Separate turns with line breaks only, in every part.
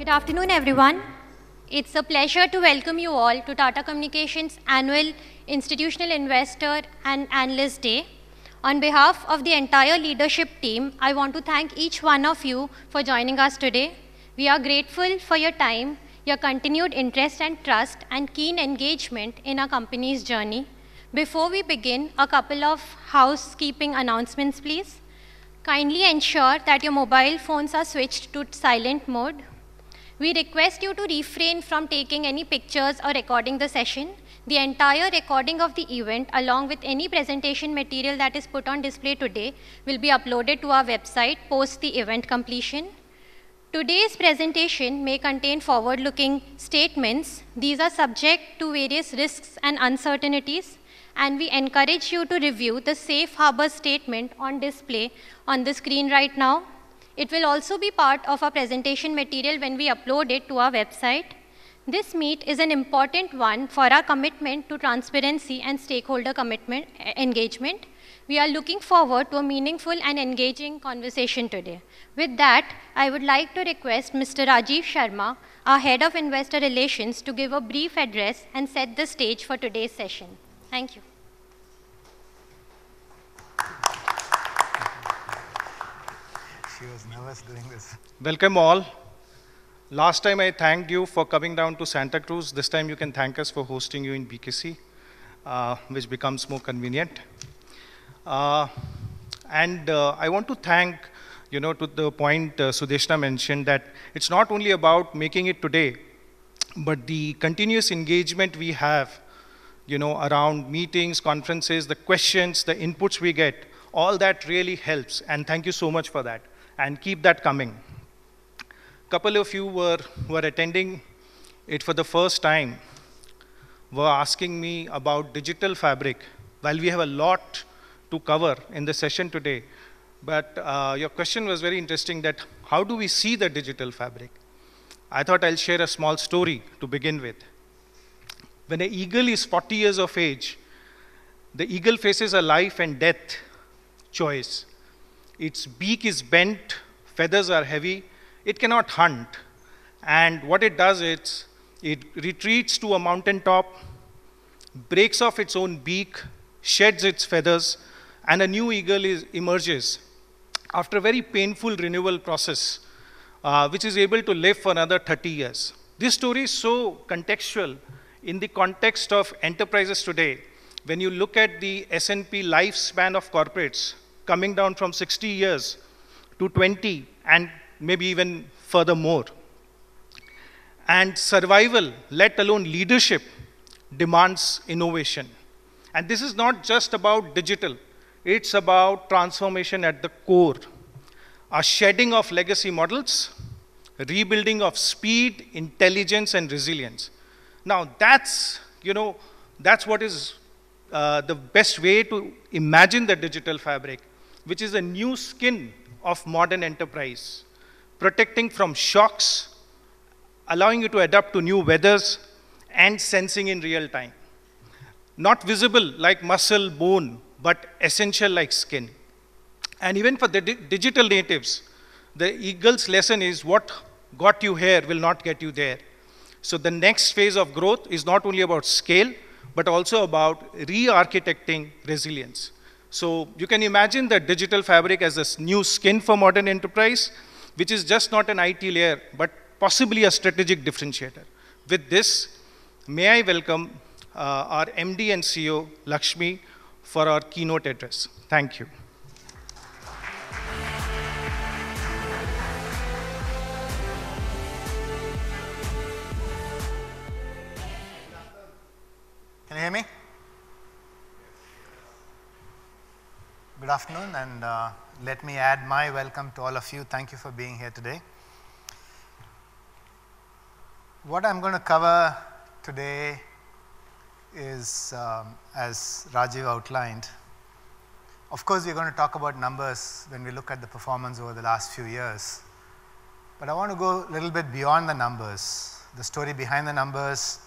Good afternoon, everyone. It is a pleasure to welcome you all to Tata Communications Annual Institutional Investor and Analyst Day. On behalf of the entire leadership team, I want to thank each one of you for joining us today. We are grateful for your time, your continued interest and trust, and keen engagement in our company's journey. Before we begin, a couple of housekeeping announcements, please. Kindly ensure that your mobile phones are switched to silent mode. We request you to refrain from taking any pictures or recording the session. The entire recording of the event, along with any presentation material that is put on display today, will be uploaded to our website post the event completion. Today's presentation may contain forward-looking statements. These are subject to various risks and uncertainties, and we encourage you to review the Safe Harbor statement on display on the screen right now. It will also be part of our presentation material when we upload it to our website. This meet is an important one for our commitment to transparency and stakeholder engagement. We are looking forward to a meaningful and engaging conversation today. With that, I would like to request Mr. Rajiv Sharma, our Head of Investor Relations, to give a brief address and set the stage for today's session. Thank you.
Welcome all. Last time I thanked you for coming down to Santacruz. This time you can thank us for hosting you in BKC, which becomes more convenient. I want to thank, you know, to the point Sudeshna mentioned that it's not only about making it today, but the continuous engagement we have, you know, around meetings, conferences, the questions, the inputs we get, all that really helps, and thank you so much for that, and keep that coming. Couple of you who are attending it for the first time were asking me about Digital Fabric. While we have a lot to cover in the session today, but your question was very interesting that how do we see the Digital Fabric? I thought I'll share a small story to begin with. When an eagle is 40 years of age, the eagle faces a life and death choice. Its beak is bent, feathers are heavy, it cannot hunt. What it does is, it retreats to a mountaintop, breaks off its own beak, sheds its feathers, and a new eagle emerges after a very painful renewal process, which is able to live for another 30 years. This story is so contextual in the context of enterprises today. When you look at the S&P lifespan of corporates coming down from 60 years to 20 years, maybe even furthermore. Survival, let alone leadership, demands innovation. This is not just about digital, it's about transformation at the core. A shedding of legacy models, rebuilding of speed, intelligence, and resilience. Now that's, you know, that's what is the best way to imagine the Digital Fabric, which is a new skin of modern enterprise, protecting from shocks, allowing you to adapt to new weathers, and sensing in real time. Not visible like muscle, bone, but essential like skin. Even for the digital natives, the eagle's lesson is what got you here will not get you there. The next phase of growth is not only about scale, but also about re-architecting resilience. You can imagine the Digital Fabric as this new skin for modern enterprise, which is just not an IT layer, but possibly a strategic differentiator. With this, may I welcome our MD and CEO, Lakshmi, for our keynote address. Thank you.
Can you hear me?
Yes.
Good afternoon, let me add my welcome to all of you. Thank you for being here today. What I'm going to cover today is, as Rajiv outlined, of course, we're going to talk about numbers when we look at the performance over the last few years. I want to go a little bit beyond the numbers, the story behind the numbers,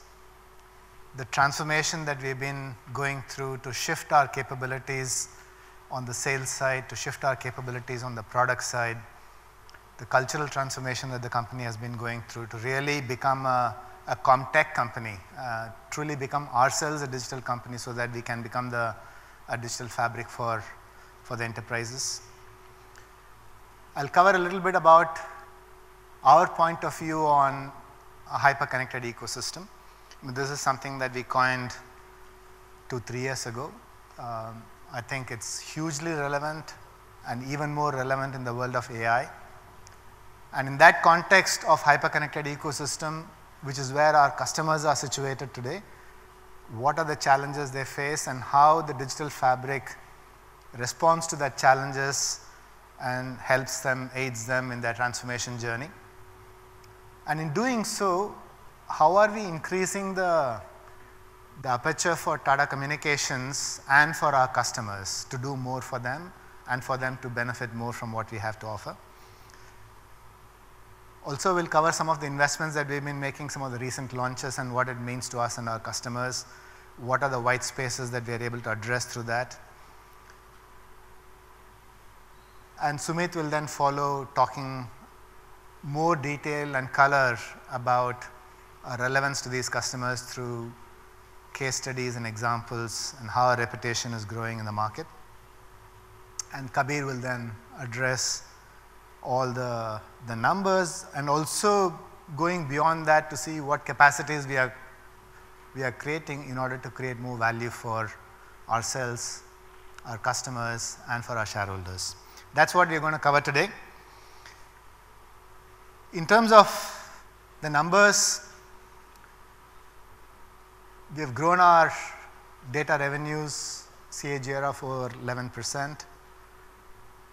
the transformation that we've been going through to shift our capabilities on the sales side, to shift our capabilities on the product side, the cultural transformation that the company has been going through to really become a CommTech company. Truly become ourselves a digital company so that we can become a Digital Fabric for the enterprises. I'll cover a little bit about our point of view on a hyper-connected ecosystem. This is something that we coined two, three years ago. I think it's hugely relevant and even more relevant in the world of AI. In that context of hyper-connected ecosystem, which is where our customers are situated today, what are the challenges they face and how the Digital Fabric responds to their challenges and helps them, aids them in their transformation journey. In doing so, how are we increasing the aperture for Tata Communications and for our customers to do more for them and for them to benefit more from what we have to offer. Also, we'll cover some of the investments that we've been making, some of the recent launches, and what it means to us and our customers, what are the white spaces that we're able to address through that. Sumeet will then follow talking more detail and color about our relevance to these customers through case studies and examples, and how our reputation is growing in the market. Kabir will then address all the numbers and also going beyond that to see what capacities we are creating in order to create more value for ourselves, our customers and for our shareholders. That's what we're gonna cover today. In terms of the numbers, we have grown our data revenues CAGR of over 11%,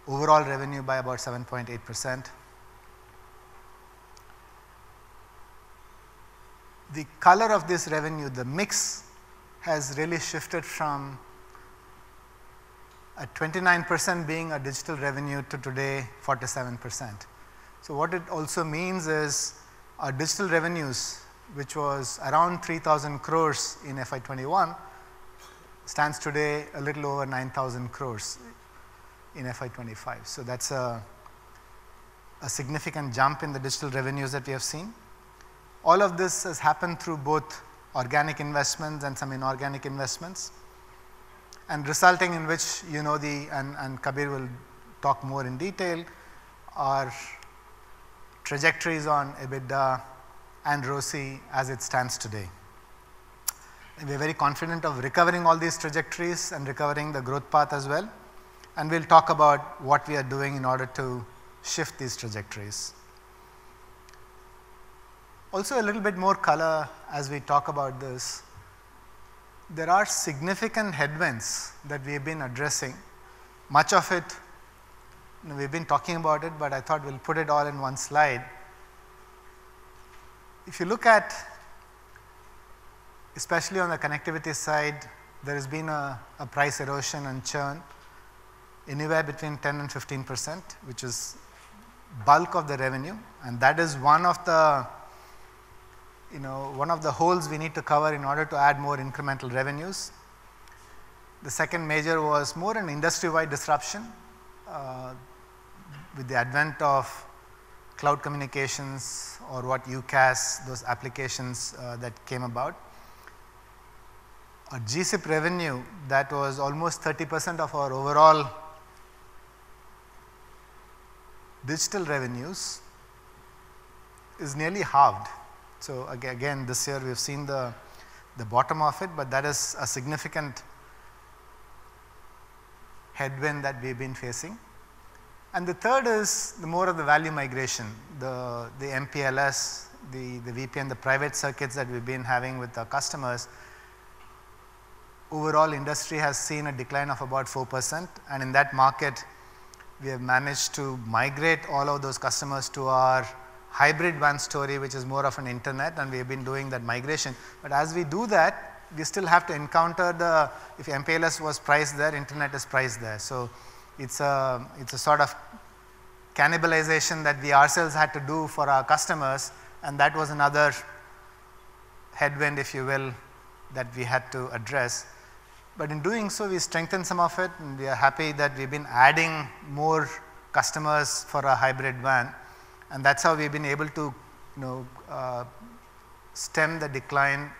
overall revenue by about 7.8%. The color of this revenue, the mix has really shifted from 29% being a digital revenue to today, 47%. What it also means is our digital revenues, which was around 3,000 crores in FY 2021, stands today a little over 9,000 crores in FY 2025. That's a significant jump in the digital revenues that we have seen. All of this has happened through both organic investments and some inorganic investments, and resulting in which, you know, Kabir will talk more in detail, our trajectories on EBITDA and ROCE as it stands today. We're very confident of recovering all these trajectories and recovering the growth path as well, and we'll talk about what we are doing in order to shift these trajectories. A little bit more color as we talk about this. There are significant headwinds that we have been addressing, much of it, you know, we've been talking about it, but I thought we'll put it all in one slide. If you look at, especially on the connectivity side, there has been a price erosion and churn anywhere between 10% and 15%, which is bulk of the revenue, and that is one of the, you know, one of the holes we need to cover in order to add more incremental revenues. The second major was more an industry-wide disruption with the advent of cloud communications or what UCaaS, those applications that came about. Our GSIP revenue, that was almost 30% of our overall digital revenues, is nearly halved. Again, this year we have seen the bottom of it, but that is a significant headwind that we've been facing. The third is the more of the value migration. The MPLS, the VPN, the private circuits that we've been having with our customers. Overall industry has seen a decline of about 4%, and in that market we have managed to migrate all of those customers to our Hybrid WAN story, which is more of an internet, and we have been doing that migration. As we do that, we still have to encounter the if MPLS was priced there, internet is priced there. It's a sort of cannibalization that we ourselves had to do for our customers, and that was another headwind, if you will, that we had to address. In doing so, we strengthened some of it, and we are happy that we've been adding more customers for our Hybrid WAN, and that's how we've been able to, you know, stem the decline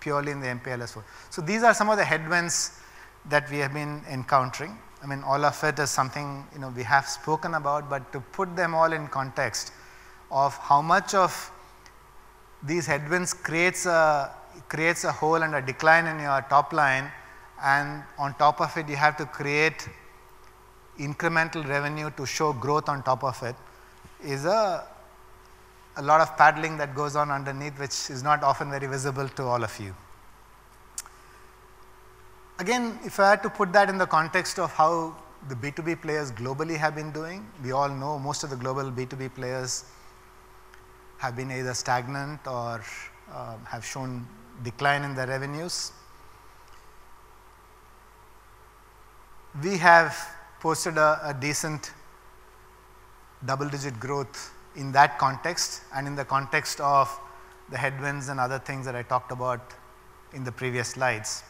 purely in the MPLS world. These are some of the headwinds that we have been encountering. I mean, all of it is something, you know, we have spoken about, but to put them all in context of how much of these headwinds creates a hole and a decline in your top line, and on top of it, you have to create incremental revenue to show growth on top of it, is a lot of paddling that goes on underneath, which is not often very visible to all of you. If I had to put that in the context of how the B2B players globally have been doing, we all know most of the global B2B players have been either stagnant or have shown decline in their revenues. We have posted a decent double-digit growth in that context and in the context of the headwinds and other things that I talked about in the previous slides.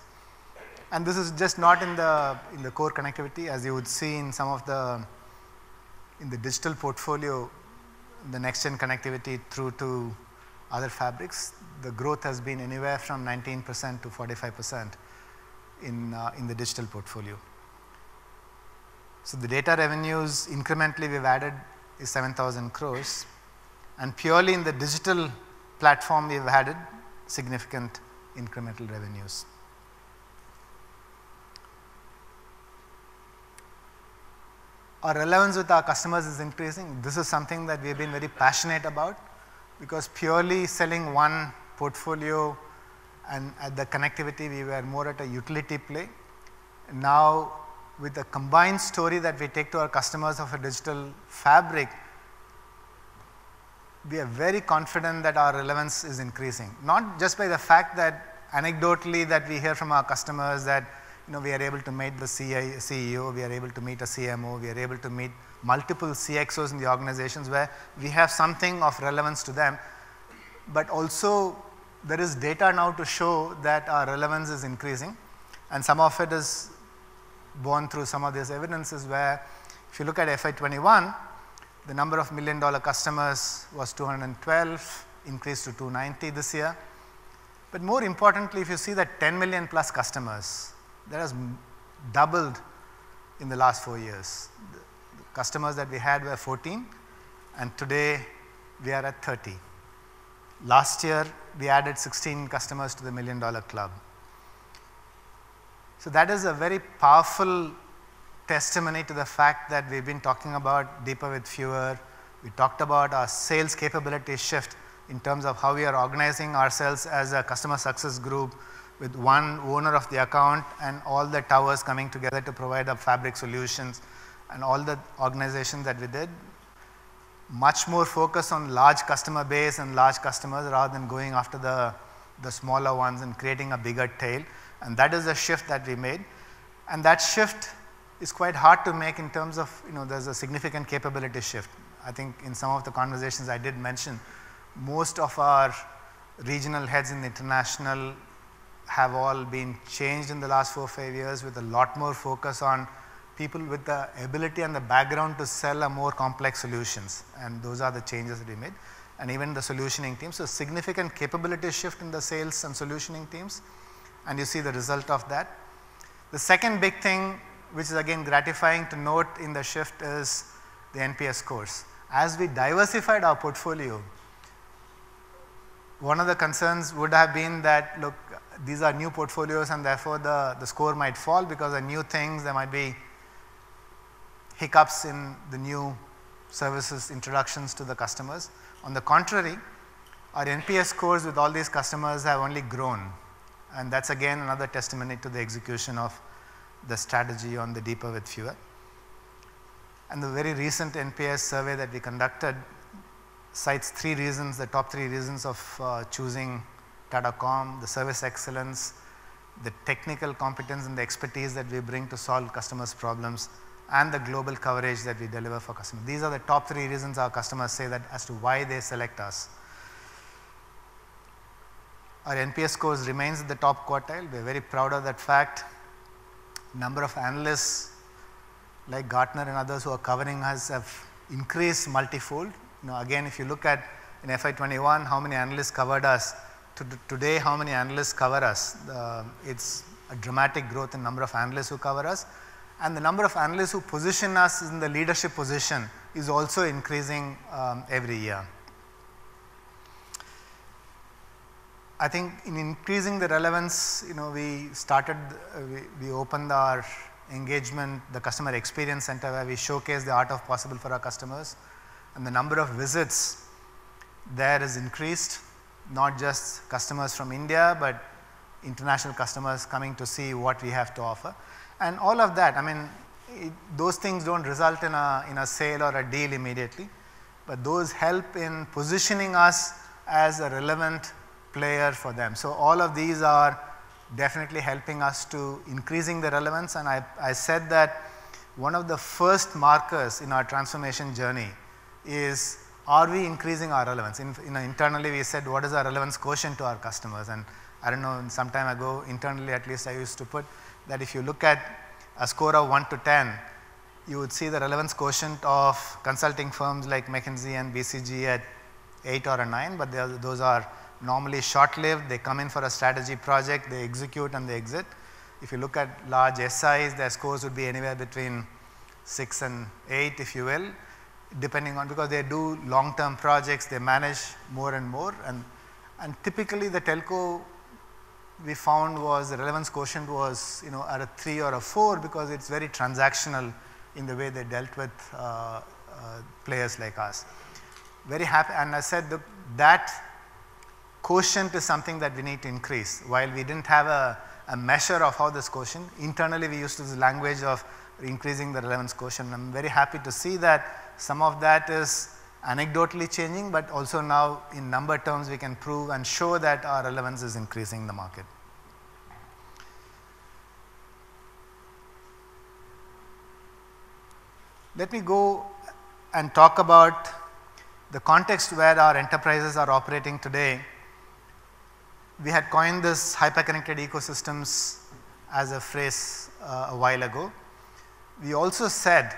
This is just not in the core connectivity, as you would see in some of the digital portfolio, the next-gen connectivity through to other fabrics. The growth has been anywhere from 19%-45% in the digital portfolio. The data revenues incrementally we've added is 7,000 crores, and purely in the digital platform we've added significant incremental revenues. Our relevance with our customers is increasing. This is something that we've been very passionate about, because purely selling one portfolio and at the connectivity, we were more at a utility play. With the combined story that we take to our customers of a Digital Fabric, we are very confident that our relevance is increasing. Not just by the fact that anecdotally that we hear from our customers that, you know, we are able to meet the CEO, we are able to meet a CMO, we are able to meet multiple CXOs in the organizations where we have something of relevance to them. Also, there is data now to show that our relevance is increasing, and some of it is borne through some of these evidences where if you look at FY 2021, the number of million-dollar customers was 212, increased to 290 this year. More importantly, if you see that 10 million-plus customers, that has doubled in the last four years. The customers that we had were 14, and today we are at 30. Last year, we added 16 customers to the million-dollar club. That is a very powerful testimony to the fact that we've been talking about deeper with fewer. We talked about our sales capability shift in terms of how we are organizing ourselves as a Customer Success Group with one owner of the account and all the towers coming together to provide a fabric solutions and all the organization that we did. Much more focus on large customer base and large customers rather than going after the smaller ones and creating a bigger tail, and that is a shift that we made. That shift is quite hard to make in terms of, you know, there's a significant capability shift. I think in some of the conversations I did mention, most of our regional heads in the international have all been changed in the last four or five years with a lot more focus on people with the ability and the background to sell a more complex solutions, and those are the changes we made, and even the solutioning team. Significant capability shift in the sales and solutioning teams, and you see the result of that. The second big thing, which is again gratifying to note in the shift, is the NPS scores. As we diversified our portfolio, one of the concerns would have been that, look, these are new portfolios and therefore the score might fall because they're new things, there might be hiccups in the new services introductions to the customers. On the contrary, our NPS scores with all these customers have only grown, and that's again another testimony to the execution of the strategy on the deeper with fewer. The very recent NPS survey that we conducted cites three reasons, the top three reasons of choosing Tata Comm, the service excellence, the technical competence and the expertise that we bring to solve customers' problems, and the global coverage that we deliver for customers. These are the top three reasons our customers say that as to why they select us. Our NPS scores remains in the top quartile. We're very proud of that fact. Number of analysts like Gartner and others who are covering us have increased multifold. You know, again, if you look at in FY 2021, how many analysts covered us, today, how many analysts cover us, it's a dramatic growth in number of analysts who cover us. The number of analysts who position us in the leadership position is also increasing every year. I think in increasing the relevance, you know, we opened our engagement, the Customer Experience Center, where we showcase the art of possible for our customers. The number of visits there has increased not just customers from India, but international customers coming to see what we have to offer. All of that, I mean, those things don't result in a, in a sale or a deal immediately, but those help in positioning us as a relevant player for them. All of these are definitely helping us to increasing the relevance. I said that one of the first markers in our transformation journey is, are we increasing our relevance? You know, internally, we said, "What is our relevance quotient to our customers?" I don't know, some time ago, internally, at least I used to put that if you look at a score of 1-10, you would see the relevance quotient of consulting firms like McKinsey and BCG at eight or a nine, but those are normally short-lived. They come in for a strategy project, they execute, and they exit. If you look at large SIs, their scores would be anywhere between six and eight, if you will, depending on because they do long-term projects, they manage more and more. Typically the telco we found was the relevance quotient was, you know, at a three or a four because it's very transactional in the way they dealt with players like us. I said that quotient is something that we need to increase. While we didn't have a measure of how this quotient, internally, we used this language of increasing the relevance quotient. I'm very happy to see that some of that is anecdotally changing, but also now in number terms, we can prove and show that our relevance is increasing in the market. Let me go and talk about the context where our enterprises are operating today. We had coined this hyper-connected ecosystems as a phrase a while ago. We also said,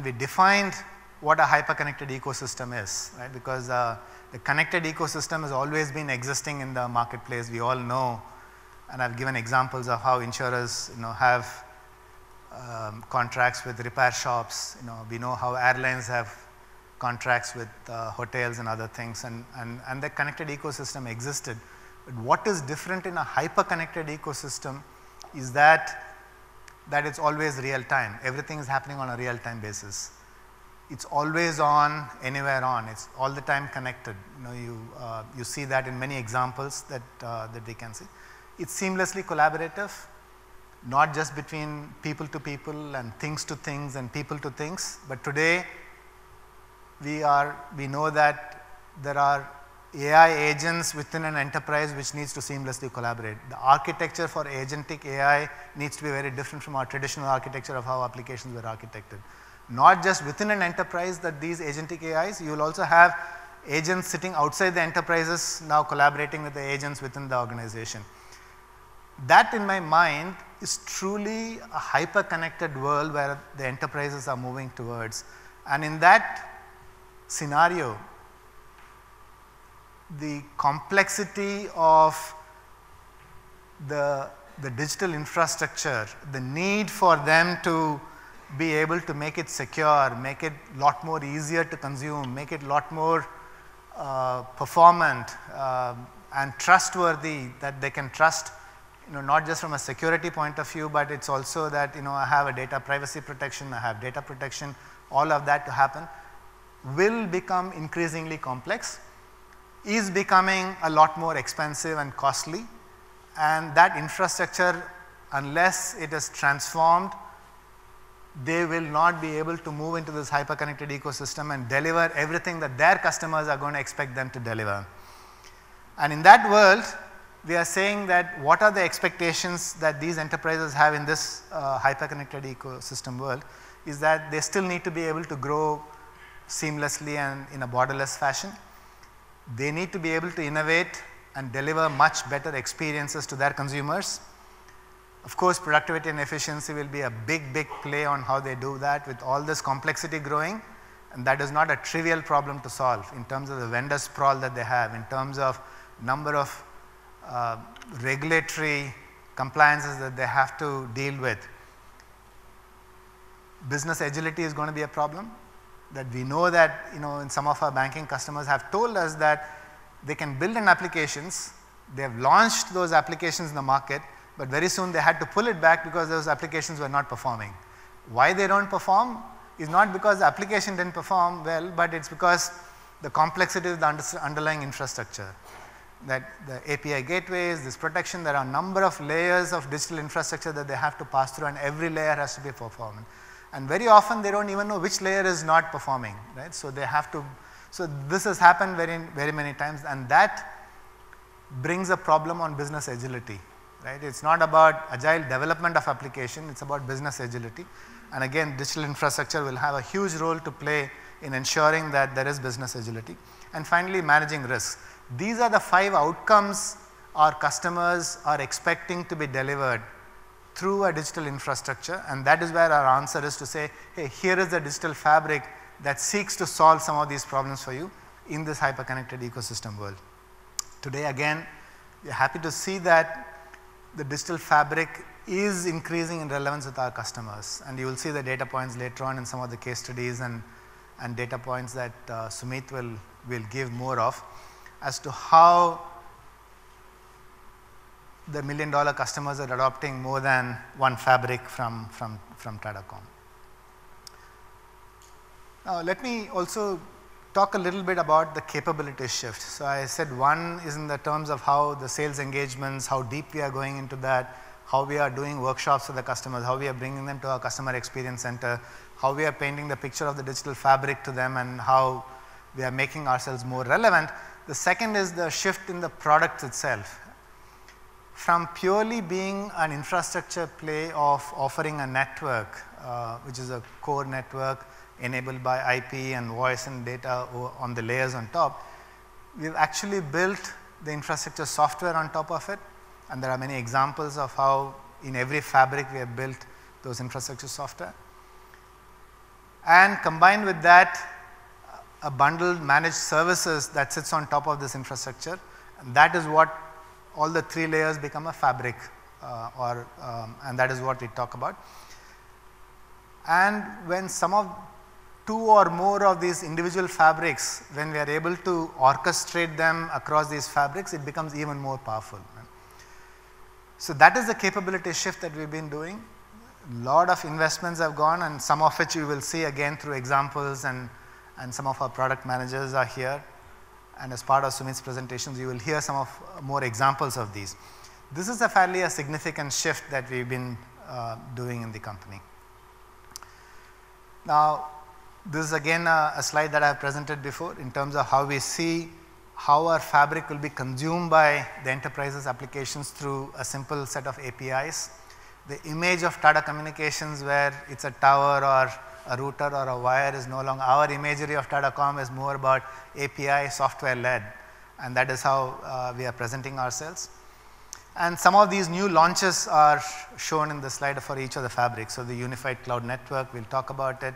we defined what a hyper-connected ecosystem is, right? Because the connected ecosystem has always been existing in the marketplace. We all know, and I've given examples of how insurers, you know, have contracts with repair shops. You know, we know how airlines have contracts with hotels and other things and the connected ecosystem existed. What is different in a hyper-connected ecosystem is that it's always real-time. Everything is happening on a real-time basis. It's always on, anywhere on. It's all the time connected. You know, you see that in many examples that we can see. It's seamlessly collaborative, not just between people-to-people and things-to-things and people to things, but today we know that there are AI agents within an enterprise which needs to seamlessly collaborate. The architecture for Agentic AI needs to be very different from our traditional architecture of how applications were architected. Not just within an enterprise that these Agentic AIs, you'll also have agents sitting outside the enterprises now collaborating with the agents within the organization. That, in my mind, is truly a hyperconnected world where the enterprises are moving towards. In that scenario, the complexity of the digital infrastructure, the need for them to be able to make it secure, make it a lot more easier to consume, make it a lot more performant, and trustworthy that they can trust, you know, not just from a security point of view, but it's also that, you know, I have a data privacy protection, I have data protection, all of that to happen, will become increasingly complex, is becoming a lot more expensive and costly. That infrastructure, unless it is transformed, they will not be able to move into this hyperconnected ecosystem and deliver everything that their customers are going to expect them to deliver. In that world, we are saying that what are the expectations that these enterprises have in this hyperconnected ecosystem world, is that they still need to be able to grow seamlessly and in a borderless fashion. They need to be able to innovate and deliver much better experiences to their consumers. Of course, productivity and efficiency will be a big, big play on how they do that with all this complexity growing, and that is not a trivial problem to solve in terms of the vendor sprawl that they have, in terms of number of regulatory compliances that they have to deal with. Business agility is gonna be a problem that we know that, you know, and some of our banking customers have told us that they can build in applications, they have launched those applications in the market, but very soon they had to pull it back because those applications were not performing. Why they don't perform is not because the application didn't perform well, but it's because the complexity of the underlying infrastructure, that the API gateways, this protection, there are a number of layers of digital infrastructure that they have to pass through, and every layer has to be performant. Very often, they don't even know which layer is not performing, right? This has happened very many times, and that brings a problem on business agility, right? It's not about agile development of application, it's about business agility. Again, digital infrastructure will have a huge role to play in ensuring that there is business agility. Finally, managing risk. These are the five outcomes our customers are expecting to be delivered through a digital infrastructure, and that is where our answer is to say, "Hey, here is a Digital Fabric that seeks to solve some of these problems for you in this hyperconnected ecosystem world." Today, again, we are happy to see that the Digital Fabric is increasing in relevance with our customers, you will see the data points later on in some of the case studies and data points that Sumeet will give more of as to how the million-dollar customers are adopting more than one fabric from Tata Comm. Let me also talk a little bit about the capability shift. I said one is in the terms of how the sales engagements, how deep we are going into that, how we are doing workshops with the customers, how we are bringing them to our customer experience center, how we are painting the picture of the Digital Fabric to them, and how we are making ourselves more relevant. The second is the shift in the product itself. From purely being an infrastructure play of offering a network, which is a core network enabled by IP and voice and data on the layers on top, we've actually built the infrastructure software on top of it, and there are many examples of how in every fabric we have built those infrastructure software. Combined with that, a bundled managed services that sits on top of this infrastructure, and that is what all the three layers become a fabric, or, that is what we talk about. When some of two or more of these individual fabrics, when we are able to orchestrate them across these fabrics, it becomes even more powerful. That is the capability shift that we've been doing. Lot of investments have gone, and some of which you will see again through examples and, some of our product managers are here. As part of Sumeet's presentations, you will hear some of more examples of these. This is a fairly a significant shift that we've been doing in the company. This is again a slide that I've presented before in terms of how we see how our fabric will be consumed by the enterprise's applications through a simple set of APIs. The image of Tata Communications where it's a tower or a router or a wire is no longer. Our imagery of Tata Comm is more about API software-led, and that is how we are presenting ourselves. Some of these new launches are shown in the slide for each of the fabrics. The unified cloud network, we'll talk about it.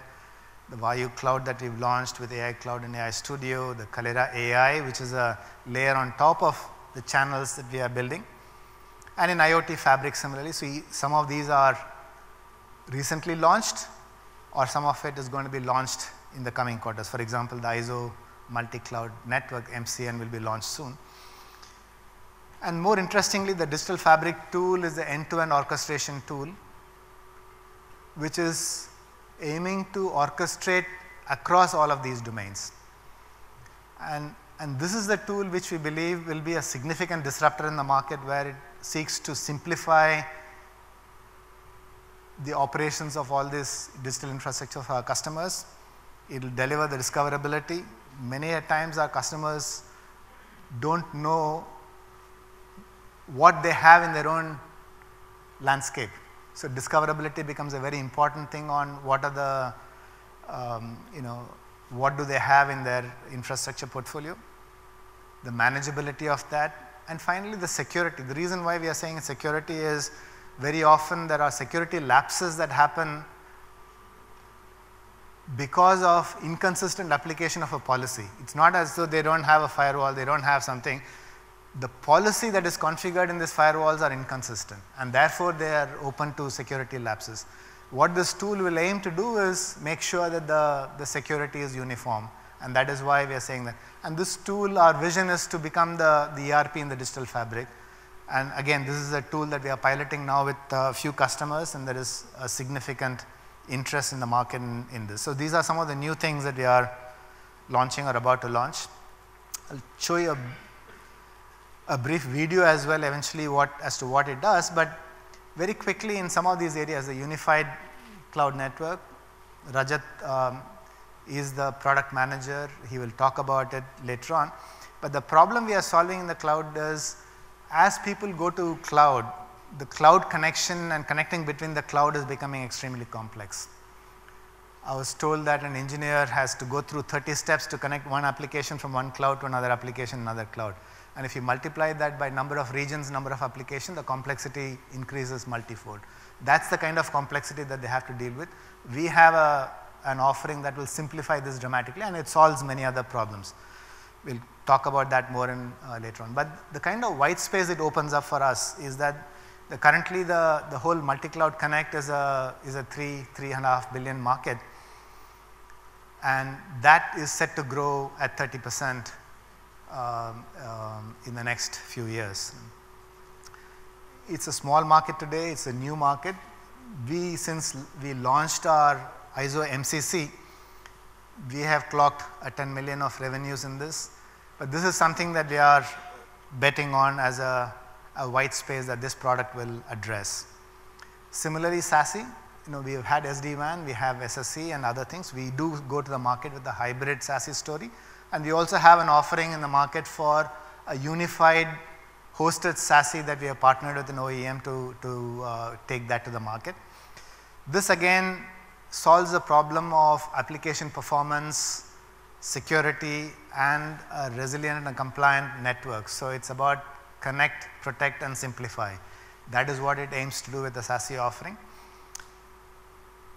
The Vayu AI Cloud that we've launched with AI Cloud and AI Studio, the Kaleyra AI, which is a layer on top of the channels that we are building. In IoT Fabric, similarly. Some of these are recently launched, or some of it is going to be launched in the coming quarters. For example, the IZO Multi-Cloud Network, MCN, will be launched soon. More interestingly, the Digital Fabric tool is the end-to-end orchestration tool, which is aiming to orchestrate across all of these domains. This is the tool which we believe will be a significant disruptor in the market, where it seeks to simplify the operations of all this digital infrastructure for our customers. It'll deliver the discoverability. Many a times our customers don't know what they have in their own landscape. Discoverability becomes a very important thing on what are the, you know, what do they have in their infrastructure portfolio, the manageability of that, and finally, the security. The reason why we are saying security is very often there are security lapses that happen because of inconsistent application of a policy. It's not as though they don't have a firewall, they don't have something. The policy that is configured in these firewalls are inconsistent, and therefore, they are open to security lapses. What this tool will aim to do is make sure that the security is uniform, and that is why we are saying that. This tool, our vision is to become the ERP in the Digital Fabric. Again, this is a tool that we are piloting now with a few customers, and there is a significant interest in the market in this. These are some of the new things that we are launching or about to launch. I'll show you a brief video as well eventually what as to what it does. Very quickly in some of these areas, the Unified Cloud Network, Rajat, is the product manager. He will talk about it later on. The problem we are solving in the cloud is as people go to cloud, the cloud connection and connecting between the cloud is becoming extremely complex. I was told that an engineer has to go through 30 steps to connect one application from one cloud to another application in another cloud. If you multiply that by number of regions, number of applications, the complexity increases multifold. That's the kind of complexity that they have to deal with. We have an offering that will simplify this dramatically, and it solves many other problems. We'll talk about that more in later on. The kind of white space it opens up for us is that currently the whole multi-cloud connect is an 3 billion-3.5 billion market, and that is set to grow at 30% in the next few years. It's a small market today. It's a new market. Since we launched our IZO MCC, we have clocked 10 million of revenues in this. This is something that we are betting on as a white space that this product will address. Similarly, SASE, you know, we have had SD-WAN, we have SSE and other things. We do go to the market with a hybrid SASE story, and we also have an offering in the market for a Unified hosted SASE that we have partnered with an OEM to take that to the market. This again solves the problem of application performance, security, and a resilient and a compliant network. It's about connect, protect, and simplify. That is what it aims to do with the SASE offering.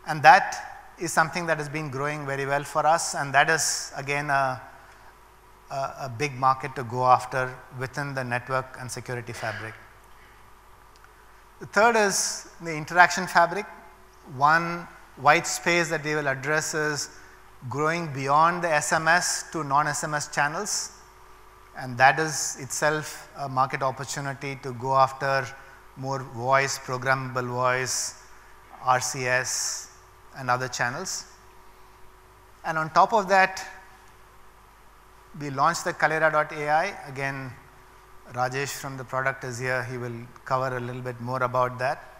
That is something that has been growing very well for us, and that is again, a big market to go after within the network and security fabric. The third is the interaction fabric. One white space that we will address is growing beyond the SMS to non-SMS channels, and that is itself a market opportunity to go after more voice, programmable voice, RCS and other channels. On top of that, we launched the Kaleyra AI. Again, Rajesh from the product is here. He will cover a little bit more about that.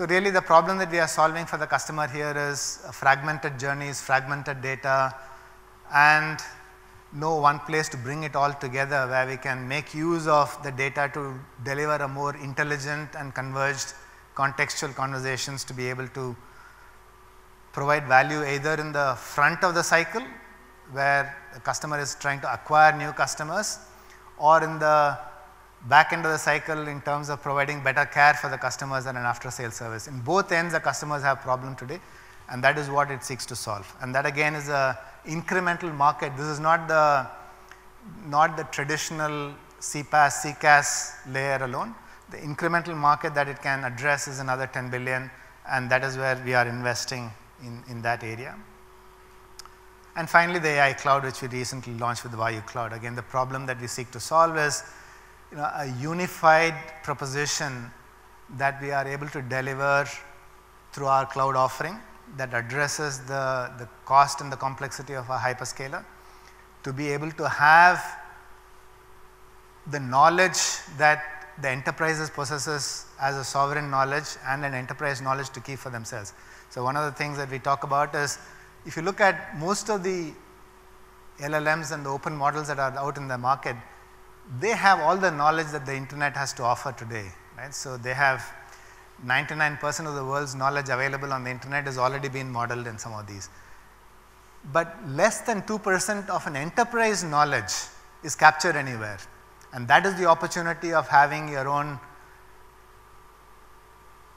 Really the problem that we are solving for the customer here is fragmented journeys, fragmented data, and no one place to bring it all together where we can make use of the data to deliver a more intelligent and converged contextual conversations to be able to provide value either in the front of the cycle, where a customer is trying to acquire new customers or in the back end of the cycle in terms of providing better care for the customers and an after-sale service. In both ends, the customers have problem today, and that is what it seeks to solve. That again is a incremental market. This is not the, not the traditional CPaaS, CCaaS layer alone. The incremental market that it can address is another 10 billion, and that is where we are investing in that area. Finally, the AI Cloud, which we recently launched with the Vayu AI Cloud. Again, the problem that we seek to solve is, you know, a unified proposition that we are able to deliver through our cloud offering that addresses the cost and the complexity of a hyperscaler to be able to have the knowledge that the enterprises possesses as a sovereign knowledge and an enterprise knowledge to keep for themselves. One of the things that we talk about is if you look at most of the LLMs and the open models that are out in the market, they have all the knowledge that the internet has to offer today, right? They have 99% of the world's knowledge available on the internet has already been modeled in some of these. Less than 2% of an enterprise knowledge is captured anywhere, and that is the opportunity of having your own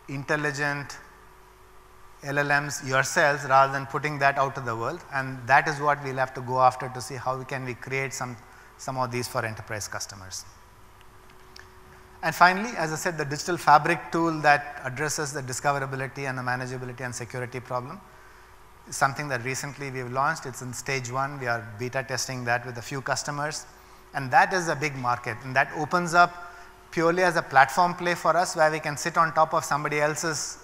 intelligent LLMs yourselves rather than putting that out to the world. That is what we'll have to go after to see how we can recreate some of these for enterprise customers. Finally, as I said, the Digital Fabric tool that addresses the discoverability and the manageability and security problem is something that recently we've launched. It's in stage one. We are beta testing that with a few customers, and that is a big market, and that opens up purely as a platform play for us where we can sit on top of somebody else's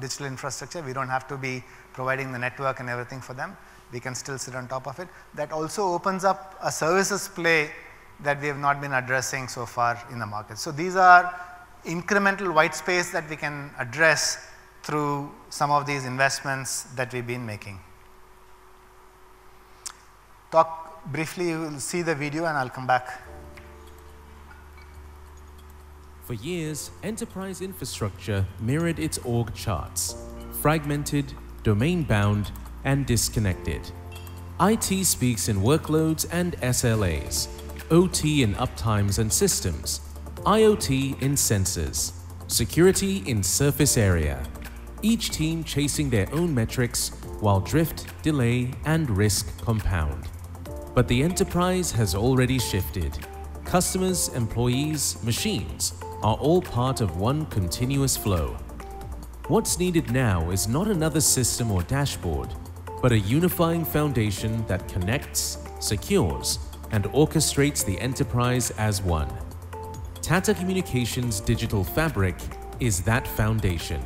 digital infrastructure. We don't have to be providing the network and everything for them. We can still sit on top of it. That also opens up a services play that we have not been addressing so far in the market. These are incremental white space that we can address through some of these investments that we've been making. Talk briefly. We'll see the video and I'll come back.
For years, enterprise infrastructure mirrored its org charts: fragmented, domain-bound, and disconnected. IT speaks in workloads and SLAs, OT in uptimes and systems, IoT in sensors, security in surface area. Each team chasing their own metrics while drift, delay, and risk compound. The enterprise has already shifted. Customers, employees, machines are all part of one continuous flow. What's needed now is not another system or dashboard, but a unifying foundation that connects, secures, and orchestrates the enterprise as one. Tata Communications Digital Fabric is that foundation,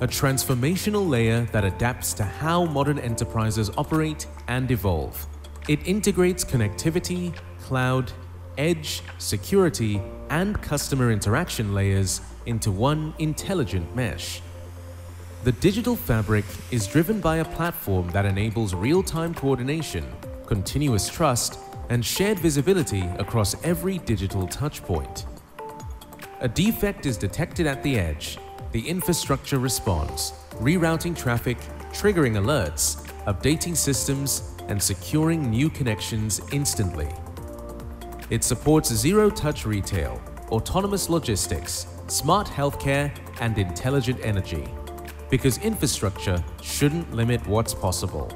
a transformational layer that adapts to how modern enterprises operate and evolve. It integrates connectivity, cloud, edge, security, and customer interaction layers into one intelligent mesh. The Digital Fabric is driven by a platform that enables real-time coordination, continuous trust, and shared visibility across every digital touch point. A defect is detected at the edge, the infrastructure responds, rerouting traffic, triggering alerts, updating systems, and securing new connections instantly. It supports zero-touch retail, autonomous logistics, smart healthcare, and intelligent energy because infrastructure shouldn't limit what's possible.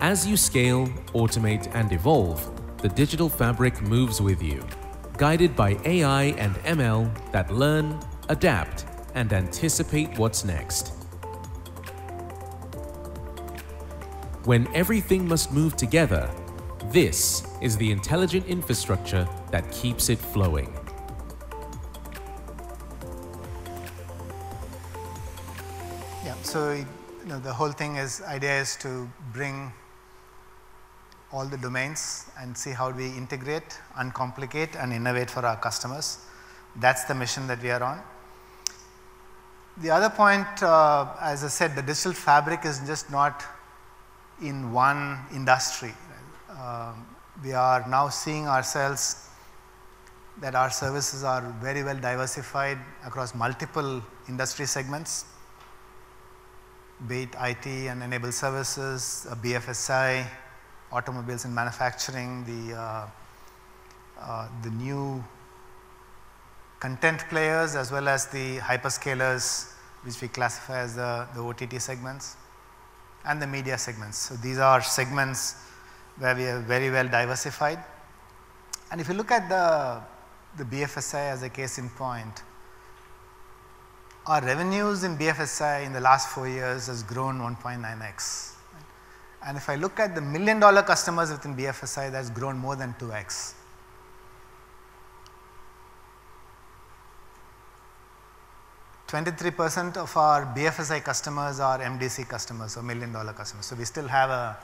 As you scale, automate, and evolve, the Digital Fabric moves with you, guided by AI and ML that learn, adapt, and anticipate what's next. When everything must move together, this is the intelligent infrastructure that keeps it flowing.
Yeah. You know, the whole thing is, idea is to bring all the domains and see how we integrate, uncomplicate, and innovate for our customers. That's the mission that we are on. The other point, as I said, the Digital Fabric is just not in one industry. We are now seeing ourselves that our services are very well diversified across multiple industry segments, be it IT and enabled services, BFSI, automobiles and manufacturing, the new content players, as well as the hyperscalers, which we classify as the OTT segments and the media segments. These are segments where we are very well diversified. If you look at the BFSI as a case in point, our revenues in BFSI in the last four years has grown 1.9x. If I look at the million-dollar customers within BFSI, that's grown more than 2x. 23% of our BFSI customers are MDC customers, so million-dollar customers. We still have a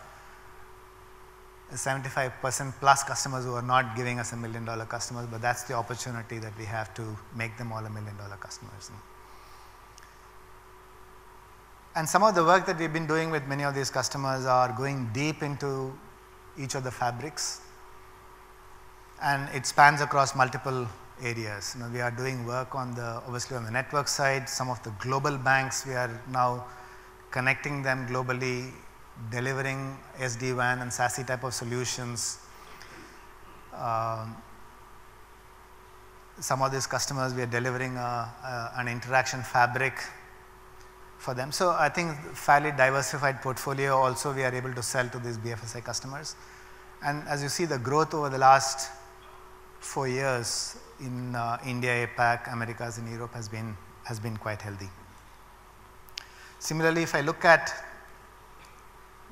75% plus customers who are not giving us a million-dollar customers, but that's the opportunity that we have to make them all a million-dollar customers. Some of the work that we've been doing with many of these customers are going deep into each of the fabrics, and it spans across multiple areas. You know, we are doing work on the, obviously, on the network side. Some of the global banks, we are now connecting them globally, delivering SD-WAN and SASE type of solutions. Some of these customers, we are delivering an interaction fabric for them. I think fairly diversified portfolio also we are able to sell to these BFSI customers. As you see, the growth over the last four years in India, APAC, Americas and Europe has been quite healthy. Similarly, if I look at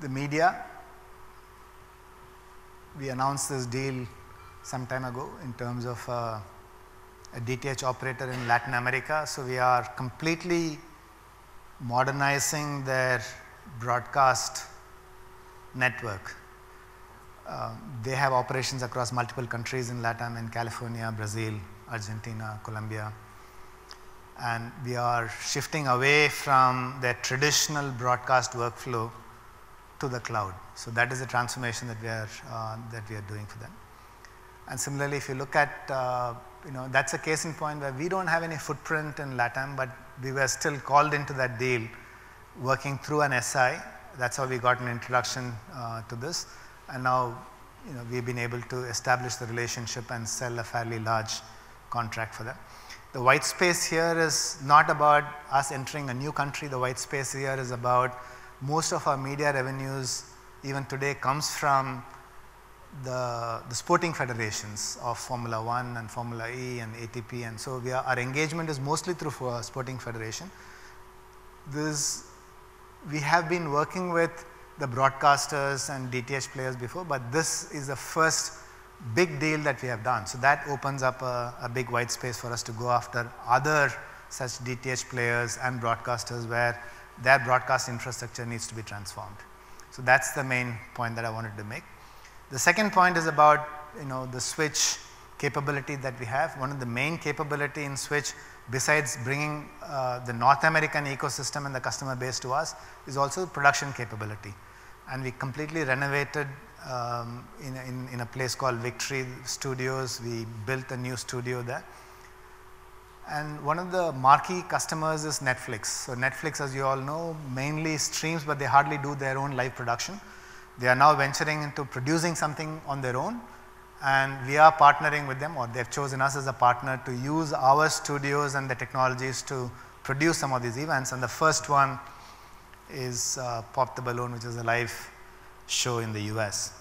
the media, we announced this deal some time ago in terms of a DTH operator in Latin America. We are completely modernizing their broadcast network. They have operations across multiple countries in LatAm, in California, Brazil, Argentina, Colombia, and we are shifting away from their traditional broadcast workflow to the cloud. That is a transformation that we are doing for them. Similarly, if you look at, you know, that's a case in point where we don't have any footprint in LatAm, but we were still called into that deal working through an SI. That's how we got an introduction to this. Now, you know, we've been able to establish the relationship and sell a fairly large contract for them. The white space here is not about us entering a new country. The white space here is about most of our media revenues, even today, comes from the sporting federations of Formula One and Formula E and ATP, our engagement is mostly through for sporting federation. We have been working with the broadcasters and DTH players before, this is the first big deal that we have done. That opens up a big wide space for us to go after other such DTH players and broadcasters where their broadcast infrastructure needs to be transformed. That's the main point that I wanted to make. The second point is about, you know, the Switch capability that we have. One of the main capability in Switch, besides bringing the North American ecosystem and the customer base to us, is also production capability. We completely renovated in a place called Victory Studios. We built a new studio there. One of the marquee customers is Netflix. Netflix, as you all know, mainly streams, but they hardly do their own live production. They are now venturing into producing something on their own, and we are partnering with them, or they've chosen us as a partner to use our studios and the technologies to produce some of these events, and the first one is Pop the Balloon, which is a live show in the U.S.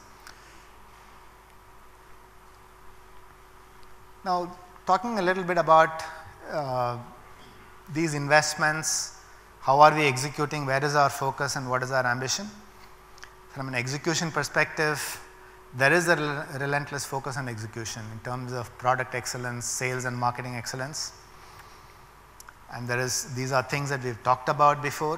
Now, talking a little bit about these investments, how are we executing, where is our focus, and what is our ambition? From an execution perspective, there is a relentless focus on execution in terms of product excellence, sales, and marketing excellence. These are things that we've talked about before.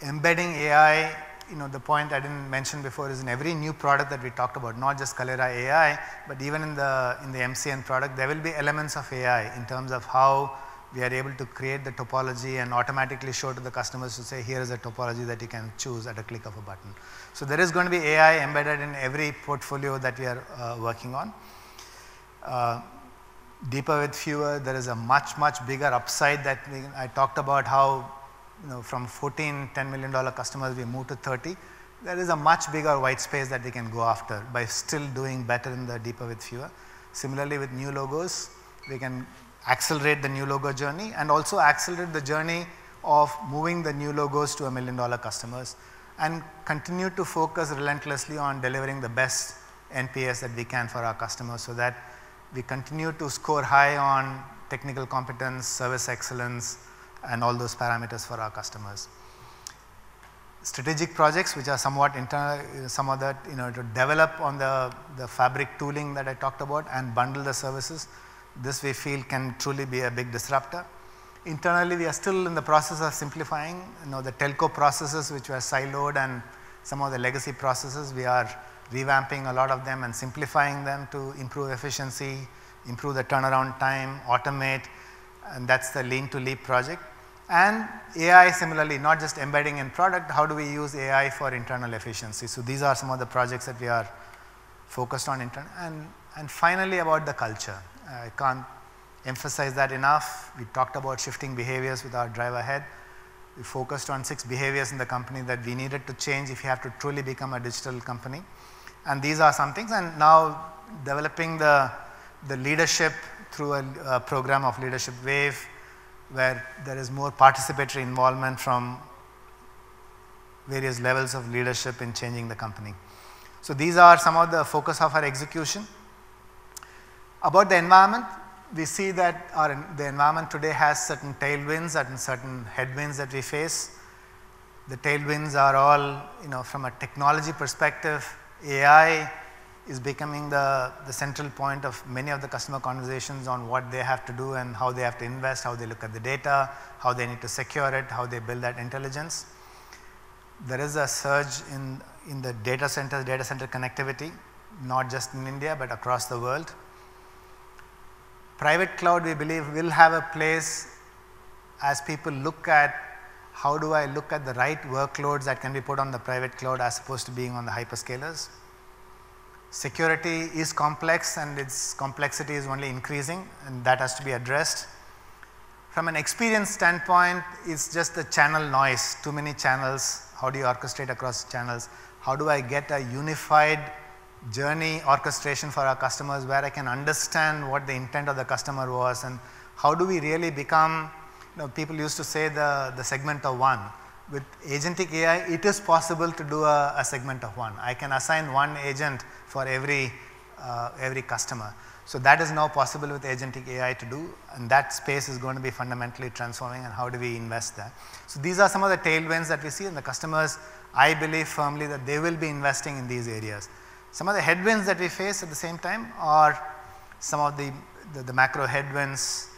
Embedding AI, you know, the point I didn't mention before is in every new product that we talked about, not just Kaleyra AI, but even in the MCN product, there will be elements of AI in terms of how we are able to create the topology and automatically show to the customers to say, "Here is a topology that you can choose at a click of a button." There is gonna be AI embedded in every portfolio that we are working on. Deeper with fewer, there is a much, much bigger upside that I talked about how, you know, from 14, 10 million-dollar customers, we moved to 30. There is a much bigger white space that we can go after by still doing better in the deeper with fewer. Similarly, with new logos, we can accelerate the new logo journey and also accelerate the journey of moving the new logos to a million-dollar customers and continue to focus relentlessly on delivering the best NPS that we can for our customers so that we continue to score high on technical competence, service excellence, and all those parameters for our customers. Strategic projects, which are somewhat some of that, you know, to develop on the fabric tooling that I talked about and bundle the services, this we feel can truly be a big disruptor. Internally, we are still in the process of simplifying, you know, the telco processes which were siloed and some of the legacy processes. We are revamping a lot of them and simplifying them to improve efficiency, improve the turnaround time, automate. That's the Lean to Leap project. AI similarly, not just embedding in product, how do we use AI for internal efficiency? These are some of the projects that we are focused on internally. Finally, about the culture. I can't emphasize that enough. We talked about shifting behaviors with our Drive Ahead. We focused on six behaviors in the company that we needed to change if we have to truly become a digital company. These are some things. Now developing the leadership through a program of Leadership Wave, where there is more participatory involvement from various levels of leadership in changing the company. These are some of the focus of our execution. About the environment, we see that our environment today has certain tailwinds and certain headwinds that we face. The tailwinds are all, you know, from a technology perspective, AI is becoming the central point of many of the customer conversations on what they have to do and how they have to invest, how they look at the data, how they need to secure it, how they build that intelligence. There is a surge in the data center connectivity, not just in India, but across the world. Private cloud, we believe, will have a place as people look at, how do I look at the right workloads that can be put on the private cloud as opposed to being on the hyperscalers? Security is complex, and its complexity is only increasing, and that has to be addressed. From an experience standpoint, it's just the channel noise. Too many channels. How do you orchestrate across channels? How do I get a unified journey orchestration for our customers where I can understand what the intent of the customer was, and how do we really become, you know, people used to say the segment of one. With Agentic AI, it is possible to do a segment of one. I can assign one agent for every customer. That is now possible with Agentic AI to do, and that space is gonna be fundamentally transforming, and how do we invest that? These are some of the tailwinds that we see, and the customers, I believe firmly that they will be investing in these areas. Some of the headwinds that we face at the same time are some of the macro headwinds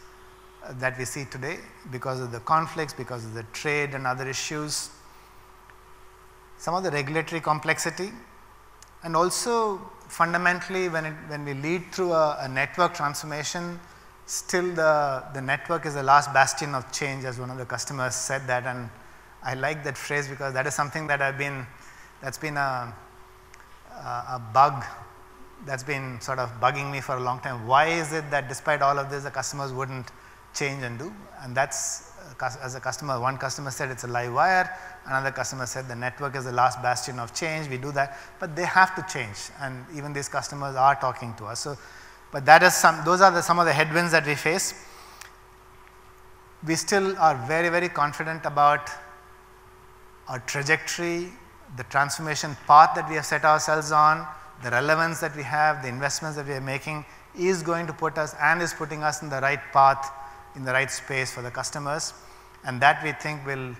that we see today because of the conflicts, because of the trade and other issues. Some of the regulatory complexity, and also fundamentally, when we lead through a network transformation, still the network is the last bastion of change, as one of the customers said that, and I like that phrase because that is something that that's been a bug that's been sort of bugging me for a long time. Why is it that despite all of this, the customers wouldn't change and do? That's as a customer, one customer said it's a live wire. Another customer said the network is the last bastion of change. We do that, but they have to change, and even these customers are talking to us. Those are some of the headwinds that we face. We still are very, very confident about our trajectory, the transformation path that we have set ourselves on, the relevance that we have, the investments that we are making is going to put us and is putting us in the right path, in the right space for the customers, and that we think will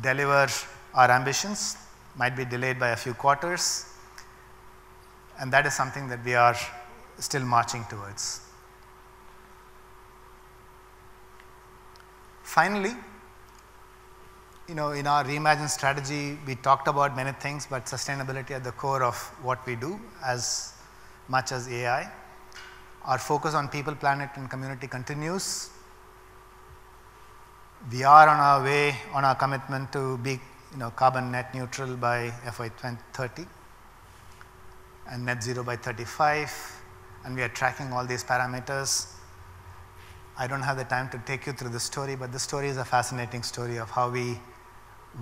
deliver our ambitions, might be delayed by a few quarters, and that is something that we are still marching towards. Finally, you know, in our reimagined strategy, we talked about many things, but sustainability at the core of what we do as much as AI. Our focus on people, planet, and community continues. We are on our way on our commitment to be, you know, carbon net neutral by FY 2030 and net zero by 2035, and we are tracking all these parameters. I don't have the time to take you through the story, but the story is a fascinating story of how we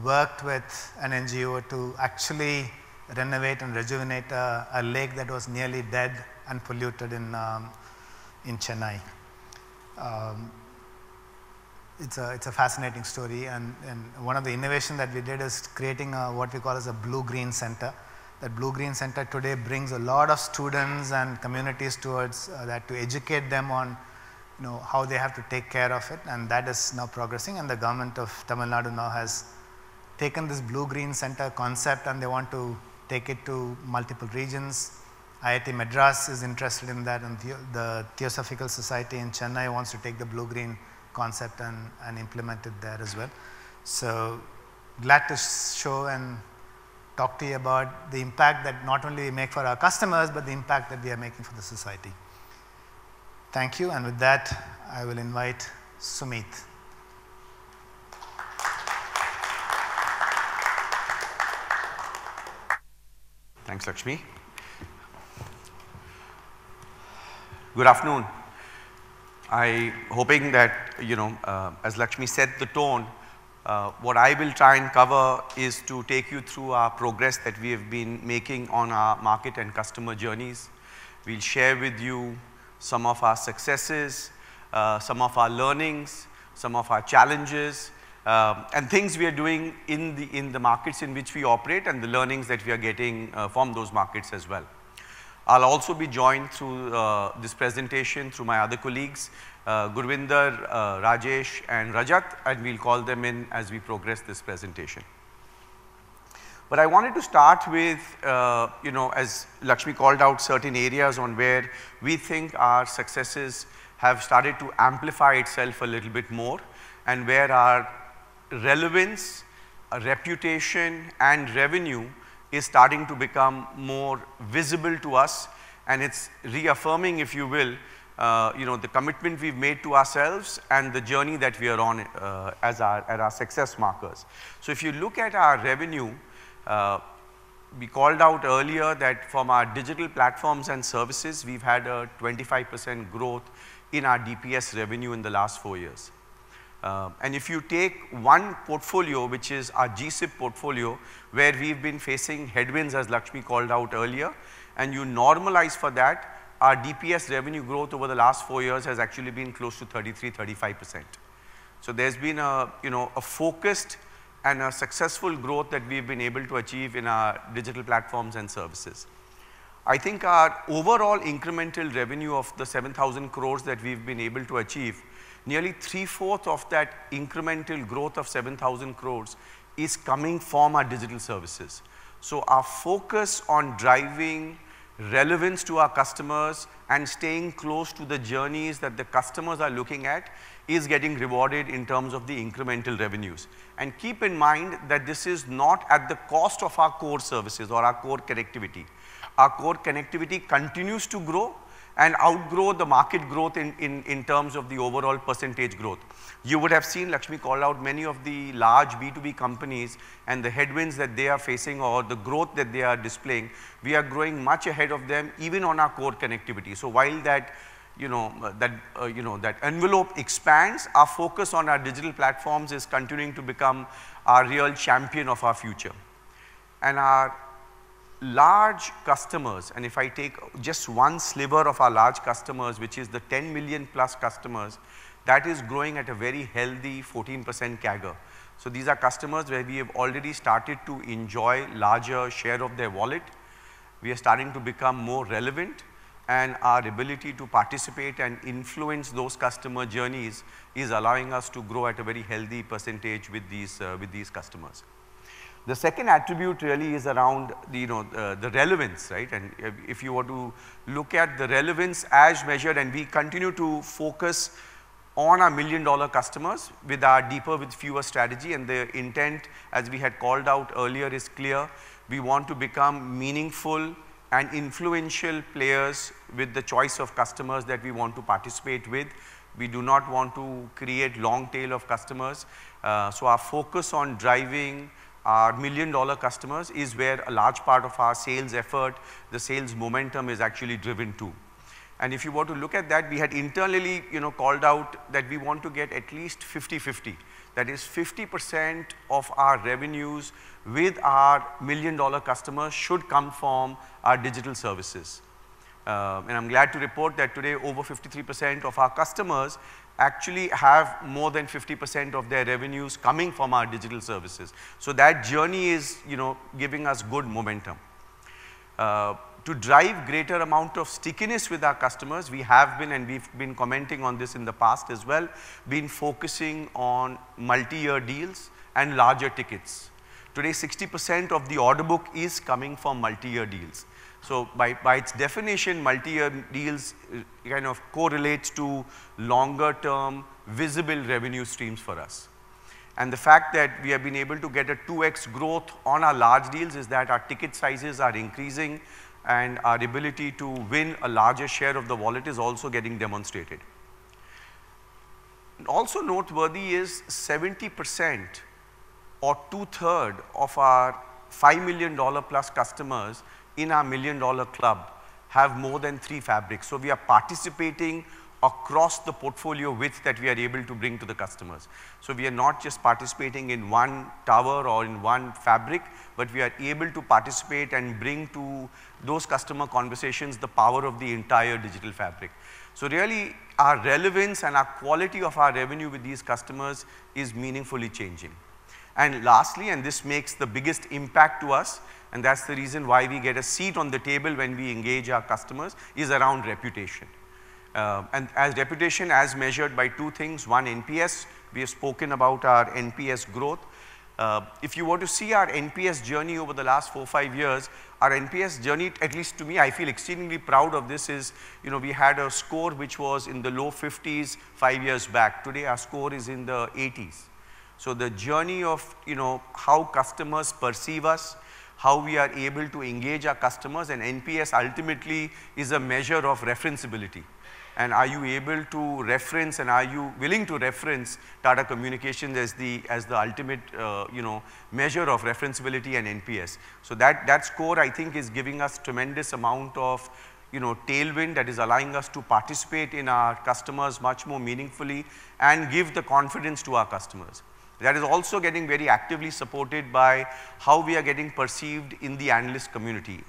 worked with an NGO to actually renovate and rejuvenate a lake that was nearly dead and polluted in Chennai. It's a fascinating story and one of the innovation that we did is creating a what we call as a Blue-Green Center. That Blue-Green Center today brings a lot of students and communities towards that to educate them on, you know, how they have to take care of it, and that is now progressing. The government of Tamil Nadu now has taken this Blue-Green Center concept, and they want to take it to multiple regions. IIT Madras is interested in that, the Theosophical Society in Chennai wants to take the Blue-Green concept and implement it there as well. Glad to show and talk to you about the impact that not only we make for our customers, but the impact that we are making for the society. Thank you. With that, I will invite Sumeet.
Thanks, Lakshmi. Good afternoon. I hoping that, you know, as Lakshmi set the tone, what I will try and cover is to take you through our progress that we have been making on our market and customer journeys. We'll share with you some of our successes, some of our learnings, some of our challenges, things we are doing in the markets in which we operate and the learnings that we are getting from those markets as well. I'll also be joined through this presentation through my other colleagues, Gurvinder, Rajesh, and Rajat, we'll call them in as we progress this presentation. I wanted to start with, you know, as Lakshmi called out certain areas on where we think our successes have started to amplify itself a little bit more and where our relevance, our reputation, and revenue is starting to become more visible to us, and it's reaffirming, if you will, you know, the commitment we've made to ourselves and the journey that we are on, as our, at our success markers. If you look at our revenue, we called out earlier that from our digital platforms and services, we've had a 25% growth in our DPS revenue in the last four years. If you take one portfolio, which is our GSIP portfolio, where we've been facing headwinds, as Lakshmi called out earlier, and you normalize for that, our DPS revenue growth over the last four years has actually been close to 33%, 35%. There's been a, you know, a focused and a successful growth that we've been able to achieve in our digital platforms and services. I think our overall incremental revenue of the 7,000 crores that we've been able to achieve, nearly 3/4 of that incremental growth of 7,000 crores is coming from our digital services. Our focus on driving relevance to our customers and staying close to the journeys that the customers are looking at is getting rewarded in terms of the incremental revenues. Keep in mind that this is not at the cost of our core services or our core connectivity. Our core connectivity continues to grow and outgrow the market growth in terms of the overall percentage growth. You would have seen Lakshmi call out many of the large B2B companies and the headwinds that they are facing or the growth that they are displaying. We are growing much ahead of them, even on our core connectivity. While that, you know, that, you know, that envelope expands, our focus on our digital platforms is continuing to become a real champion of our future. Our large customers, and if I take just one sliver of our large customers, which is the 10 million-plus customers, that is growing at a very healthy 14% CAGR. These are customers where we have already started to enjoy larger share of their wallet. We are starting to become more relevant, and our ability to participate and influence those customer journeys is allowing us to grow at a very healthy percentage with these, with these customers. The second attribute really is around the, you know, the relevance, right. If you were to look at the relevance as measured, and we continue to focus on our million-dollar customers with our deeper, with fewer strategy, and their intent, as we had called out earlier, is clear. We want to become meaningful and influential players with the choice of customers that we want to participate with. We do not want to create long tail of customers, so our focus on driving our million-dollar customers is where a large part of our sales effort, the sales momentum is actually driven to. If you were to look at that, we had internally, you know, called out that we want to get at least 50/50. That is 50% of our revenues with our million-dollar customers should come from our digital services. I'm glad to report that today over 53% of our customers actually have more than 50% of their revenues coming from our digital services. That journey is, you know, giving us good momentum. To drive greater amount of stickiness with our customers, we have been, and we've been commenting on this in the past as well, been focusing on multi-year deals and larger tickets. Today, 60% of the order book is coming from multi-year deals. By its definition, multi-year deals kind of correlates to longer term visible revenue streams for us. The fact that we have been able to get a 2x growth on our large deals is that our ticket sizes are increasing and our ability to win a larger share of the wallet is also getting demonstrated. Also noteworthy is 70% or two-thirds of our $5 million-plus customers in our million-dollar club have more than three fabrics. We are participating across the portfolio width that we are able to bring to the customers. We are not just participating in one tower or in one fabric, but we are able to participate and bring to those customer conversations the power of the entire Digital Fabric. Really, our relevance and our quality of our revenue with these customers is meaningfully changing. Lastly, this makes the biggest impact to us, and that's the reason why we get a seat on the table when we engage our customers, is around reputation. As reputation as measured by two things. One, NPS, we have spoken about our NPS growth. If you were to see our NPS journey over the last four, five years, our NPS journey, at least to me, I feel extremely proud of this, is, you know, we had a score which was in the low 50s five years back. Today, our score is in the 80s. The journey of, you know, how customers perceive us, how we are able to engage our customers, and NPS ultimately is a measure of referenceability. Are you able to reference and are you willing to reference Tata Communications as the, as the ultimate, you know, measure of referenceability and NPS? That score, I think, is giving us tremendous amount of, you know, tailwind that is allowing us to participate in our customers much more meaningfully and give the confidence to our customers. That is also getting very actively supported by how we are getting perceived in the analyst community.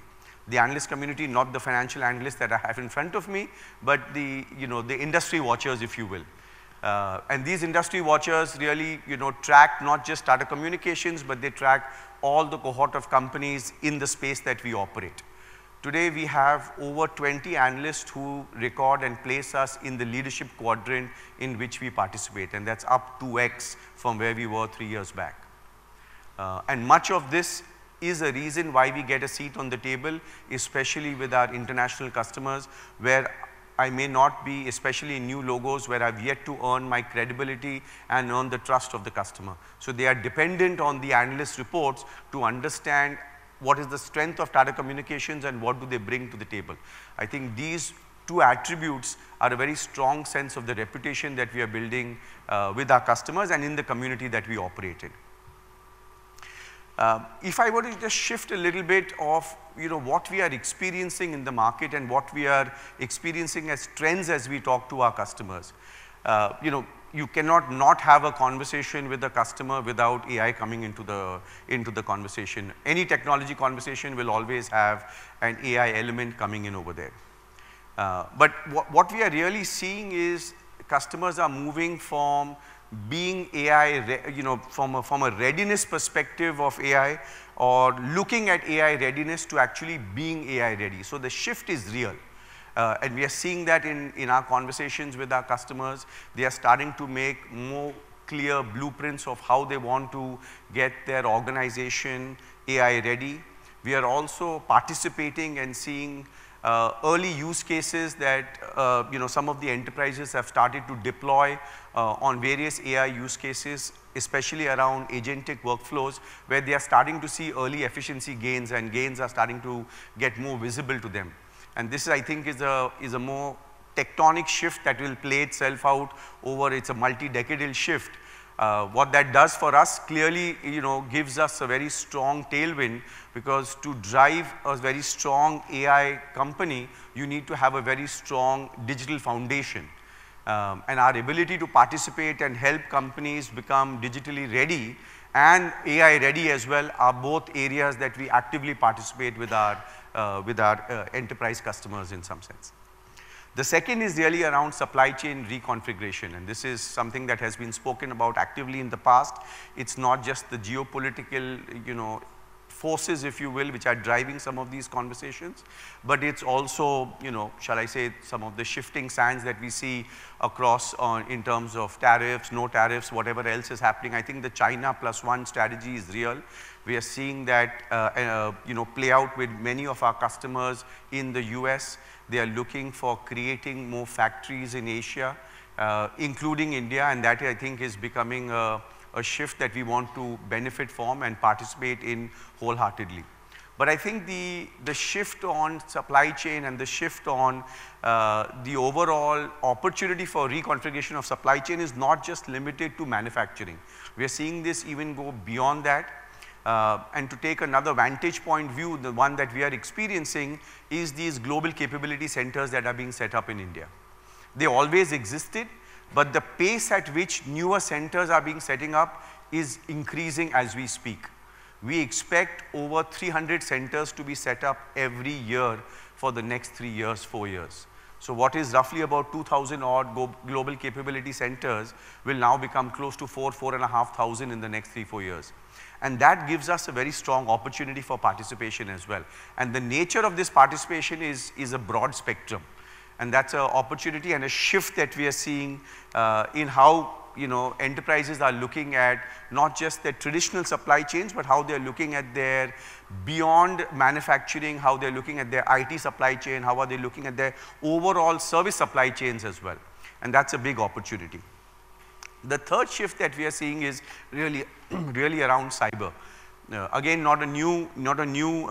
The analyst community, not the financial analysts that I have in front of me, but the, you know, the industry watchers, if you will. These industry watchers really, you know, track not just Tata Communications, but they track all the cohort of companies in the space that we operate. Today, we have over 20 analysts who record and place us in the leadership quadrant in which we participate, and that's up 2x from where we were three years back. Much of this is a reason why we get a seat on the table, especially with our international customers, where I may not be, especially in new logos, where I've yet to earn my credibility and earn the trust of the customer. They are dependent on the analyst reports to understand what is the strength of Tata Communications and what do they bring to the table. I think these two attributes are a very strong sense of the reputation that we are building with our customers and in the community that we operate in. If I were to just shift a little bit of, you know, what we are experiencing in the market and what we are experiencing as trends as we talk to our customers. You know, you cannot not have a conversation with a customer without AI coming into the, into the conversation. Any technology conversation will always have an AI element coming in over there. What we are really seeing is customers are moving from being AI, you know, from a, from a readiness perspective of AI or looking at AI readiness to actually being AI ready. The shift is real. We are seeing that in our conversations with our customers. They are starting to make more clear blueprints of how they want to get their organization AI ready. We are also participating and seeing early use cases that, you know, some of the enterprises have started to deploy on various AI use cases, especially around agentic workflows, where they are starting to see early efficiency gains, and gains are starting to get more visible to them. This, I think, is a more tectonic shift that will play itself out. It's a multi-decadal shift. What that does for us, clearly, you know, gives us a very strong tailwind because to drive a very strong AI company, you need to have a very strong digital foundation. Our ability to participate and help companies become digitally ready and AI ready as well are both areas that we actively participate with our with our enterprise customers in some sense. The second is really around supply chain reconfiguration. This is something that has been spoken about actively in the past. It's not just the geopolitical, you know, forces, if you will, which are driving some of these conversations. It's also, you know, shall I say, some of the shifting sands that we see across on in terms of tariffs, no tariffs, whatever else is happening. I think the China Plus One strategy is real. We are seeing that, you know, play out with many of our customers in the U.S. They are looking for creating more factories in Asia, including India, and that I think is becoming a shift that we want to benefit from and participate in wholeheartedly. I think the shift on supply chain and the shift on the overall opportunity for reconfiguration of supply chain is not just limited to manufacturing. We are seeing this even go beyond that. To take another vantage point view, the one that we are experiencing is these global capability centers that are being setting up in India. They always existed, but the pace at which newer centers are being setting up is increasing as we speak. We expect over 300 centers to be set up every year for the next three years, four years. What is roughly about 2,000 odd global capability centers will now become close to 4,000, 4,500 in the next three, four years. That gives us a very strong opportunity for participation as well. The nature of this participation is a broad spectrum, and that's an opportunity and a shift that we are seeing, in how, you know, enterprises are looking at not just their traditional supply chains, but how they are looking at their beyond manufacturing, how they're looking at their IT supply chain, how are they looking at their overall service supply chains as well, and that's a big opportunity. The third shift that we are seeing is really around cyber. Again, not a new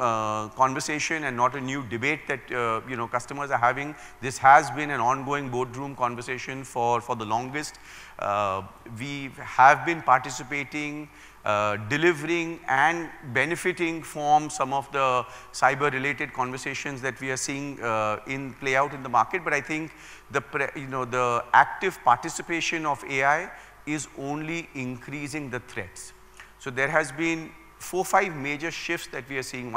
conversation and not a new debate that, you know, customers are having. This has been an ongoing boardroom conversation for the longest. We have been participating, delivering and benefiting from some of the cyber-related conversations that we are seeing, in play out in the market. I think you know, the active participation of AI is only increasing the threats. There has been four or five major shifts that we are seeing.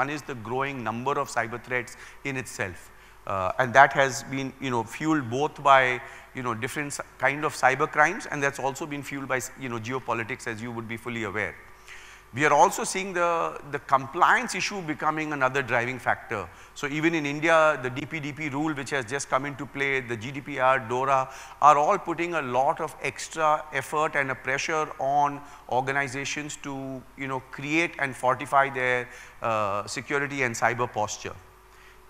That has been, you know, fueled both by, you know, different kind of cybercrimes, and that's also been fueled by you know, geopolitics, as you would be fully aware. We are also seeing the compliance issue becoming another driving factor. Even in India, the DPDP rule, which has just come into play, the GDPR, DORA, are all putting a lot of extra effort and a pressure on organizations to, you know, create and fortify their security and cyber posture.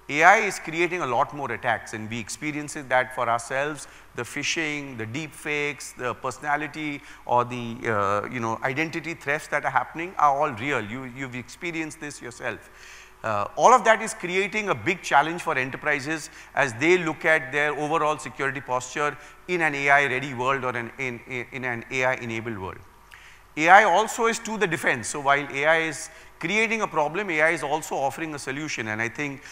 AI is creating a lot more attacks, and we experiences that for ourselves. The phishing, the deepfakes, the personality or the, you know, identity threats that are happening are all real. You've experienced this yourself. All of that is creating a big challenge for enterprises as they look at their overall security posture in an AI-ready world or in an AI-enabled world. AI also is to the defense. While AI is creating a problem, AI is also offering a solution. I think,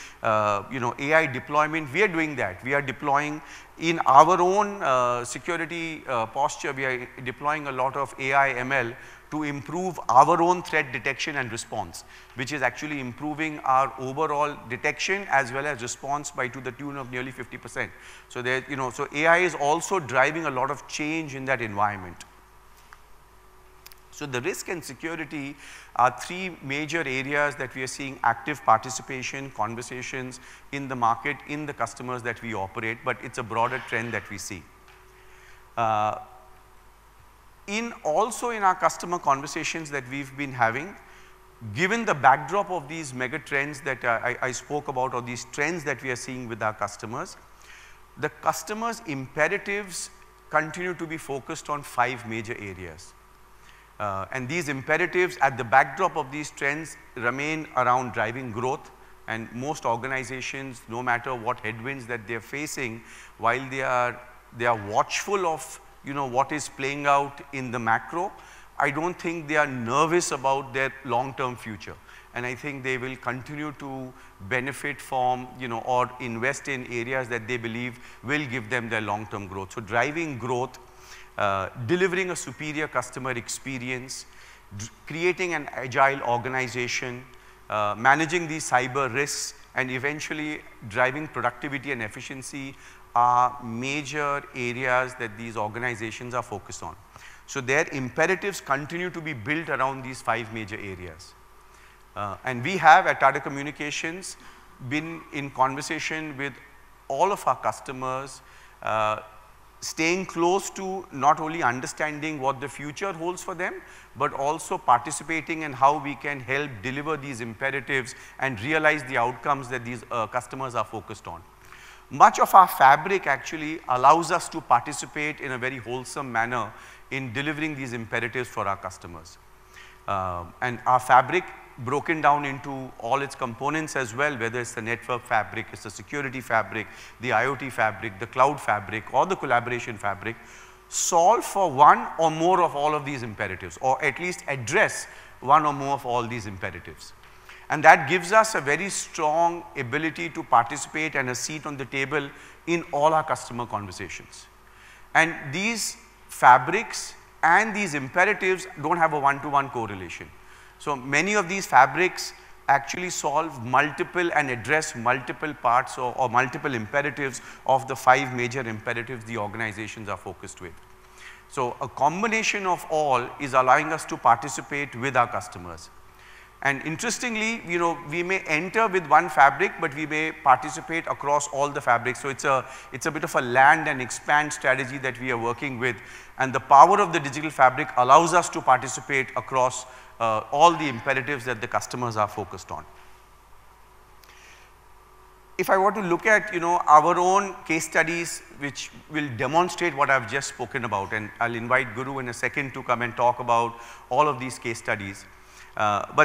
you know, AI deployment, we are doing that. We are deploying in our own security posture, we are deploying a lot of AI ML to improve our own threat detection and response, which is actually improving our overall detection as well as response by to the tune of nearly 50%. There, you know, AI is also driving a lot of change in that environment. The risk and security are three major areas that we are seeing active participation, conversations in the market, in the customers that we operate, but it's a broader trend that we see. Also in our customer conversations that we've been having, given the backdrop of these mega trends that I spoke about or these trends that we are seeing with our customers, the customers' imperatives continue to be focused on five major areas. These imperatives at the backdrop of these trends remain around driving growth. Most organizations, no matter what headwinds that they're facing, while they are watchful of, you know, what is playing out in the macro, I don't think they are nervous about their long-term future. I think they will continue to benefit from, you know, or invest in areas that they believe will give them their long-term growth. Driving growth, delivering a superior customer experience, creating an agile organization, managing these cyber risks, and eventually driving productivity and efficiency are major areas that these organizations are focused on. Their imperatives continue to be built around these five major areas. We have at Tata Communications been in conversation with all of our customers, staying close to not only understanding what the future holds for them, but also participating in how we can help deliver these imperatives and realize the outcomes that these customers are focused on. Much of our fabric actually allows us to participate in a very wholesome manner in delivering these imperatives for our customers. Our fabric broken down into all its components as well, whether it's the network fabric, it's the security fabric, the IoT fabric, the cloud fabric or the collaboration fabric, solve for one or more of all of these imperatives, or at least address one or more of all these imperatives. That gives us a very strong ability to participate and a seat on the table in all our customer conversations. These fabrics and these imperatives don't have a one-to-one correlation. Many of these fabrics actually solve multiple and address multiple parts or multiple imperatives of the five major imperatives the organizations are focused with. A combination of all is allowing us to participate with our customers. Interestingly, you know, we may enter with one fabric, but we may participate across all the fabrics. It's a, it's a bit of a land and expand strategy that we are working with, and the power of the Digital Fabric allows us to participate across all the imperatives that the customers are focused on. If I were to look at, you know, our own case studies, which will demonstrate what I've just spoken about, and I'll invite Guru in a second to come and talk about all of these case studies.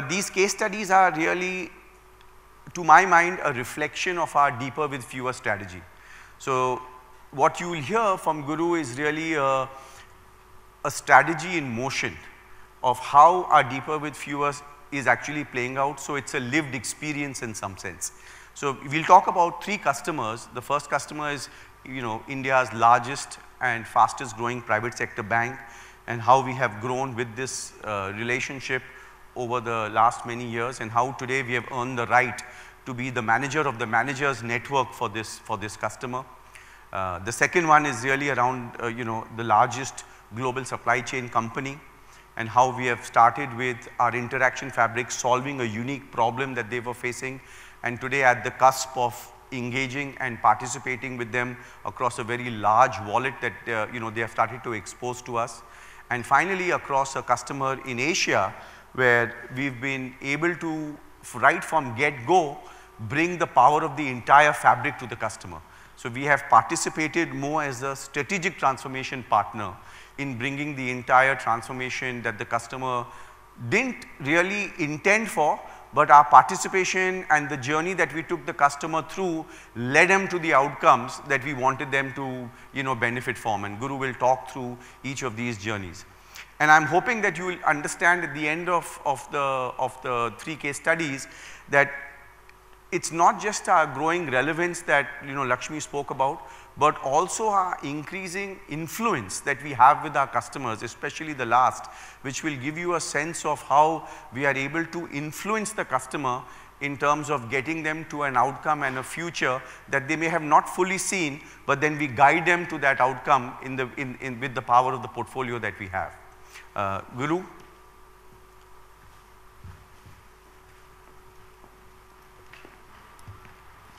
These case studies are really, to my mind, a reflection of our deeper with fewer strategy. What you will hear from Guru is really a strategy in motion of how our deeper with fewer is actually playing out. It's a lived experience in some sense. We'll talk about three customers. The first customer is, you know, India's largest and fastest growing private sector bank, and how we have grown with this relationship over the last many years, and how today we have earned the right to be the manager of the managers' network for this, for this customer. The second one is really around, you know, the largest global supply chain company and how we have started with our Digital Fabric, solving a unique problem that they were facing. Today, at the cusp of engaging and participating with them across a very large wallet that, you know, they have started to expose to us. Finally, across a customer in Asia, where we've been able to, right from get-go, bring the power of the entire fabric to the customer. We have participated more as a strategic transformation partner in bringing the entire transformation that the customer didn't really intend for, but our participation and the journey that we took the customer through led them to the outcomes that we wanted them to, you know, benefit from. Guru will talk through each of these journeys. I'm hoping that you will understand at the end of the three case studies that it's not just our growing relevance that, you know, Lakshmi spoke about, but also our increasing influence that we have with our customers, especially the last, which will give you a sense of how we are able to influence the customer in terms of getting them to an outcome and a future that they may have not fully seen, but then we guide them to that outcome with the power of the portfolio that we have. Guru.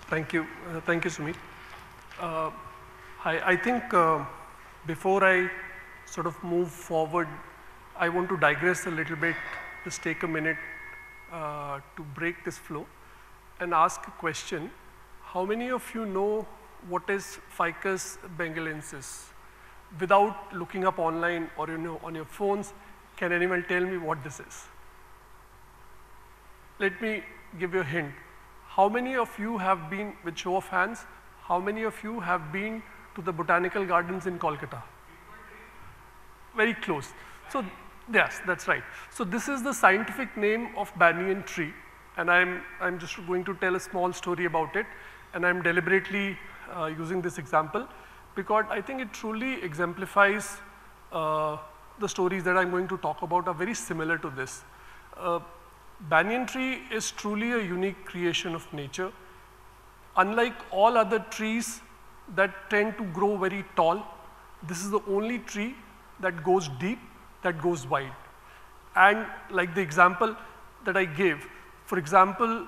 Thank you. Thank you, Sumeet. I think before I move forward, I want to digress a little bit. Just take a minute to break this flow and ask a question: how many of you know what is Ficus benghalensis? Without looking up online or, you know, on your phones, can anyone tell me what this is? Let me give you a hint. With show of hands, how many of you have been to the botanical gardens in Kolkata? Ficus benghalensis. Very close. Banyan. Yes, that's right. This is the scientific name of banyan tree, and I'm just going to tell a small story about it, and I'm deliberately using this example because I think it truly exemplifies the stories that I'm going to talk about are very similar to this. Banyan tree is truly a unique creation of nature. Unlike all other trees that tend to grow very tall, this is the only tree that goes deep, that goes wide. Like the example that I gave, for example,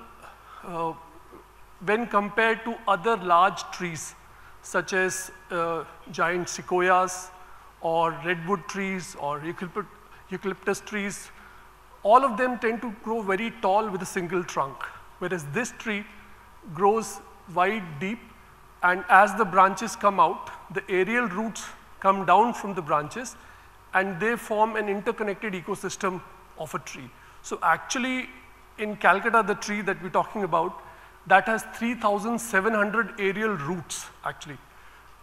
when compared to other large trees such as giant sequoias or redwood trees or eucalyptus trees, all of them tend to grow very tall with a single trunk. Whereas this tree grows wide, deep, and as the branches come out, the aerial roots come down from the branches, and they form an interconnected ecosystem of a tree. Actually, in Kolkata, the tree that we're talking about, that has 3,700 aerial roots, actually.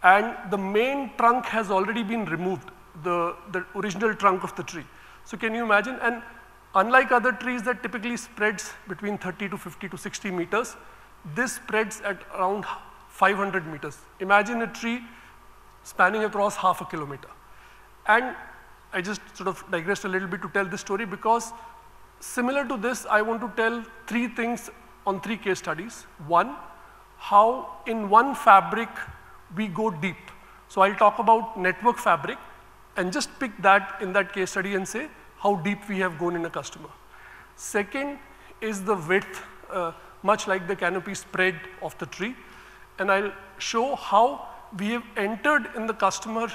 The main trunk has already been removed, the original trunk of the tree. Can you imagine? Unlike other trees that typically spreads between 30 to 50 to 60 meters, this spreads at around 500 meters. Imagine a tree spanning across half a kilometer. I just sort of digressed a little bit to tell this story because similar to this, I want to tell three things on three case studies. One, how in one fabric we go deep. So I'll talk about network fabric and just pick that in that case study and say how deep we have gone in a customer. Second is the width, much like the canopy spread of the tree, and I'll show how we have entered in the customer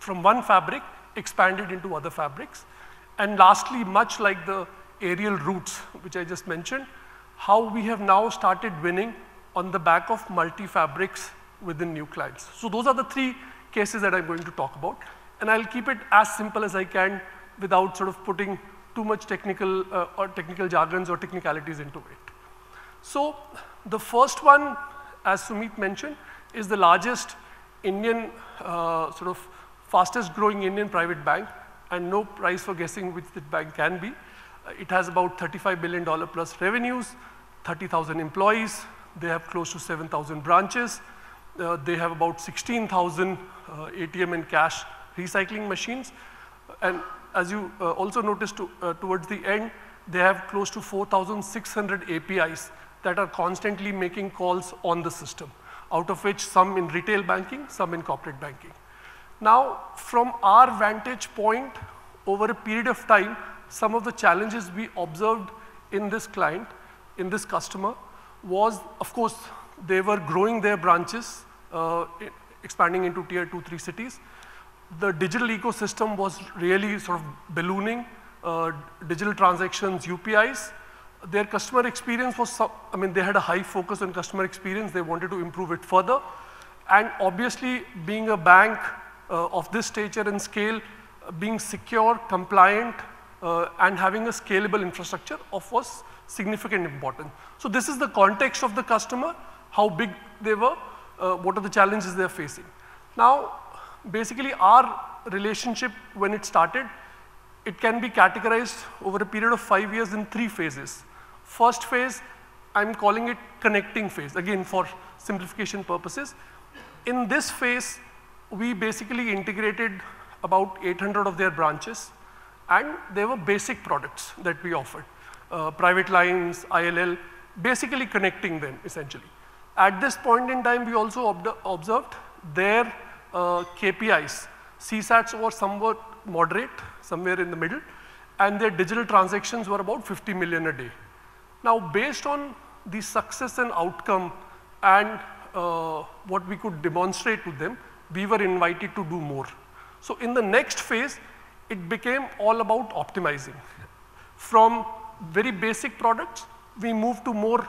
from one fabric, expanded into other fabrics. Lastly, much like the aerial roots, which I just mentioned, how we have now started winning on the back of multi-fabrics with the new clients. Those are the three cases that I'm going to talk about, and I'll keep it as simple as I can without sort of putting too much technical or technical jargons or technicalities into it. The first one, as Sumeet mentioned, is the largest Indian sort of fastest growing Indian private bank, and no prize for guessing which the bank can be. It has about $35 billion plus revenues, 30,000 employees. They have close to 7,000 branches. They have about 16,000 ATM and cash recycling machines. As you also notice towards the end, they have close to 4,600 APIs that are constantly making calls on the system, out of which some in retail banking, some in corporate banking. From our vantage point over a period of time, some of the challenges we observed in this client, in this customer was, of course, they were growing their branches, e-expanding into Tier 2, 3 cities. The digital ecosystem was really sort of ballooning, digital transactions, UPIs. Their customer experience was, I mean, they had a high focus on customer experience. They wanted to improve it further. Obviously, being a bank, of this stature and scale, being secure, compliant, and having a scalable infrastructure, of course, significant important. This is the context of the customer, how big they were, what are the challenges they're facing. Basically, our relationship when it started, it can be categorized over a period of five years in three phases. First phase, I'm calling it connecting phase, again, for simplification purposes. In this phase, we basically integrated about 800 of their branches, and they were basic products that we offered. Private lines, ILL, basically connecting them, essentially. At this point in time, we also observed their KPIs. CSATs were somewhat moderate, somewhere in the middle, and their digital transactions were about 50 million a day. Based on the success and outcome and what we could demonstrate with them, we were invited to do more. In the next phase, it became all about optimizing. From very basic products, we moved to more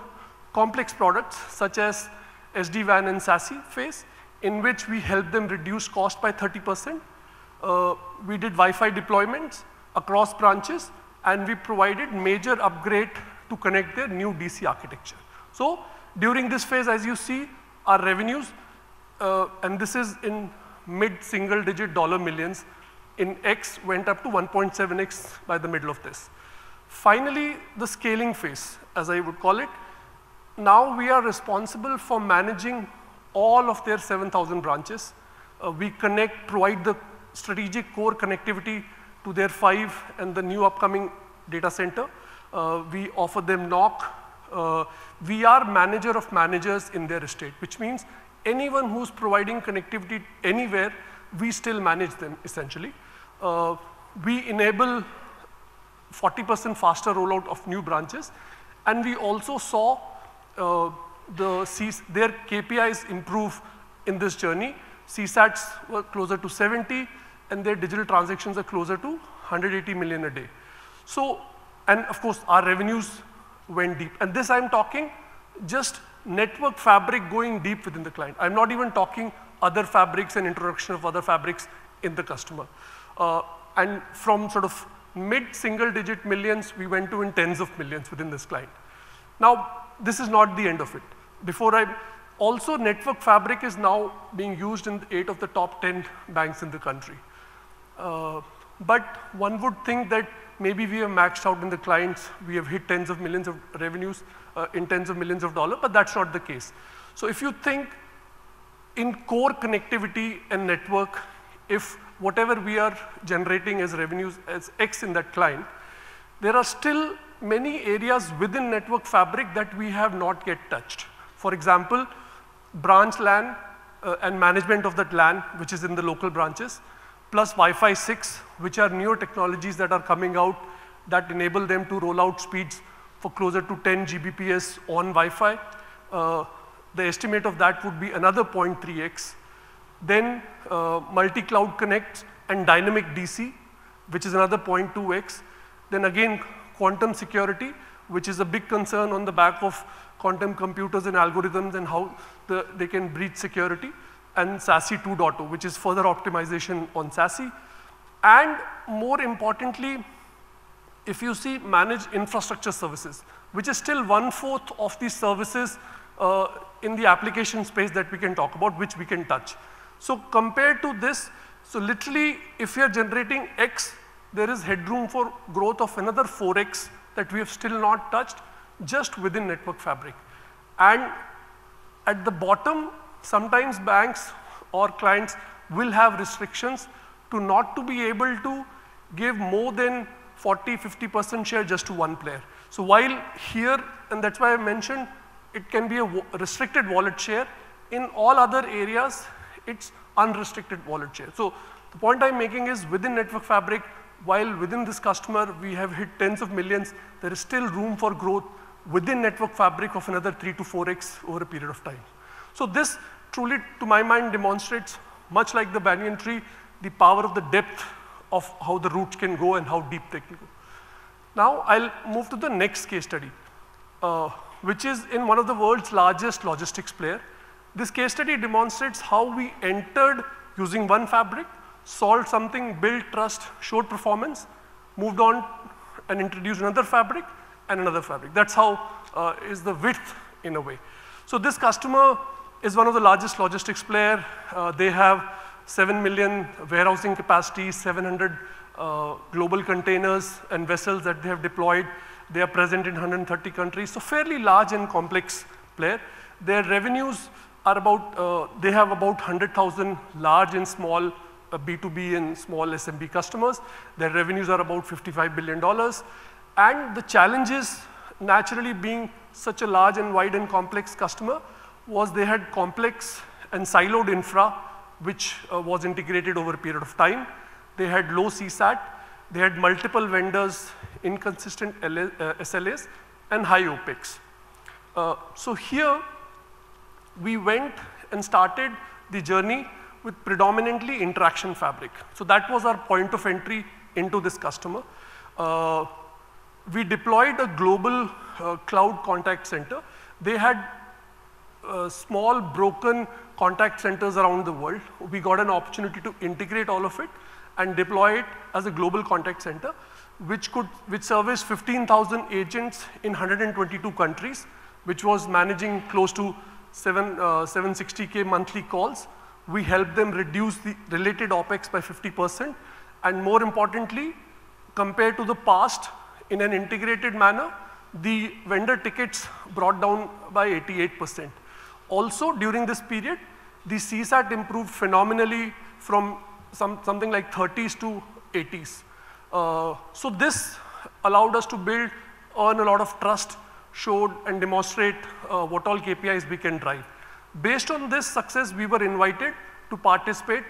complex products, such as SD-WAN and SASE phase, in which we helped them reduce cost by 30%. We did Wi-Fi deployment across branches. We provided major upgrade to connect their new DC architecture. During this phase, as you see, our revenues, and this is in mid-single digit dollar millions in X, went up to 1.7x by the middle of this. The scaling phase, as I would call it. We are responsible for managing all of their 7,000 branches. We provide the strategic core connectivity to their five and the new upcoming data center. We offer them NOC. We are manager of managers in their estate, which means anyone who is providing connectivity anywhere, we still manage them, essentially. We enable 40% faster rollout of new branches, and we also saw their KPIs improve in this journey. CSATs were closer to 70, and their digital transactions are closer to 180 million a day. Of course, our revenues went deep. This I'm talking just network fabric going deep within the client. I'm not even talking other fabrics and introduction of other fabrics in the customer. From sort of INR mid-single digit millions, we went to in tens of millions within this client. This is not the end of it. Network fabric is now being used in eight of the top 10 banks in the country. One would think that maybe we have maxed out in the clients, we have hit tens of millions of revenues, in tens of millions of dollars, but that's not the case. If you think in core connectivity and network, if whatever we are generating as revenues as X in that client, there are still many areas within network fabric that we have not yet touched. For example, branch LAN and management of that LAN, which is in the local branches, plus Wi-Fi 6, which are newer technologies that are coming out that enable them to roll out speeds for closer to 10 Gbps on Wi-Fi. The estimate of that would be another 0.3x. Multi-Cloud Connect and dynamic DC, which is another 0.2x. Quantum security, which is a big concern on the back of quantum computers and algorithms and how they can breach security. SASE 2.0, which is further optimization on SASE. More importantly, if you see managed infrastructure services, which is still one-fourth of these services in the application space that we can talk about, which we can touch. Compared to this, literally if you're generating X, there is headroom for growth of another 4x that we have still not touched just within network fabric. At the bottom, sometimes banks or clients will have restrictions to not to be able to give more than 40%, 50% share just to one player. While here, and that's why I mentioned it can be restricted wallet share, in all other areas, it's unrestricted wallet share. The point I'm making is within network fabric, while within this customer we have hit tens of millions, there is still room for growth within network fabric of another 3x-4x over a period of time. This truly, to my mind, demonstrates, much like the banyan tree, the power of the depth of how the roots can go and how deep they can go. I'll move to the next case study, which is in one of the world's largest logistics player. This case study demonstrates how we entered using one fabric, solved something, built trust, showed performance, moved on and introduced another fabric and another fabric. That's how is the width in a way. This customer is one of the largest logistics player. They have seven million warehousing capacity, 700 global containers and vessels that they have deployed. They are present in 130 countries. Fairly large and complex player. Their revenues are about they have about 100,000 large and small B2B and small SMB customers. Their revenues are about $55 billion. The challenges, naturally being such a large and wide and complex customer, was they had complex and siloed infra, which was integrated over a period of time. They had low CSAT, they had multiple vendors, inconsistent SLAs, and high OpEx. Here we went and started the journey with predominantly interaction fabric. That was our point of entry into this customer. We deployed a global cloud contact center. They had small, broken contact centers around the world. We got an opportunity to integrate all of it and deploy it as a global contact center, which serviced 15,000 agents in 122 countries, which was managing close to 760K monthly calls. We helped them reduce the related OpEx by 50%. More importantly, compared to the past in an integrated manner, the vendor tickets brought down by 88%. Also, during this period, the CSAT improved phenomenally from something like 30s to 80s. This allowed us to build on a lot of trust, showed and demonstrate what all KPIs we can drive. Based on this success, we were invited to participate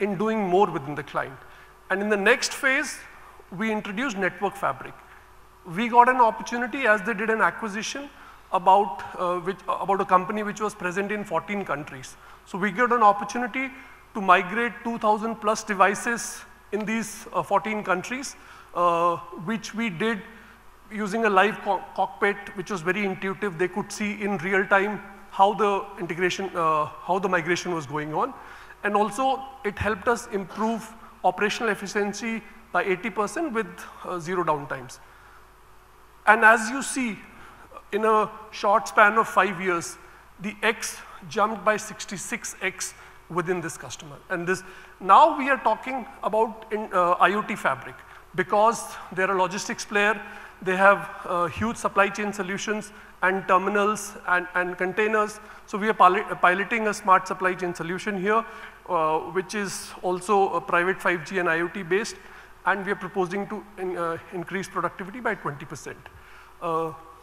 in doing more within the client. In the next phase, we introduced Digital Fabric. We got an opportunity as they did an acquisition about a company which was present in 14 countries. We got an opportunity to migrate 2,000 plus devices in these 14 countries, which we did using a live co-cockpit, which was very intuitive. They could see in real time how the integration, how the migration was going on. It helped us improve operational efficiency by 80% with zero downtimes. As you see, in a short span of five years, the X jumped by 66x within this customer. This- Now we are talking about in IoT fabric. Because they're a logistics player, they have huge supply chain solutions and terminals and containers. We are piloting a smart supply chain solution here, which is also a private 5G and IoT-based, and we are proposing to increase productivity by 20%.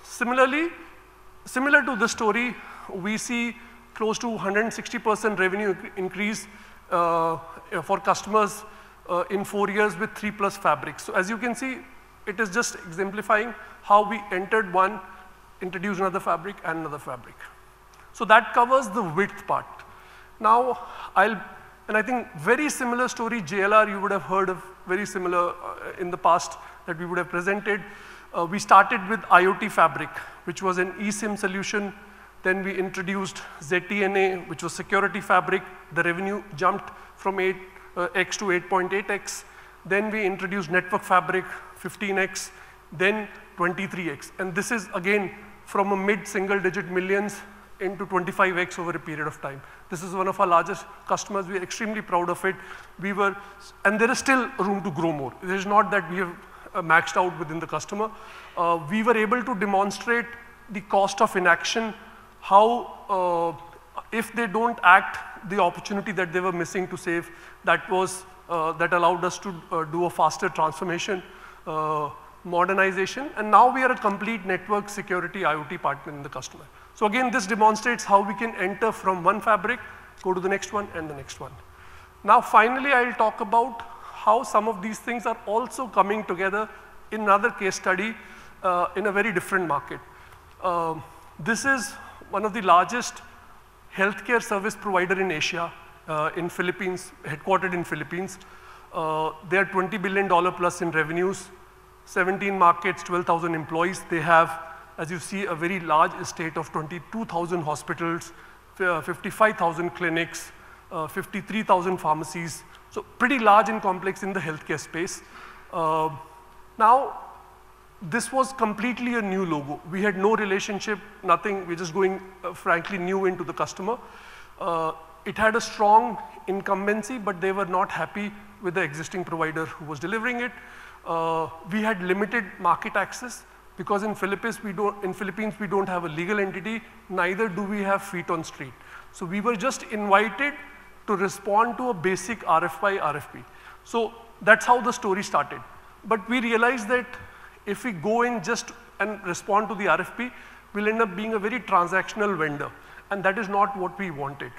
Similar to the story, we see close to 160% revenue increase for customers in four years with three plus fabrics. As you can see, it is just exemplifying how we entered one, introduced another fabric and another fabric. That covers the width part. I think very similar story, JLR, you would have heard of very similar in the past that we would have presented. We started with IoT fabric, which was an eSIM solution. We introduced ZTNA, which was security fabric. The revenue jumped from 8x to 8.8x. We introduced network fabric, 15x, then 23x. This is again, from a mid-single-digit millions into 25x over a period of time. This is one of our largest customers. We are extremely proud of it. There is still room to grow more. It is not that we have maxed out within the customer. We were able to demonstrate the cost of inaction, how if they don't act, the opportunity that they were missing to save that was that allowed us to do a faster transformation, modernization. Now we are a complete network security IoT partner in the customer. Again, this demonstrates how we can enter from one fabric, go to the next one and the next one. Finally, I'll talk about how some of these things are also coming together in another case study, in a very different market. This is one of the largest healthcare service provider in Asia, in Philippines, headquartered in Philippines. They are INR 20 billion plus in revenues, 17 markets, 12,000 employees. They have, as you see, a very large estate of 22,000 hospitals, 55,000 clinics, 53,000 pharmacies. Pretty large and complex in the healthcare space. This was completely a new logo. We had no relationship, nothing. We're just going, frankly new into the customer. It had a strong incumbency, but they were not happy with the existing provider who was delivering it. We had limited market access because in Philippines, we don't have a legal entity, neither do we have feet on street. We were just invited to respond to a basic RFI, RFP. That's how the story started. We realized that if we go in just and respond to the RFP, we'll end up being a very transactional vendor, and that is not what we wanted.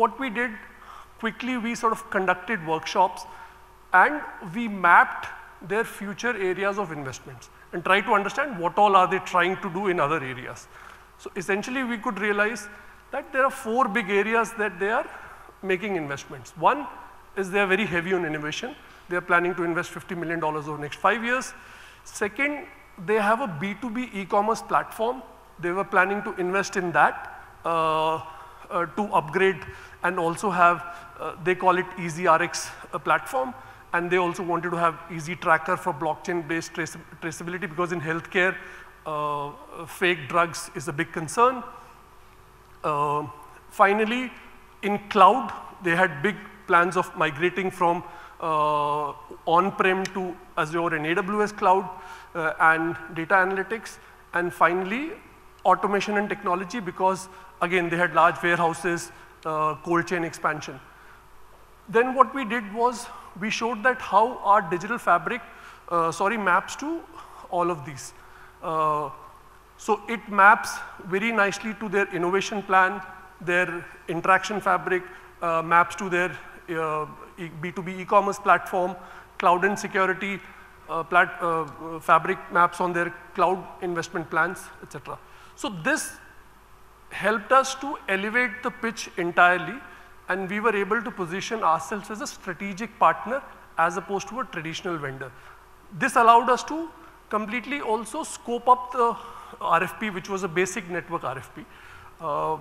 What we did, quickly, we sort of conducted workshops and we mapped their future areas of investments and tried to understand what all are they trying to do in other areas. Essentially, we could realize that there are four big areas that they are making investments. One is they are very heavy on innovation. They are planning to invest $50 million over the next five years. Second, they have a B2B e-commerce platform. They were planning to invest in that to upgrade and also have they call it ezRx platform. They also wanted to have ezTracker for blockchain-based traceability, because in healthcare fake drugs is a big concern. Finally, in cloud, they had big plans of migrating from on-prem to Azure and AWS cloud and data analytics. Finally, automation and technology, because again, they had large warehouses, cold chain expansion. What we did was, we showed that how our Digital Fabric, sorry, maps to all of these. It maps very nicely to their innovation plan, their interaction fabric, maps to their B2B e-commerce platform, cloud and security fabric maps on their cloud investment plans, et cetera. This helped us to elevate the pitch entirely, and we were able to position ourselves as a strategic partner as opposed to a traditional vendor. This allowed us to completely also scope up the RFP, which was a basic network RFP.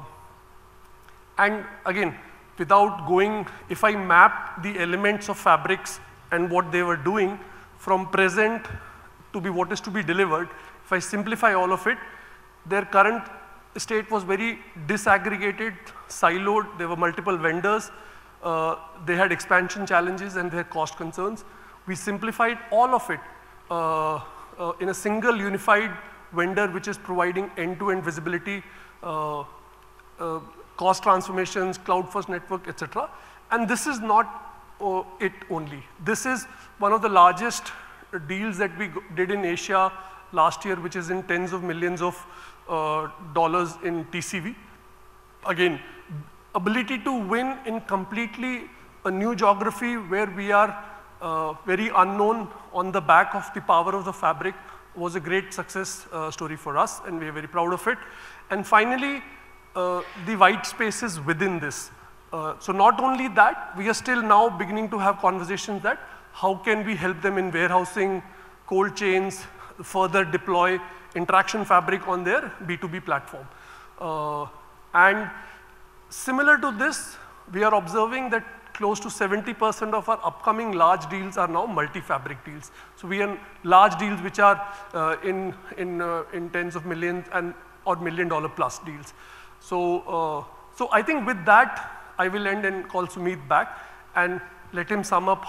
Again, without going. If I map the elements of fabrics and what they were doing from present to be what is to be delivered. If I simplify all of it, their current state was very disaggregated, siloed. There were multiple vendors, they had expansion challenges, and they had cost concerns. We simplified all of it in a single unified vendor which is providing end-to-end visibility, cost transformations, cloud-first network, et cetera. This is not it only. This is one of the largest deals that we did in Asia last year, which is in tens of millions of dollars in TCV. Ability to win in completely a new geography where we are very unknown on the back of the power of the fabric was a great success story for us, and we are very proud of it. Finally, the white spaces within this. Not only that, we are still now beginning to have conversations that how can we help them in warehousing cold chains, further deploy interaction fabric on their B2B platform. Similar to this, we are observing that close to 70% of our upcoming large deals are now multi-fabric deals. We are large deals which are in tens of millions and $1 million-plus deals. I think with that, I will end and call Sumeet back and let him sum up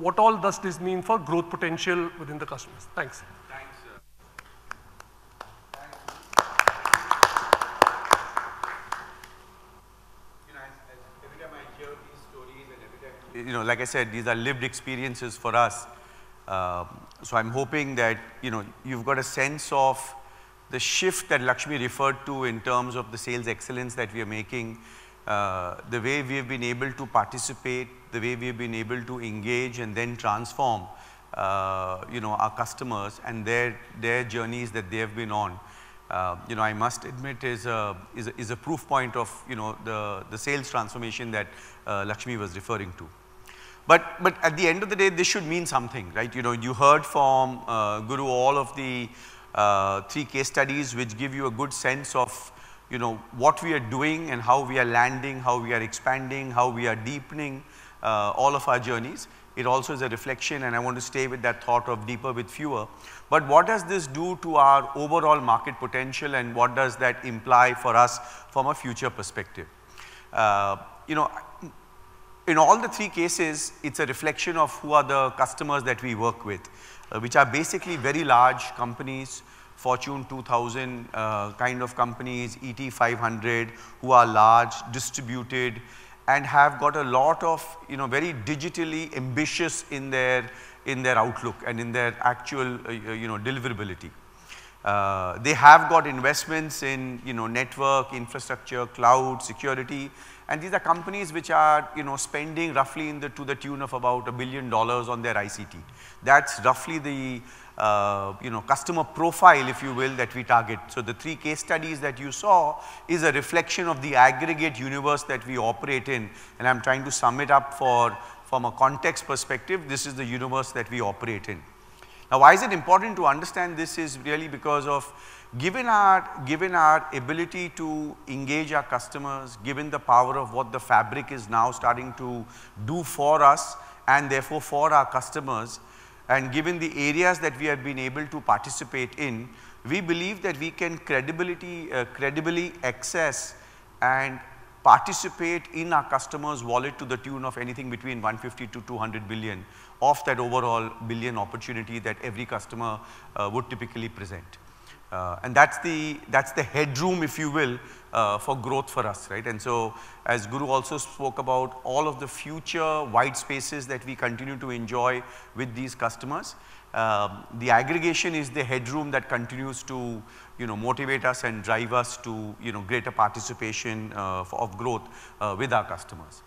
what all does this mean for growth potential within the customers. Thanks.
Thanks, sir. You know, as every time I hear these stories and every time, you know, like I said, these are lived experiences for us. I'm hoping that, you know, you've got a sense of the shift that Lakshmi referred to in terms of the sales excellence that we are making. The way we have been able to participate, the way we have been able to engage and then transform, you know, our customers and their journeys that they have been on. You know, I must admit is a proof point of, you know, the sales transformation that Lakshmi was referring to. At the end of the day, this should mean something, right? You know, you heard from Guru all of the three case studies, which give you a good sense of, you know, what we are doing and how we are landing, how we are expanding, how we are deepening all of our journeys. It also is a reflection, and I want to stay with that thought of deeper with fewer. What does this do to our overall market potential, and what does that imply for us from a future perspective? You know, in all the three cases, it's a reflection of who are the customers that we work with, which are basically very large companies, Fortune 2000, kind of companies, ET 500, who are large, distributed, and have got a lot of, you know, very digitally ambitious in their, in their outlook and in their actual, you know, deliverability. They have got investments in, you know, network, infrastructure, cloud, security. These are companies which are, you know, spending roughly to the tune of about INR 1 billion on their ICT. That's roughly the, you know, customer profile, if you will, that we target. The three case studies that you saw is a reflection of the aggregate universe that we operate in, and I'm trying to sum it up from a context perspective, this is the universe that we operate in. Why is it important to understand this is really because of, given our, given our ability to engage our customers, given the power of what the Digital Fabric is now starting to do for us and therefore for our customers, and given the areas that we have been able to participate in, we believe that we can credibility, credibly access and participate in our customers' wallet to the tune of anything between 150 billion-200 billion of that overall billion opportunity that every customer would typically present. That's the, that's the headroom, if you will, for growth for us, right? As Guru also spoke about all of the future white spaces that we continue to enjoy with these customers, the aggregation is the headroom that continues to, you know, motivate us and drive us to, you know, greater participation of growth with our customers.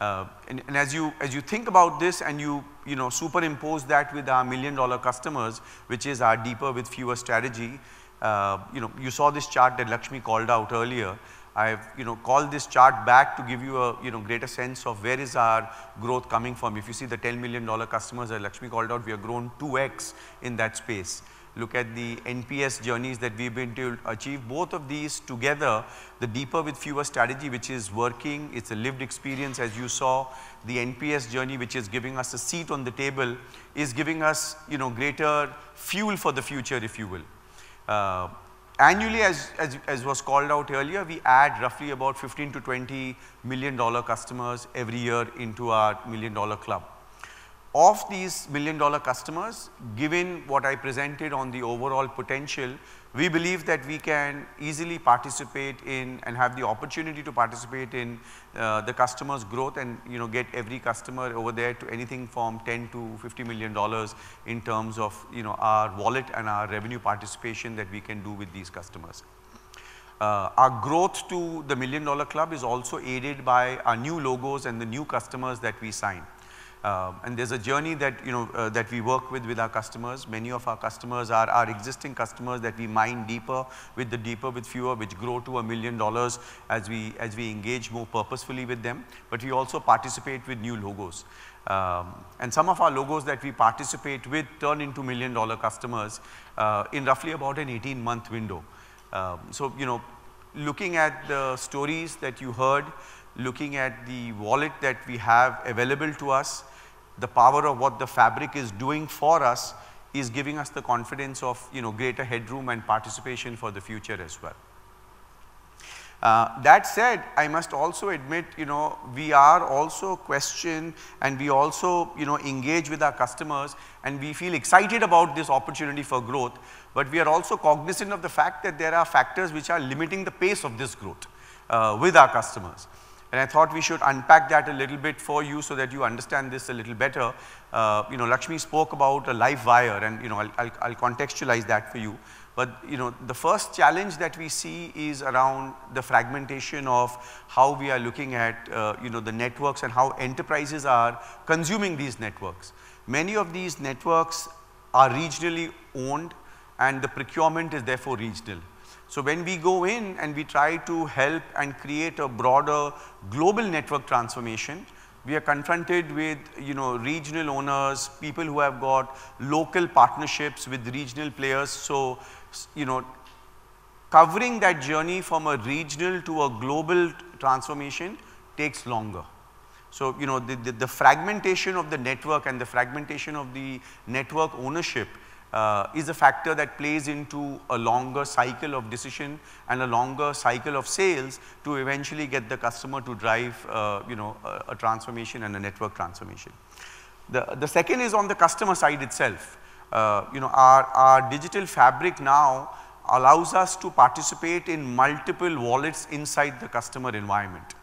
As you think about this and you know, superimpose that with our million-dollar customers, which is our deeper with fewer strategy, you know, you saw this chart that Lakshmi called out earlier. I've, you know, called this chart back to give you a, you know, greater sense of where is our growth coming from. If you see the $10 million customers that Lakshmi called out, we have grown 2x in that space. Look at the NPS journeys that we've been to achieve. Both of these together, the deeper with fewer strategy, which is working, it's a lived experience, as you saw. The NPS journey, which is giving us a seat on the table, is giving us, you know, greater fuel for the future, if you will. Annually, as was called out earlier, we add roughly about $15 million-$20 million customers every year into our million-dollar club. Of these million-dollar customers, given what I presented on the overall potential, we believe that we can easily participate in and have the opportunity to participate in, the customers' growth and, you know, get every customer over there to anything from $10 million-$50 million in terms of, you know, our wallet and our revenue participation that we can do with these customers. Our growth to the million-dollar club is also aided by our new logos and the new customers that we sign. There's a journey that, you know, that we work with with our customers. Many of our customers are our existing customers that we mine deeper with fewer, which grow to a million dollars as we engage more purposefully with them. We also participate with new logos. Some of our logos that we participate with turn into million-dollar customers, in roughly about an 18-month window. Looking at the stories that you heard, looking at the wallet that we have available to us, the power of what the Digital Fabric is doing for us is giving us the confidence of, you know, greater headroom and participation for the future as well. That said, I must also admit, you know, we are also question and we also, you know, engage with our customers, and we feel excited about this opportunity for growth, but we are also cognizant of the fact that there are factors which are limiting the pace of this growth with our customers. I thought we should unpack that a little bit for you so that you understand this a little better. You know, Lakshmi spoke about a live wire and, you know, I'll contextualize that for you. You know, the first challenge that we see is around the fragmentation of how we are looking at, you know, the networks and how enterprises are consuming these networks. Many of these networks are regionally owned, and the procurement is therefore regional. When we go in and we try to help and create a broader global network transformation, we are confronted with, you know, regional owners, people who have got local partnerships with regional players. You know, covering that journey from a regional to a global transformation takes longer. You know, the fragmentation of the network and the fragmentation of the network ownership is a factor that plays into a longer cycle of decision and a longer cycle of sales to eventually get the customer to drive, you know, a transformation and a network transformation. The second is on the customer side itself. You know, our Digital Fabric now allows us to participate in multiple wallets inside the customer environment.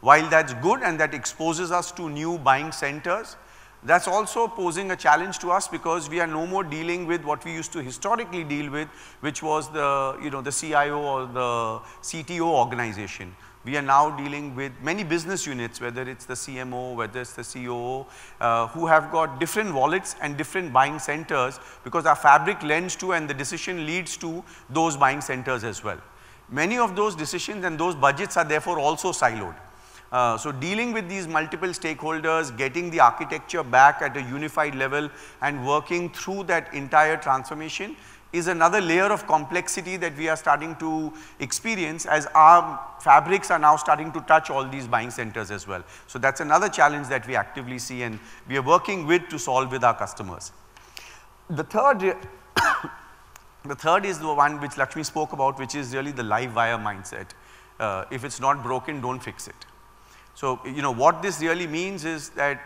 While that's good and that exposes us to new buying centers, that's also posing a challenge to us because we are no more dealing with what we used to historically deal with, which was the, you know, the CIO or the CTO organization. We are now dealing with many business units, whether it's the CMO, whether it's the COO, who have got different wallets and different buying centers because our fabric lends to and the decision leads to those buying centers as well. Many of those decisions and those budgets are therefore also siloed. Dealing with these multiple stakeholders, getting the architecture back at a unified level and working through that entire transformation is another layer of complexity that we are starting to experience as our fabrics are now starting to touch all these buying centers as well. That's another challenge that we actively see and we are working with to solve with our customers. The third is the one which Lakshmi spoke about, which is really the live wire mindset. If it's not broken, don't fix it. You know what this really means is that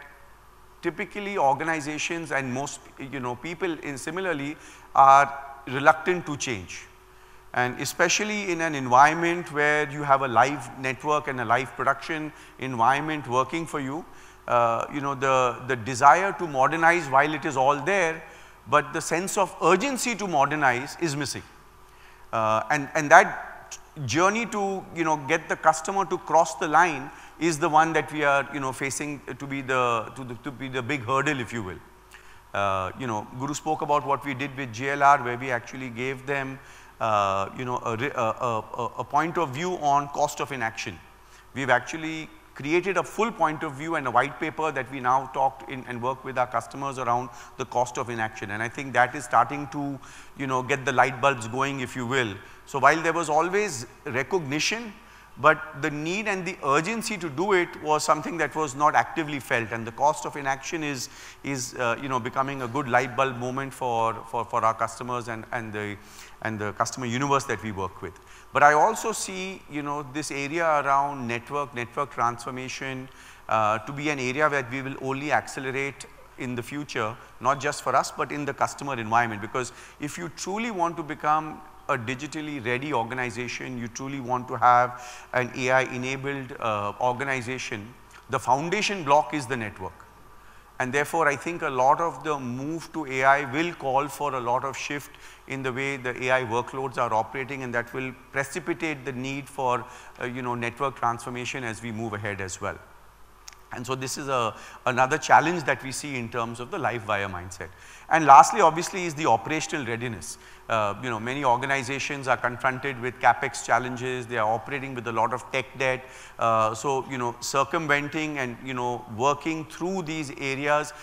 typically organizations and most, you know, people in similarly are reluctant to change, and especially in an environment where you have a live network and a live production environment working for you know, the desire to modernize while it is all there, but the sense of urgency to modernize is missing. And that journey to, you know, get the customer to cross the line is the one that we are, you know, facing to be the big hurdle, if you will. You know, Guru spoke about what we did with JLR, where we actually gave them, you know, a point of view on cost of inaction. We've actually created a full point of view and a white paper that we now talk in and work with our customers around the cost of inaction, and I think that is starting to, you know, get the light bulbs going, if you will. While there was always recognition, but the need and the urgency to do it was something that was not actively felt, and the cost of inaction is, you know, becoming a good light bulb moment for our customers and the customer universe that we work with. I also see, you know, this area around network transformation, to be an area where we will only accelerate in the future, not just for us, but in the customer environment. If you truly want to become a digitally ready organization, you truly want to have an AI-enabled organization, the foundation block is the network. Therefore, I think a lot of the move to AI will call for a lot of shift in the way the AI workloads are operating, and that will precipitate the need for, you know, network transformation as we move ahead as well. This is another challenge that we see in terms of the live wire mindset. Lastly, obviously, is the operational readiness. You know, many organizations are confronted with CapEx challenges. They are operating with a lot of tech debt. You know, circumventing and, you know, working through these areas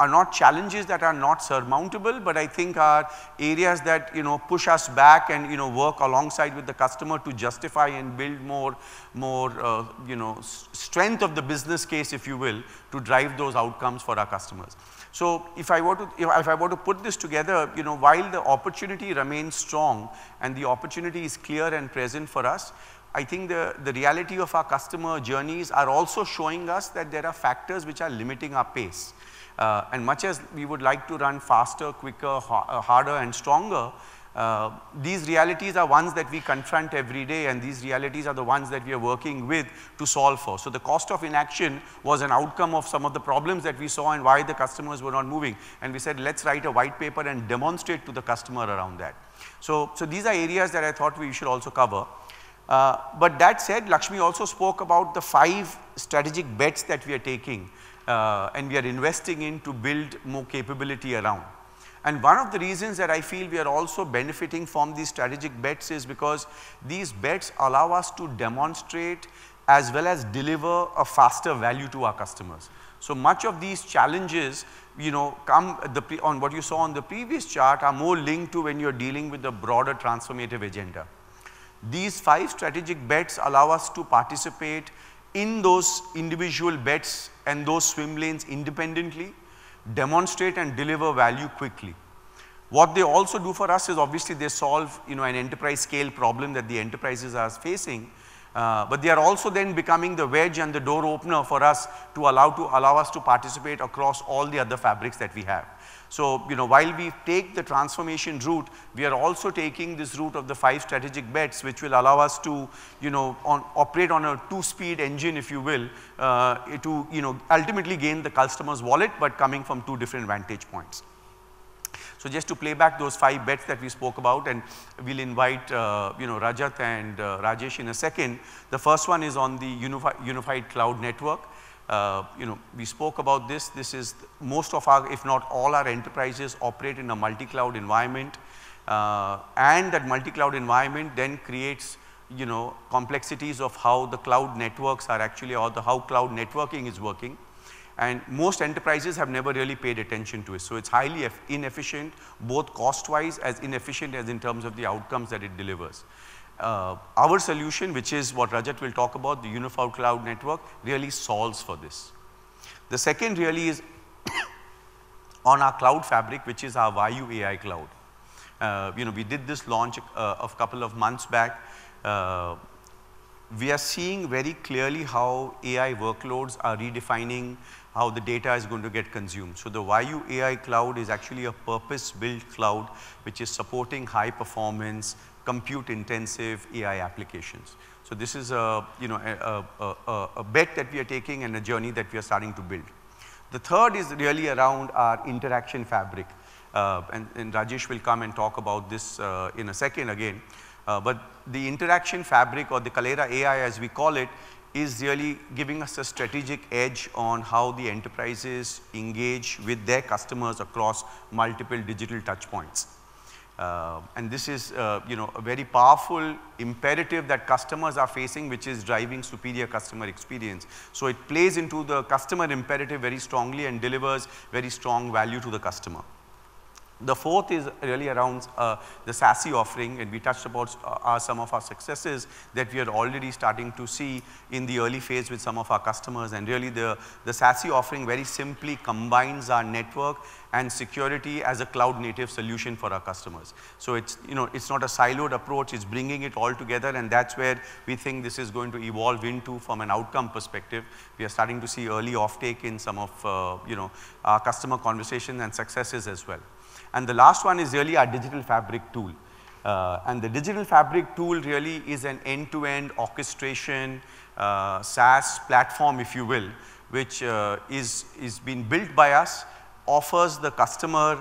are not challenges that are not surmountable, but I think are areas that, you know, push us back and, you know, work alongside with the customer to justify and build more strength of the business case, if you will, to drive those outcomes for our customers. If I were to put this together, you know, while the opportunity remains strong and the opportunity is clear and present for us, I think the reality of our customer journeys are also showing us that there are factors which are limiting our pace. Much as we would like to run faster, quicker, harder, and stronger, these realities are ones that we confront every day, and these realities are the ones that we are working with to solve for. The cost of inaction was an outcome of some of the problems that we saw and why the customers were not moving, and we said, "Let's write a white paper and demonstrate to the customer around that." These are areas that I thought we should also cover. That said, Lakshmi also spoke about the five strategic bets that we are taking, and we are investing in to build more capability around. One of the reasons that I feel we are also benefiting from these strategic bets is because these bets allow us to demonstrate as well as deliver a faster value to our customers. Much of these challenges, you know, on what you saw on the previous chart are more linked to when you're dealing with a broader transformative agenda. These five strategic bets allow us to participate in those individual bets and those swim lanes independently, demonstrate and deliver value quickly. What they also do for us is obviously they solve, you know, an enterprise scale problem that the enterprises are facing, but they are also then becoming the wedge and the door opener for us to allow us to participate across all the other fabrics that we have. While we take the transformation route, we are also taking this route of the five strategic bets, which will allow us to, you know, operate on a two-speed engine, if you will, to, you know, ultimately gain the customer's wallet, but coming from two different vantage points. Just to play back those five bets that we spoke about, and we'll invite, you know, Rajat and Rajesh in a second. The first one is on the unified cloud network. You know, we spoke about this. This is most of our, if not all our enterprises operate in a multi-cloud environment, and that multi-cloud environment then creates, you know, complexities of how the cloud networks are actually or how cloud networking is working. Most enterprises have never really paid attention to it. It's highly inefficient, both cost-wise as inefficient as in terms of the outcomes that it delivers. Our solution, which is what Rajat will talk about, the unified cloud network, really solves for this. The second really is on our cloud fabric, which is our Vayu AI Cloud. You know, we did this launch a couple of months back. We are seeing very clearly how AI workloads are redefining how the data is going to get consumed. The Vayu AI Cloud is actually a purpose-built cloud, which is supporting high performance, compute intensive AI applications. This is a, you know, a bet that we are taking and a journey that we are starting to build. The third is really around our interaction fabric, and Rajesh will come and talk about this in a second again. The interaction fabric or the Kaleyra AI, as we call it, is really giving us a strategic edge on how the enterprises engage with their customers across multiple digital touch points. This is, you know, a very powerful imperative that customers are facing, which is driving superior customer experience. It plays into the customer imperative very strongly and delivers very strong value to the customer. The fourth is really around the SASE offering, we touched upon some of our successes that we are already starting to see in the early phase with some of our customers. Really the SASE offering very simply combines our network and security as a cloud-native solution for our customers. It's, you know, it's not a siloed approach, it's bringing it all together, and that's where we think this is going to evolve into from an outcome perspective. We are starting to see early offtake in some of, you know, our customer conversation and successes as well. The last one is really our Digital Fabric tool. The Digital Fabric tool really is an end-to-end orchestration, SaaS platform, if you will, which is being built by us, offers the customer,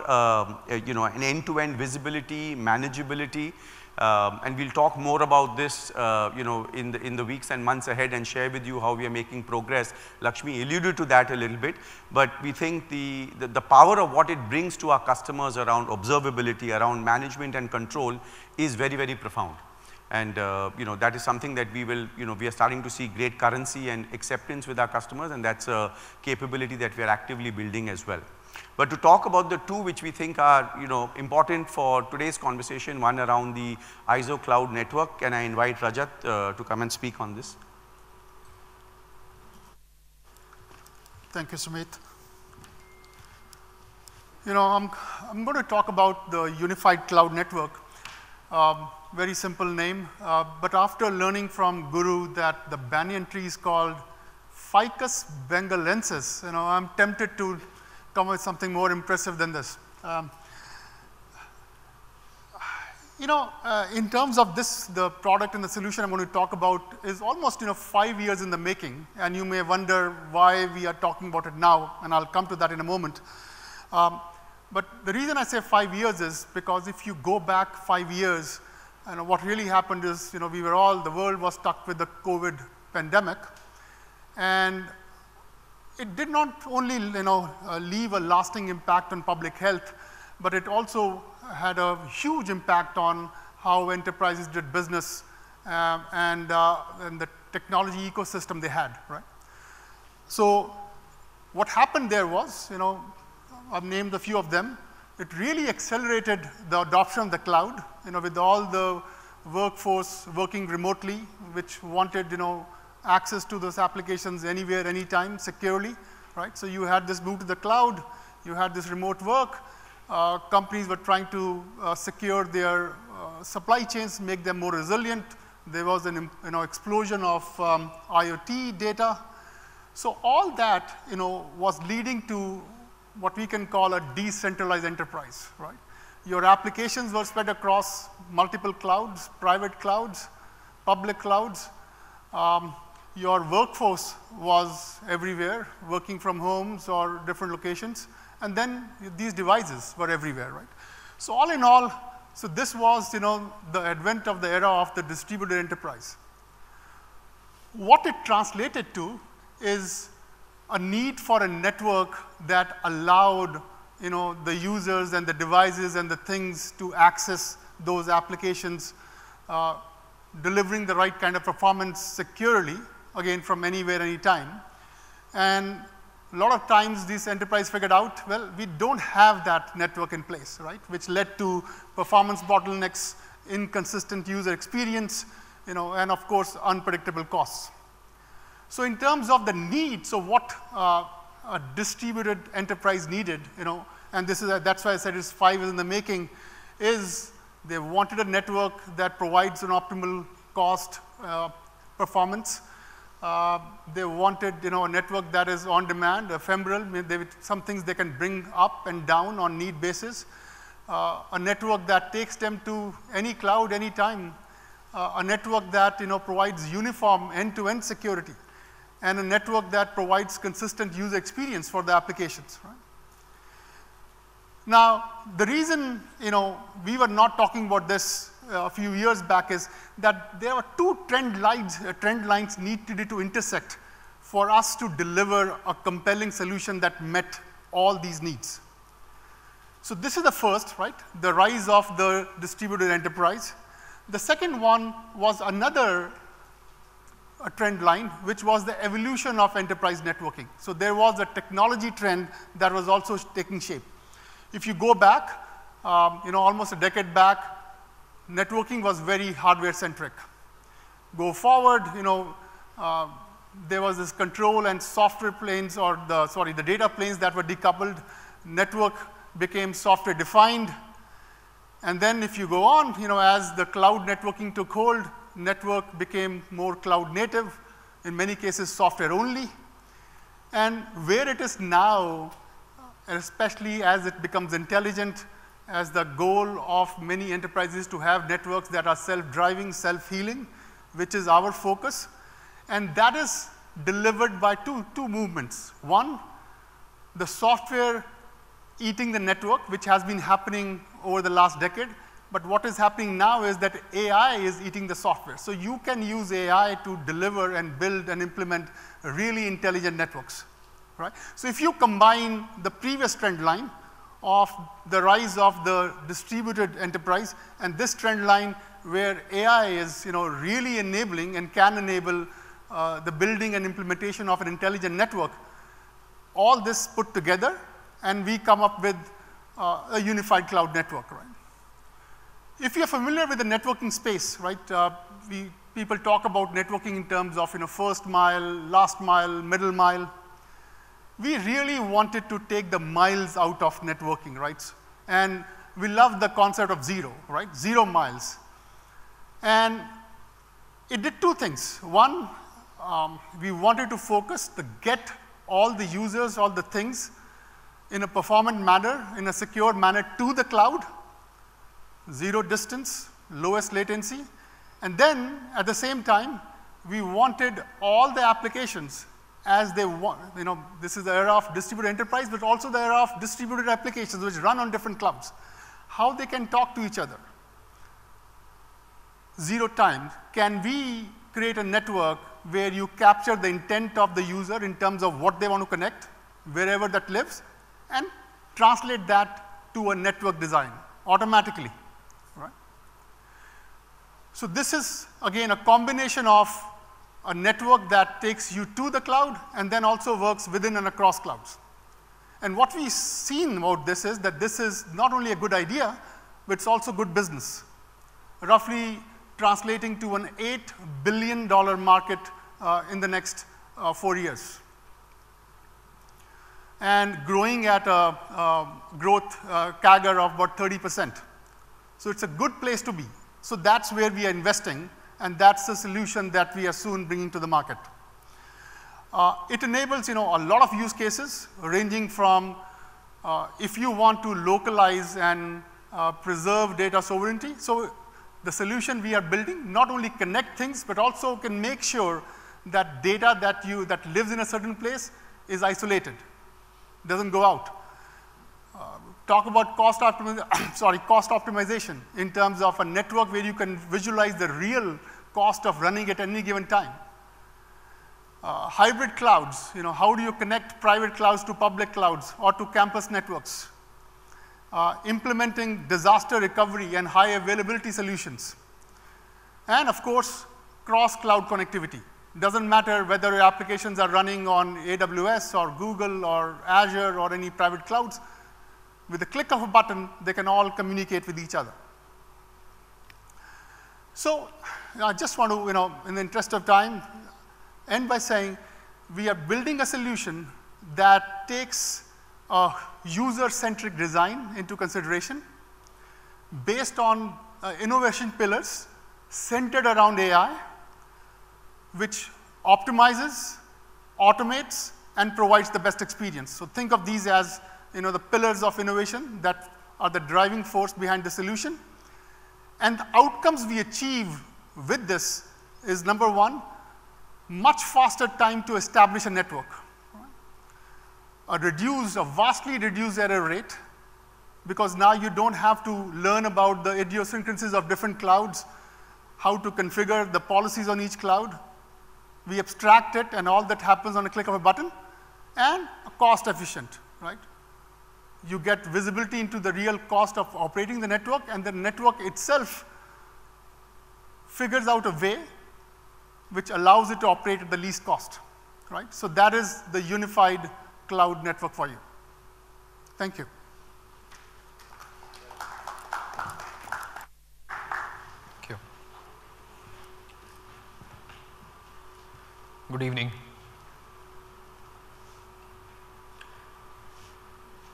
you know, an end-to-end visibility, manageability, and we'll talk more about this, you know, in the weeks and months ahead and share with you how we are making progress. Lakshmi alluded to that a little bit. We think the power of what it brings to our customers around observability, around management and control is very profound. You know, that is something that we will, you know, we are starting to see great currency and acceptance with our customers, and that's a capability that we are actively building as well. To talk about the two which we think are, you know, important for today's conversation, one around the IZO Multi-Cloud Network. Can I invite Rajat to come and speak on this?
Thank you, Sumeet. You know, I'm gonna talk about the unified cloud network. Very simple name, after learning from Guru that the banyan tree is called Ficus benghalensis, you know, I'm tempted to come with something more impressive than this. You know, in terms of this, the product and the solution I'm gonna talk about is almost, you know, five years in the making, you may wonder why we are talking about it now, I'll come to that in a moment. The reason I say five years is because if you go back five years what really happened is, you know, we were all, the world was stuck with the COVID pandemic. It did not only, you know, leave a lasting impact on public health, but it also had a huge impact on how enterprises did business, and the technology ecosystem they had, right? What happened there was, you know, I've named a few of them. It really accelerated the adoption of the cloud, you know, with all the workforce working remotely, which wanted, you know, access to those applications anywhere, anytime, securely, right? You had this move to the cloud. You had this remote work. Companies were trying to secure their supply chains, make them more resilient. There was an, you know, explosion of IoT data. All that, you know, was leading to what we can call a decentralized enterprise, right? Your applications were spread across multiple clouds, private clouds, public clouds. Your workforce was everywhere, working from homes or different locations. These devices were everywhere, right? All in all, this was, you know, the advent of the era of the distributed enterprise. What it translated to is a need for a network that allowed, you know, the users and the devices and the things to access those applications, delivering the right kind of performance securely, again, from anywhere, anytime. A lot of times these enterprise figured out, well, we don't have that network in place, right? Which led to performance bottlenecks, inconsistent user experience, you know, and of course, unpredictable costs. In terms of the needs of what a distributed enterprise needed, you know, that's why I said it's five in the making, is they wanted a network that provides an optimal cost performance. They wanted, you know, a network that is on demand, ephemeral, some things they can bring up and down on need basis. A network that takes them to any cloud anytime. A network that, you know, provides uniform end-to-end security, and a network that provides consistent user experience for the applications, right? The reason, you know, we were not talking about this a few years back is that there were two trend lines needed to intersect for us to deliver a compelling solution that met all these needs. This is the first, right? The rise of the distributed enterprise. The second one was another trend line, which was the evolution of enterprise networking. There was a technology trend that was also taking shape. If you go back, you know, almost a decade back, networking was very hardware-centric. Go forward, you know, there was this control and software planes, sorry, the data planes that were decoupled. Network became software-defined. If you go on, you know, as the cloud networking took hold, network became more cloud native, in many cases, software only. Where it is now, especially as it becomes intelligent, as the goal of many enterprises to have networks that are self-driving, self-healing, which is our focus. That is delivered by two movements. One, the software eating the network, which has been happening over the last decade. What is happening now is that AI is eating the software. You can use AI to deliver and build and implement really intelligent networks, right? If you combine the previous trend line of the rise of the distributed enterprise and this trend line where AI is, you know, really enabling and can enable the building and implementation of an intelligent network, all this put together, we come up with a unified cloud network. If you're familiar with the networking space? People talk about networking in terms of, you know, first mile, last mile, middle mile. We really wanted to take the miles out of networking. We love the concept of zero. Zero miles. It did two things. One, we wanted to focus to get all the users, all the things in a performant manner, in a secured manner to the cloud, zero distance, lowest latency. At the same time, we wanted all the applications as they want. You know, this is the era of distributed enterprise, also the era of distributed applications which run on different clouds. How they can talk to each other. Zero time. Can we create a network where you capture the intent of the user in terms of what they want to connect wherever that lives and translate that to a network design automatically, right? This is, again, a combination of a network that takes you to the cloud and then also works within and across clouds. What we've seen about this is that this is not only a good idea, but it's also good business, roughly translating to an $8 billion market in the next four years. Growing at a, growth, CAGR of what, 30%. It's a good place to be. That's where we are investing, and that's the solution that we are soon bringing to the market. It enables, you know, a lot of use cases ranging from, if you want to localize and preserve data sovereignty. The solution we are building not only connect things, but also can make sure that data that lives in a certain place is isolated, doesn't go out. Talk about cost optimization in terms of a network where you can visualize the real cost of running at any given time. Hybrid clouds, you know, how do you connect private clouds to public clouds or to campus networks? Implementing disaster recovery and high availability solutions, and of course, cross-cloud connectivity. Doesn't matter whether your applications are running on AWS or Google or Azure or any private clouds. I just want to, you know, in the interest of time, end by saying we are building a solution that takes a user-centric design into consideration based on innovation pillars centered around AI, which optimizes, automates, and provides the best experience. Think of these as, you know, the pillars of innovation that are the driving force behind the solution. The outcomes we achieve with this is, number one, much faster time to establish a network. A vastly reduced error rate, because now you don't have to learn about the idiosyncrasies of different clouds, how to configure the policies on each cloud. We abstract it, and all that happens on a click of a button. Cost efficient, right? You get visibility into the real cost of operating the network, and the network itself figures out a way which allows it to operate at the least cost, right? That is the unified cloud network for you. Thank you.
Thank you. Good evening.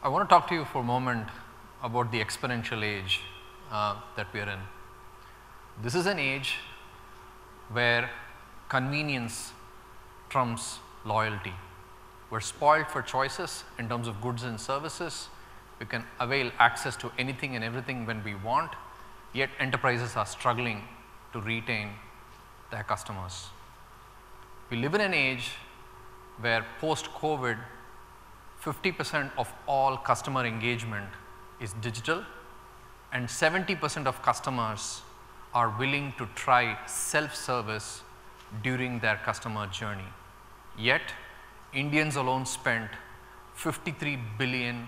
I wanna talk to you for a moment about the exponential age that we are in. This is an age where convenience trumps loyalty. We're spoiled for choices in terms of goods and services. We can avail access to anything and everything when we want, yet enterprises are struggling to retain their customers. We live in an age where post-COVID, 50% of all customer engagement is digital, and 70% of customers are willing to try self-service during their customer journey. Yet, Indians alone spent 53 billion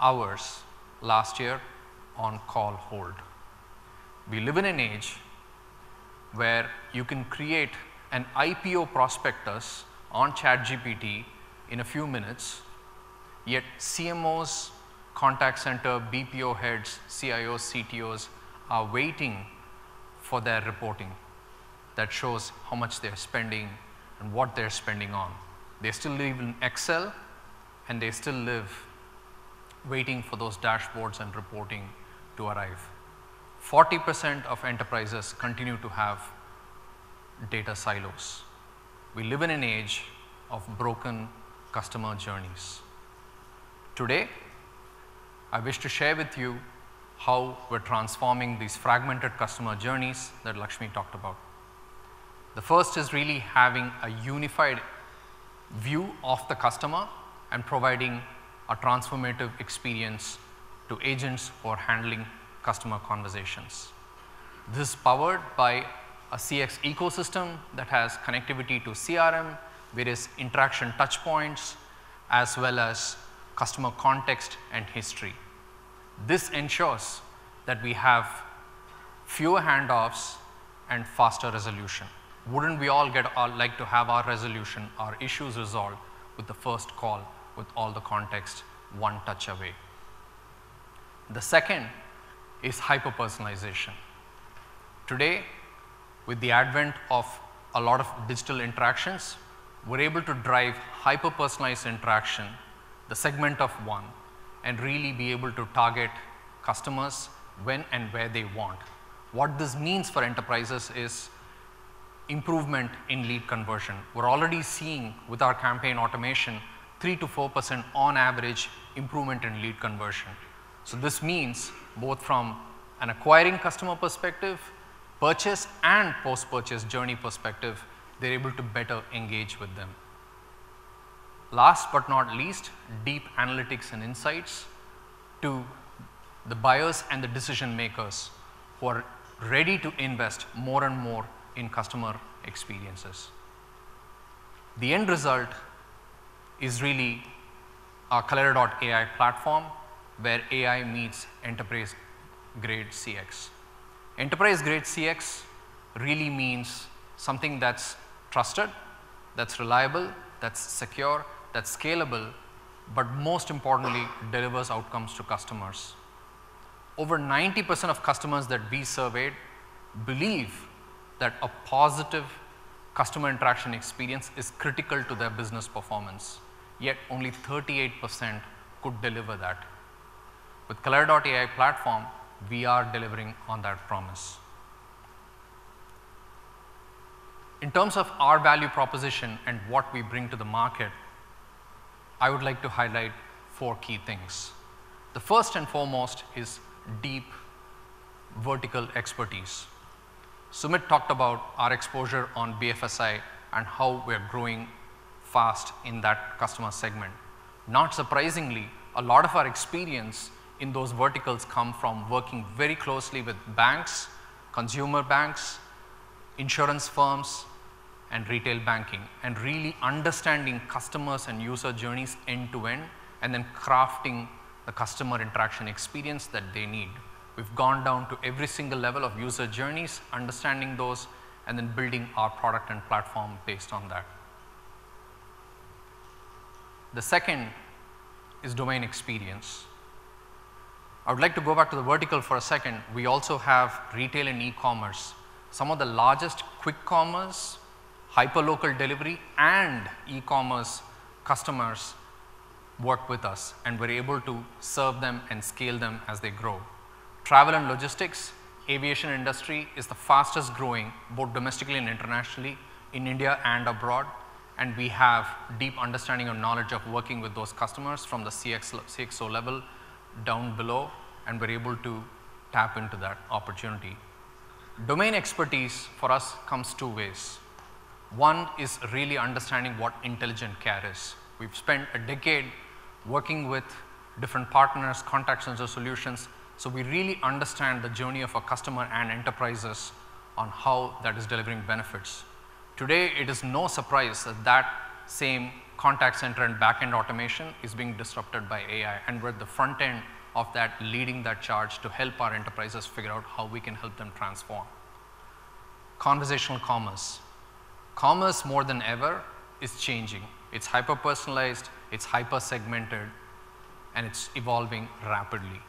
hours last year on call hold. We live in an age where you can create an IPO prospectus on ChatGPT in a few minutes, yet CMOs, contact center, BPO heads, CIOs, CTOs are waiting for their reporting that shows how much they're spending and what they're spending on. They still live in Excel, they still live waiting for those dashboards and reporting to arrive. 40% of enterprises continue to have data silos. We live in an age of broken customer journeys. Today, I wish to share with you how we're transforming these fragmented customer journeys that Lakshmi talked about. The first is really having a Unified view of the customer and providing a transformative experience to agents who are handling customer conversations. This is powered by a CX ecosystem that has connectivity to CRM, various interaction touchpoints, as well as customer context and history. This ensures that we have fewer handoffs and faster resolution. Wouldn't we all like to have our resolution, our issues resolved with the first call with all the context one touch away? The second is hyper-personalization. Today, with the advent of a lot of digital interactions, we're able to drive hyper-personalized interaction, the segment of one, and really be able to target customers when and where they want. What this means for enterprises is improvement in lead conversion. We're already seeing with our campaign automation 3%-4% on average improvement in lead conversion. This means both from an acquiring customer perspective, purchase, and post-purchase journey perspective, they're able to better engage with them. Last but not least, deep analytics and insights to the buyers and the decision-makers who are ready to invest more and more in customer experiences. The end result is really our Kaleyra AI platform, where AI meets enterprise-grade CX. Enterprise-grade CX really means something that's trusted, that's reliable, that's secure, that's scalable, but most importantly, delivers outcomes to customers. Over 90% of customers that we surveyed believe that a positive customer interaction experience is critical to their business performance, yet only 38% could deliver that. With Kaleyra AI platform, we are delivering on that promise. In terms of our value proposition and what we bring to the market, I would like to highlight four key things. The first and foremost is deep vertical expertise. Sumeet talked about our exposure on BFSI and how we are growing fast in that customer segment. Not surprisingly, a lot of our experience in those verticals come from working very closely with banks, consumer banks, insurance firms, and retail banking, and really understanding customers and user journeys end to end, and then crafting the customer interaction experience that they need. We've gone down to every single level of user journeys, understanding those, and then building our product and platform based on that. The second is domain experience. I would like to go back to the vertical for a second. We also have retail and e-commerce. Some of the largest quick commerce, hyper-local delivery, and e-commerce customers work with us, and we're able to serve them and scale them as they grow. Travel and logistics, aviation industry is the fastest growing, both domestically and internationally, in India and abroad, and we have deep understanding or knowledge of working with those customers from the CXO level down below, and we're able to tap into that opportunity. Domain expertise for us comes two ways. One is really understanding what intelligent care is. We've spent a decade working with different partners, contact center solutions, so we really understand the journey of a customer and enterprises on how that is delivering benefits. Today, it is no surprise that that same contact center and backend automation is being disrupted by AI. We're at the front end of that, leading that charge to help our enterprises figure out how we can help them transform. Conversational commerce. Commerce, more than ever, is changing. It's hyper-personalized, it's hyper-segmented, and it's evolving rapidly.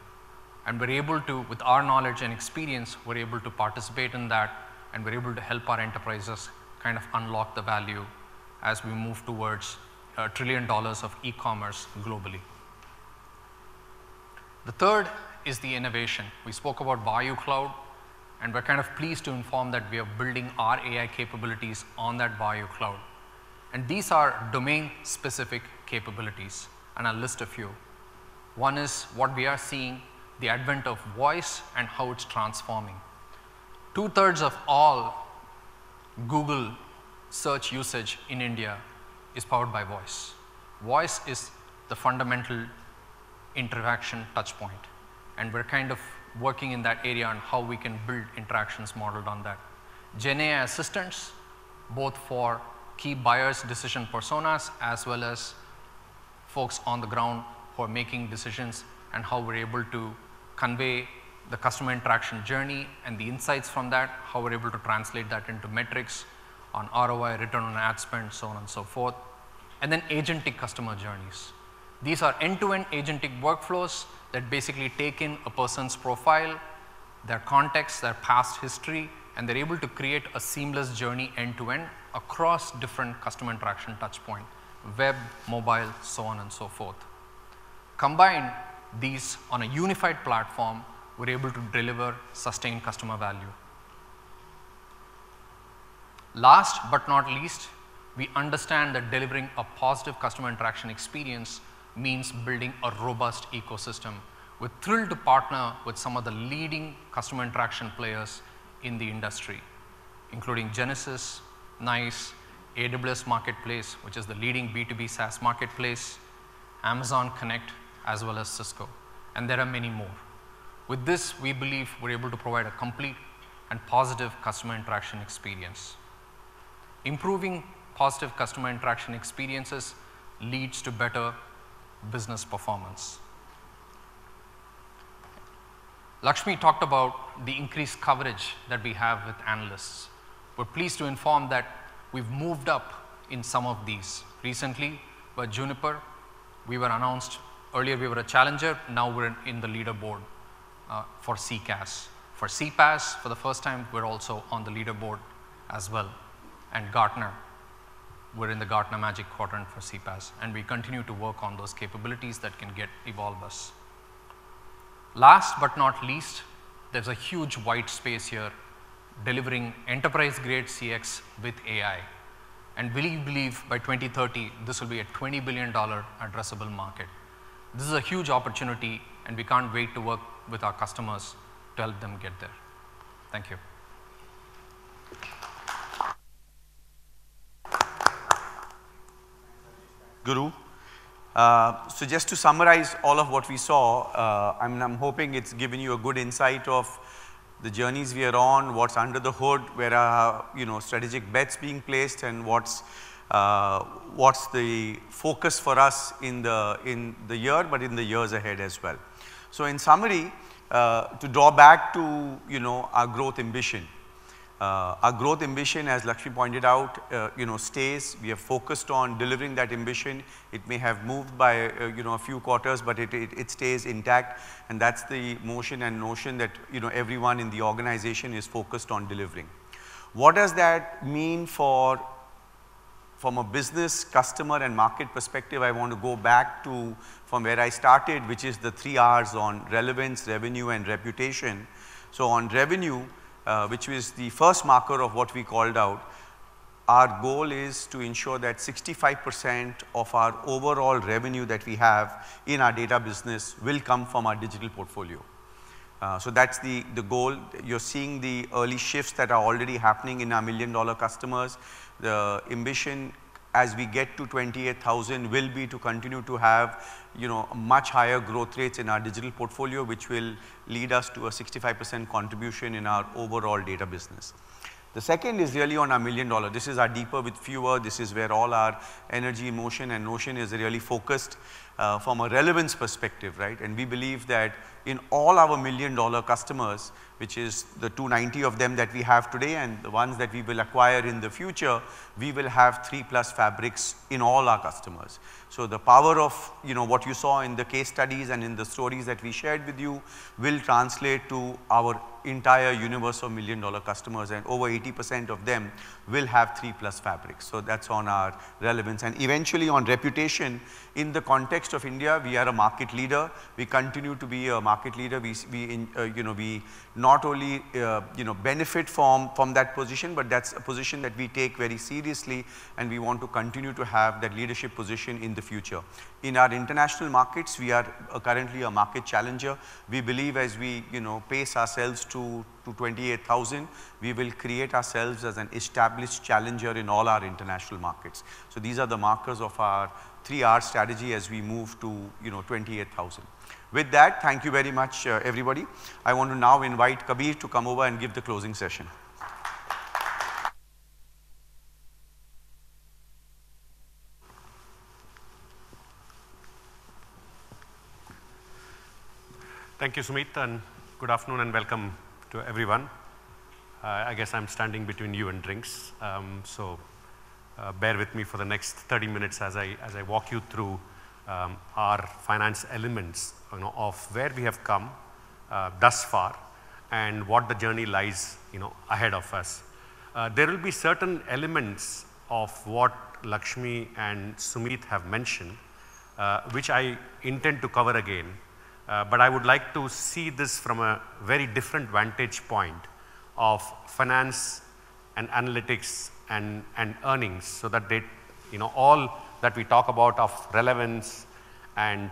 We're able to with our knowledge and experience, we're able to participate in that. We're able to help our enterprises kind of unlock the value as we move towards $1 trillion of e-commerce globally. The third is the innovation. We spoke about Vayu AI Cloud. We're kind of pleased to inform that we are building our AI capabilities on that Vayu AI Cloud. These are domain-specific capabilities, and I'll list a few. One is what we are seeing the advent of voice and how it's transforming. Two-thirds of all Google Search usage in India is powered by voice. Voice is the fundamental interaction touch point, and we're kind of working in that area on how we can build interactions modeled on that. GenAI assistants, both for key buyers' decision personas as well as folks on the ground who are making decisions and how we're able to convey the customer interaction journey and the insights from that, how we're able to translate that into metrics on ROI, return on ad spend, so on and so forth. Agentic customer journeys. These are end-to-end Agentic workflows that basically take in a person's profile, their context, their past history, and they're able to create a seamless journey end-to-end across different customer interaction touchpoint, web, mobile, so on and so forth. Combine these on a Unified platform, we're able to deliver sustained customer value. Last but not least, we understand that delivering a positive customer interaction experience means building a robust ecosystem. We're thrilled to partner with some of the leading customer interaction players in the industry, including Genesys, NICE, AWS Marketplace, which is the leading B2B SaaS marketplace, Amazon Connect, as well as Cisco. There are many more. With this, we believe we're able to provide a complete and positive customer interaction experience. Improving positive customer interaction experiences leads to better business performance. Lakshmi talked about the increased coverage that we have with analysts. We're pleased to inform that we've moved up in some of these recently. By Juniper, we were announced earlier, we were a challenger, now we're in the leaderboard for CCaaS. CPaaS, for the first time, we're also on the leaderboard as well. Gartner, we're in the Gartner Magic Quadrant for CPaaS, and we continue to work on those capabilities that can get evolve us. Last but not least, there's a huge white space here delivering enterprise-grade CX with AI. We believe by 2030, this will be an INR 20 billion addressable market. This is a huge opportunity, and we can't wait to work with our customers to help them get there. Thank you.
Guru, just to summarize all of what we saw, and I'm hoping it's given you a good insight of the journeys we are on, what's under the hood, where are, you know, strategic bets being placed, and what's the focus for us in the year, but in the years ahead as well. In summary, to draw back to, you know, our growth ambition. Our growth ambition, as Lakshmi pointed out, you know, stays. We are focused on delivering that ambition. It may have moved by, you know, a few quarters, but it stays intact, and that's the motion and notion that, you know, everyone in the organization is focused on delivering. What does that mean from a business, customer, and market perspective? I want to go back to from where I started, which is the three Rs on relevance, revenue, and reputation. On revenue, which was the first marker of what we called out, our goal is to ensure that 65% of our overall revenue that we have in our data business will come from our digital portfolio. That's the goal. You're seeing the early shifts that are already happening in our million-dollar customers. The ambition as we get to 28,000 will be to continue to have, you know, much higher growth rates in our digital portfolio, which will lead us to a 65% contribution in our overall data business. The second is really on our million dollar. This is our deeper with fewer. This is where all our energy and motion is really focused from a relevance perspective, right? We believe that in all our million-dollar customers, which is the 290 of them that we have today and the ones that we will acquire in the future, we will have three plus fabrics in all our customers. The power of, you know, what you saw in the case studies and in the stories that we shared with you will translate to our entire universe of million-dollar customers, and over 80% of them will have three plus fabrics. That's on our relevance. Eventually on reputation, in the context of India, we are a market leader. We continue to be a market leader. We, you know, not only, you know, benefit from that position, but that's a position that we take very seriously, we want to continue to have that leadership position in the future. In our international markets, we are currently a market challenger. We believe as we, you know, pace ourselves to 28,000, we will create ourselves as an established challenger in all our international markets. These are the markers of our three R strategy as we move to, you know, 28,000. With that, thank you very much, everybody. I want to now invite Kabir to come over and give the closing session.
Thank you, Sumeet, good afternoon and welcome to everyone. I guess I'm standing between you and drinks, so bear with me for the next 30 minutes as I walk you through our finance elements, you know, of where we have come thus far and what the journey lies, you know, ahead of us. There will be certain elements of what Lakshmi and Sumeet have mentioned, which I intend to cover again. I would like to see this from a very different vantage point of finance and analytics and earnings so that all that we talk about of relevance and,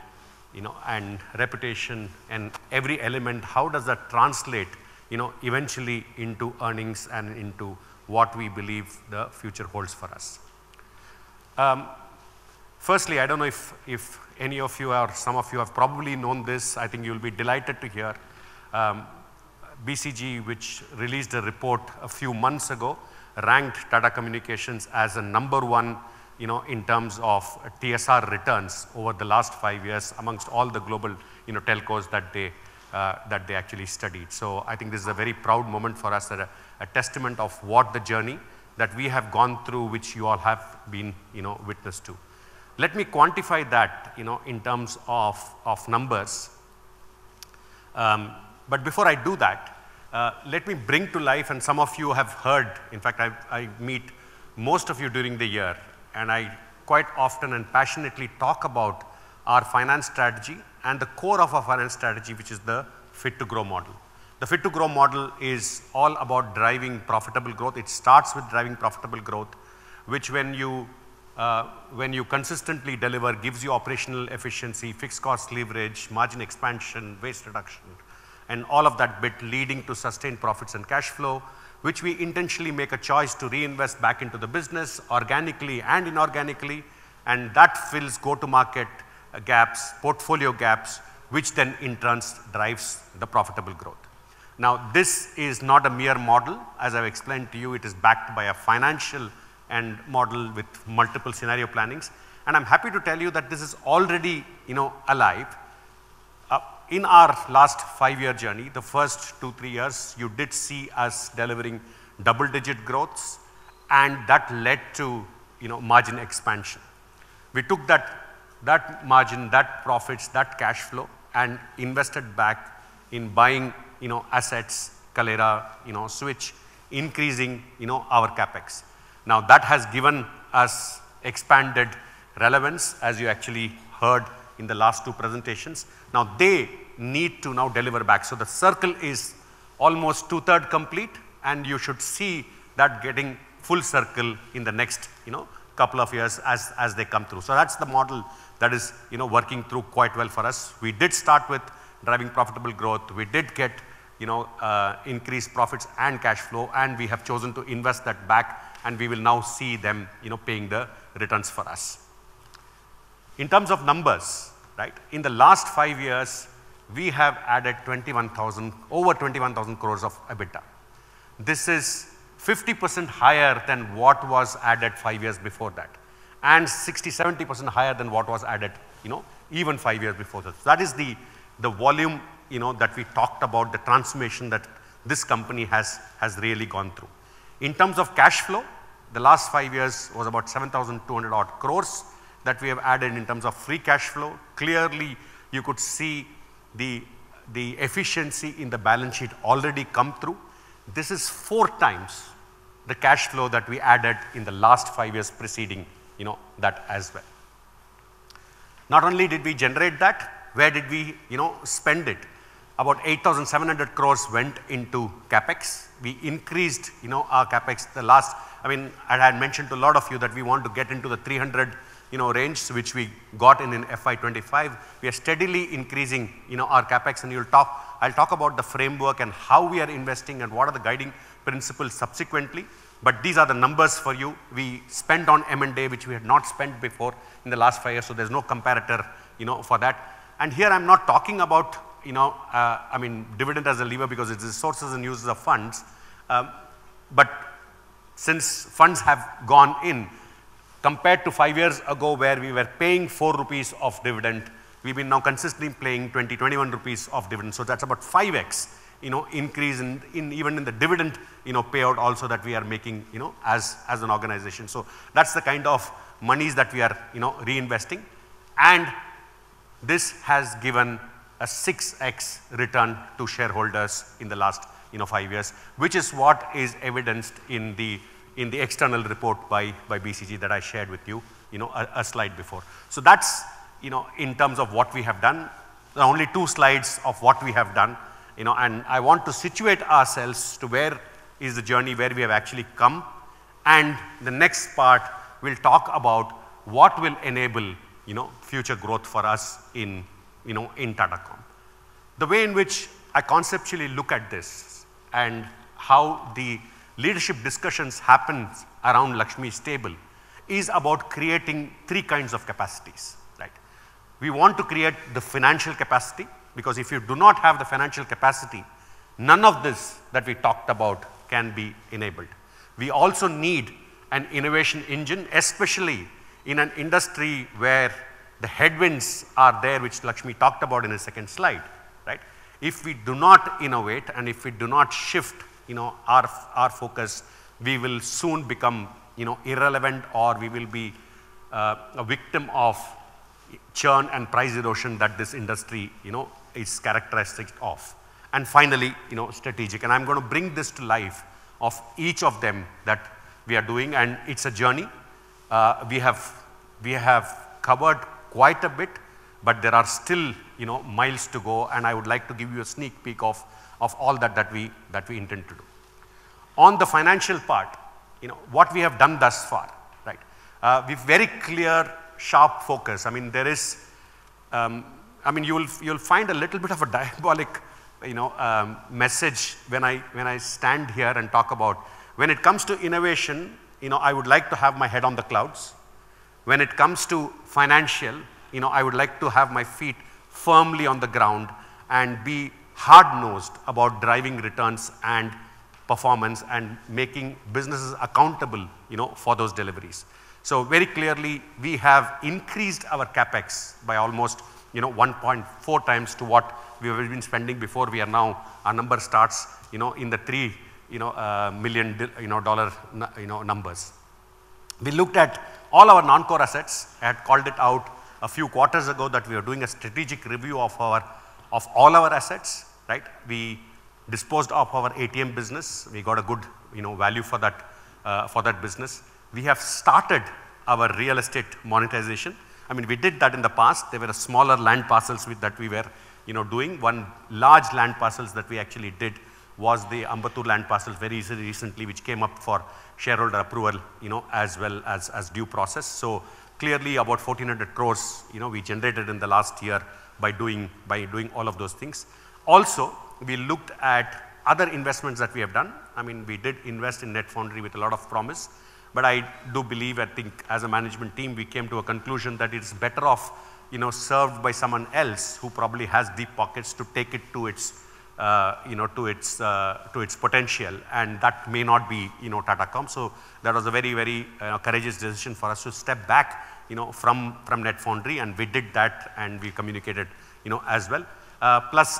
you know, and reputation and every element, how does that translate, you know, eventually into earnings and into what we believe the future holds for us. Firstly, I don't know if any of you or some of you have probably known this, I think you'll be delighted to hear, BCG, which released a report a few months ago, ranked Tata Communications as the number one, you know, in terms of TSR returns over the last five years amongst all the global, you know, telcos that they actually studied. I think this is a very proud moment for us and a testament of what the journey that we have gone through which you all have been, you know, witness to. Let me quantify that, you know, in terms of numbers. Before I do that, let me bring to life and some of you have heard, in fact, I meet most of you during the year, and I quite often and passionately talk about our finance strategy and the core of our finance strategy, which is the Fit to Grow model. The Fit to Grow model is all about driving profitable growth. It starts with driving profitable growth, which when you consistently deliver, gives you operational efficiency, fixed cost leverage, margin expansion, waste reduction, and all of that bit leading to sustained profits and cash flow, which we intentionally make a choice to reinvest back into the business organically and inorganically, and that fills go-to-market gaps, portfolio gaps, which then in turn drives the profitable growth. This is not a mere model. As I've explained to you, it is backed by a financial end model with multiple scenario plannings. I'm happy to tell you that this is already, you know, alive. In our last five-year journey, the first two, three years, you did see us delivering double-digit growths, that led to, you know, margin expansion. We took that margin, that profits, that cash flow and invested back in buying, you know, assets, Kaleyra, you know, Switch, increasing, you know, our CapEx. That has given us expanded relevance, as you actually heard in the last two presentations. They need to now deliver back. The circle is almost two-third complete, you should see that getting full circle in the next, you know, couple of years as they come through. That's the model that is, you know, working through quite well for us. We did start with driving profitable growth. We did get, you know, increased profits and cash flow. We have chosen to invest that back. We will now see them, you know, paying the returns for us. In terms of numbers, right? In the last five years, we have added over 21,000 crores of EBITDA. This is 50% higher than what was added five years before that. 60%-70% higher than what was added, you know, even five years before that. That is the volume, you know, that we talked about, the transformation that this company has really gone through. In terms of cash flow, the last five years was about 7,200 odd crores that we have added in terms of free cash flow. Clearly, you could see the efficiency in the balance sheet already come through. This is 4x the cash flow that we added in the last five years preceding, you know, that as well. Not only did we generate that, where did we, you know, spend it? About 8,700 crores went into CapEx. We increased, you know, our CapEx. I mean, I had mentioned to a lot of you that we want to get into the 300, you know, range, which we got in FY 2025. We are steadily increasing, you know, our CapEx, I'll talk about the framework and how we are investing and what are the guiding principles subsequently. These are the numbers for you. We spent on M&A, which we had not spent before in the last five years, so there's no comparator, you know, for that. Here I'm not talking about, you know, I mean, dividend as a lever because it's the sources and uses of funds. Since funds have gone in, compared to five years ago where we were paying 4 rupees of dividend, we've been now consistently paying 20-21 rupees of dividend. That's about 5x, you know, increase in even in the dividend, you know, payout also that we are making, you know, as an organization. That's the kind of monies that we are, you know, reinvesting. This has given a 6x return to shareholders in the last, you know, five years, which is what is evidenced in the external report by BCG that I shared with you know, a slide before. That's, you know, in terms of what we have done. There are only two slides of what we have done, you know. I want to situate ourselves to where is the journey where we have actually come. The next part will talk about what will enable, you know, future growth for us in, you know, in Tata Comm. The way in which I conceptually look at this and how the leadership discussions happened around Lakshmi's table is about creating three kinds of capacities, right? We want to create the financial capacity because if you do not have the financial capacity, none of this that we talked about can be enabled. We also need an innovation engine, especially in an industry where the headwinds are there, which Lakshmi talked about in the second slide, right? If we do not innovate, and if we do not shift, you know, our focus, we will soon become, you know, irrelevant or we will be a victim of churn and price erosion that this industry, you know, is characteristic of. Finally, you know, strategic. I'm going to bring this to life of each of them that we are doing, and it's a journey. We have covered quite a bit. There are still, you know, miles to go. I would like to give you a sneak peek of all that we intend to do. On the financial part, you know, what we have done thus far, right? We've very clear, sharp focus. I mean, there is, I mean, you'll find a little bit of a diabolic, you know, message when I stand here and talk about when it comes to innovation, you know, I would like to have my head on the clouds. When it comes to financial, you know, I would like to have my feet firmly on the ground and be hard-nosed about driving returns and performance and making businesses accountable, you know, for those deliveries. Very clearly, we have increased our CapEx by almost, you know, 1.4x to what we have been spending before. Our number starts, you know, in the $3 million, you know, dollar numbers. We looked at all our non-core assets. I had called it out a few quarters ago that we are doing a strategic review of all our assets, right? We disposed off our ATM business. We got a good, you know, value for that business. We have started our real estate monetization. I mean, we did that in the past. There were smaller land parcels with that we were, you know, doing. One large land parcels that we actually did was the Ambattur land parcel very recently, which came up for shareholder approval, you know, as well as due process. Clearly, about 1,400 crores, you know, we generated in the last year by doing all of those things. Also, we looked at other investments that we have done. I mean, we did invest in NetFoundry with a lot of promise, but I do believe, I think, as a management team, we came to a conclusion that it is better off, you know, served by someone else who probably has deep pockets to take it to its, you know, to its potential, and that may not be, you know, Tata Comm. That was a very, very courageous decision for us to step back, you know, from NetFoundry, and we did that, and we communicated, you know, as well.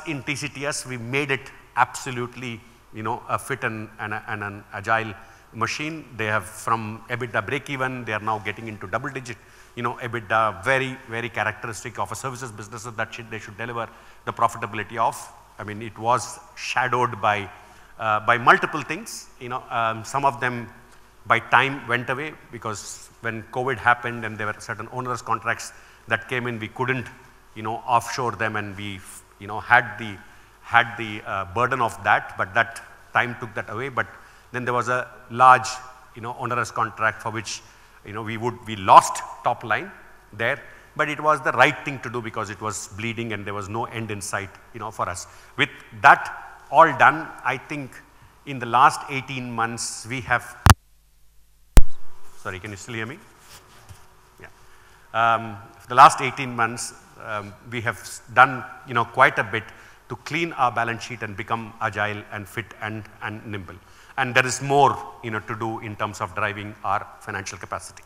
In TCTS, we made it absolutely, you know, a fit and an agile machine. They have from EBITDA breakeven, they are now getting into double digit, you know, EBITDA, very, very characteristic of a services business that they should deliver the profitability of. It was shadowed by multiple things, you know. Some of them by time went away because when COVID happened and there were certain onerous contracts that came in, we couldn't, you know, offshore them and we've, you know, had the burden of that, but that time took that away. There was a large, you know, onerous contract for which, you know, we lost top line there, but it was the right thing to do because it was bleeding and there was no end in sight, you know, for us. That all done. Sorry, can you still hear me? The last 18 months, we have done, you know, quite a bit to clean our balance sheet and become agile and fit and nimble. There is more, you know, to do in terms of driving our financial capacity.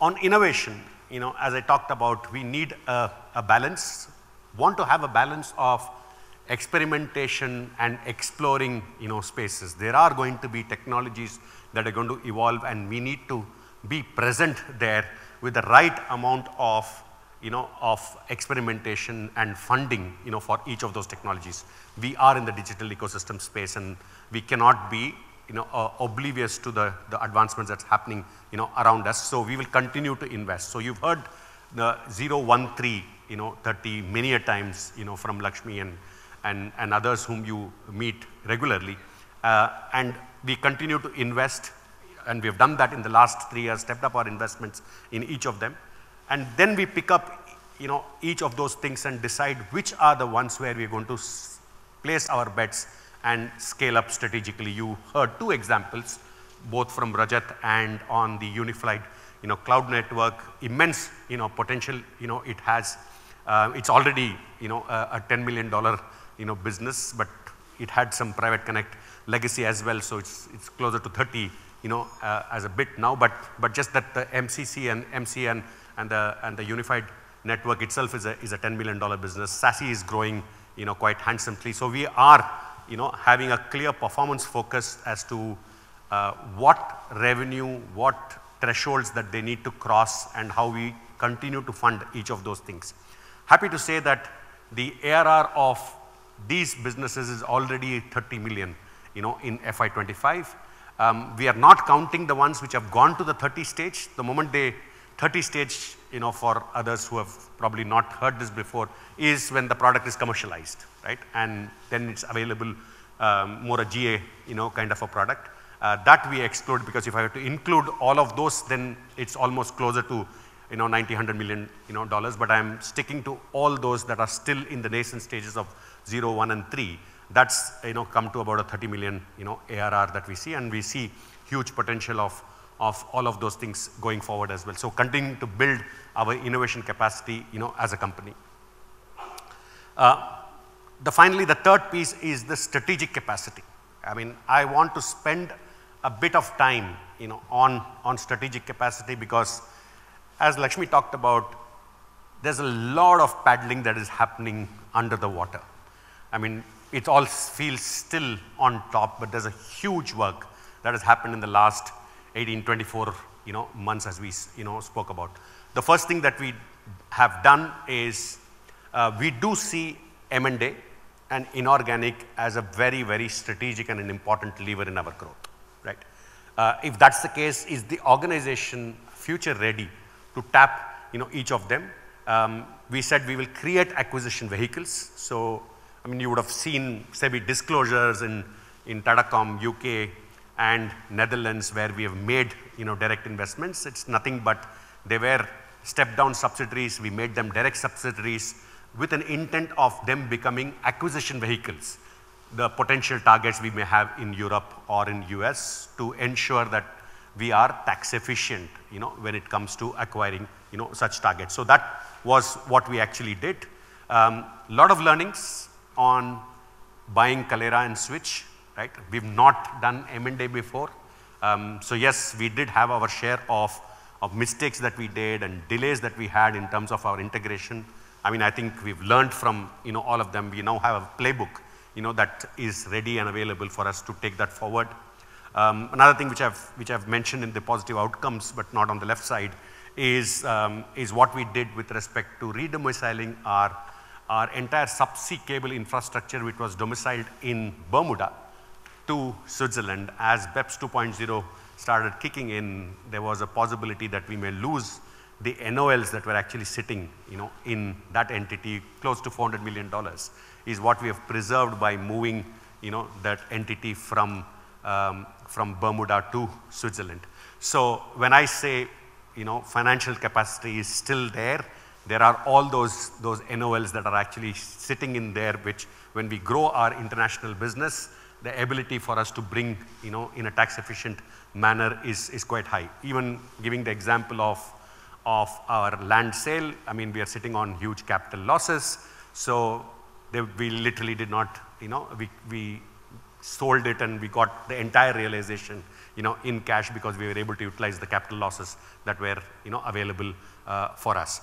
On innovation, you know, as I talked about, we need a balance. Want to have a balance of experimentation and exploring, you know, spaces. There are going to be technologies that are going to evolve, and we need to be present there with the right amount of, you know, of experimentation and funding, you know, for each of those technologies. We are in the digital ecosystem space, and we cannot be, you know, oblivious to the advancements that's happening, you know, around us. We will continue to invest. You've heard the 013, you know, 30 many a times, you know, from Lakshmi and others whom you meet regularly. We continue to invest, and we have done that in the last three years, stepped up our investments in each of them. Then we pick up, you know, each of those things and decide which are the ones where we're going to place our bets and scale up strategically. You heard two examples, both from Rajat and on the Unified, you know, unified cloud network. Immense, you know, potential, you know, it has. It's already, you know, a $10 million, you know, business, but it had some private connect legacy as well, so it's closer to $30 million, you know, as a bit now. Just that the MCC and MCN and the unified network itself is a $10 million business. SASE is growing, you know, quite handsomely. We are, you know, having a clear performance focus as to what revenue, what thresholds that they need to cross, and how we continue to fund each of those things. Happy to say that the ARR of these businesses is already $30 million, you know, in FY 2025. We are not counting the ones which have gone to the 30 stage. The moment they 30 stage, you know, for others who have probably not heard this before, is when the product is commercialized, right? Then it's available, more a GA, you know, kind of a product. That we exclude because if I were to include all of those, it's almost closer to, you know, $90 million-$100 million, you know, dollars. I'm sticking to all those that are still in the nascent stages of zero, one, and three. That's, you know, come to about a $30 million, you know, ARR that we see, we see huge potential of all of those things going forward as well. Continuing to build our innovation capacity, you know, as a company. Finally, the third piece is the strategic capacity. I mean, I want to spend a bit of time, you know, on strategic capacity because as Lakshmi talked about, there's a lot of paddling that is happening under the water. I mean, it all feels still on top, but there's a huge work that has happened in the last 18, 24, you know, months as we, you know, spoke about. The first thing that we have done is, we do see M&A and inorganic as a very, very strategic and an important lever in our growth, right? If that's the case, is the organization future ready to tap, you know, each of them? We said we will create acquisition vehicles. I mean, you would have seen SEBI disclosures in Tata Comm U.K. and Netherlands, where we have made, you know, direct investments. It's nothing but they were stepped-down subsidiaries. We made them direct subsidiaries with an intent of them becoming acquisition vehicles. The potential targets we may have in Europe or in U.S. to ensure that we are tax efficient, you know, when it comes to acquiring, you know, such targets. That was what we actually did. A lot of learnings on buying Kaleyra and Switch, right. We've not done M&A before. Yes, we did have our share of mistakes that we did and delays that we had in terms of our integration. I mean, I think we've learned from, you know, all of them. We now have a playbook, you know, that is ready and available for us to take that forward. Another thing which I've, which I've mentioned in the positive outcomes, but not on the left side, is what we did with respect to re-domiciling our entire subsea cable infrastructure, which was domiciled in Bermuda to Switzerland. As BEPS 2.0 started kicking in, there was a possibility that we may lose the NOLs that were actually sitting, you know, in that entity. Close to $400 million is what we have preserved by moving, you know, that entity from Bermuda to Switzerland. When I say, you know, financial capacity is still there are all those NOLs that are actually sitting in there, which when we grow our international business, the ability for us to bring, you know, in a tax efficient manner is quite high. Even giving the example of our land sale. I mean, we are sitting on huge capital losses. We literally did not, you know, we sold it, and we got the entire realization, you know, in cash because we were able to utilize the capital losses that were, you know, available for us.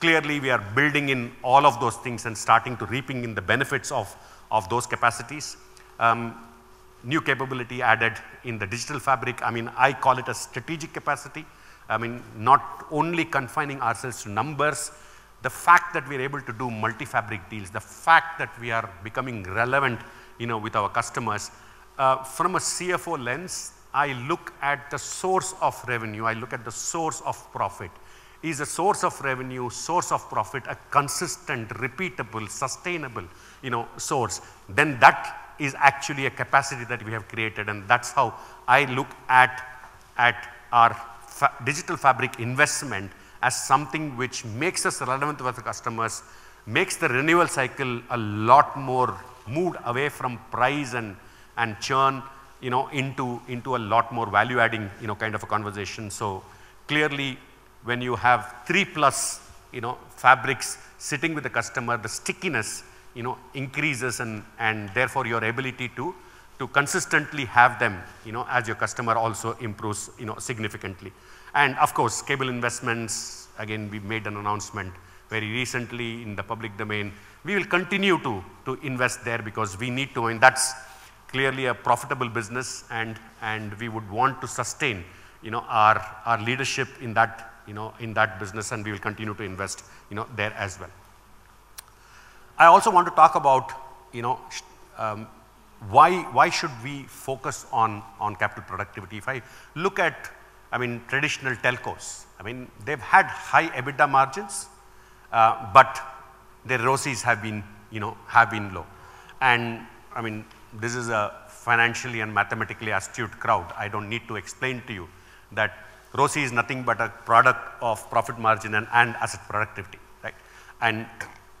Clearly, we are building in all of those things and starting to reaping in the benefits of those capacities. New capability added in the Digital Fabric. I mean, I call it a strategic capacity. I mean, not only confining ourselves to numbers, the fact that we're able to do multi-fabric deals, the fact that we are becoming relevant, you know, with our customers. From a CFO lens, I look at the source of revenue, I look at the source of profit. Is the source of revenue, source of profit, a consistent, repeatable, sustainable, you know, source? That is actually a capacity that we have created, and that's how I look at our Digital Fabric investment as something which makes us relevant with the customers, makes the renewal cycle a lot more moved away from price and churn, you know, into a lot more value-adding, you know, kind of a conversation. Clearly, when you have three-plus, you know, fabrics sitting with the customer, the stickiness, you know, increases and therefore your ability to consistently have them, you know, as your customer also improves, you know, significantly. Of course, cable investments, again, we made an announcement very recently in the public domain. We will continue to invest there because we need to. That's clearly a profitable business and we would want to sustain, you know, our leadership in that, you know, in that business. We will continue to invest, you know, there as well. I also want to talk about, you know, why should we focus on capital productivity? If I look at, I mean, traditional telcos, I mean, they've had high EBITDA margins. Their ROCEs have been, you know, low. I mean, this is a financially and mathematically astute crowd. I don't need to explain to you that ROCE is nothing but a product of profit margin and asset productivity, right?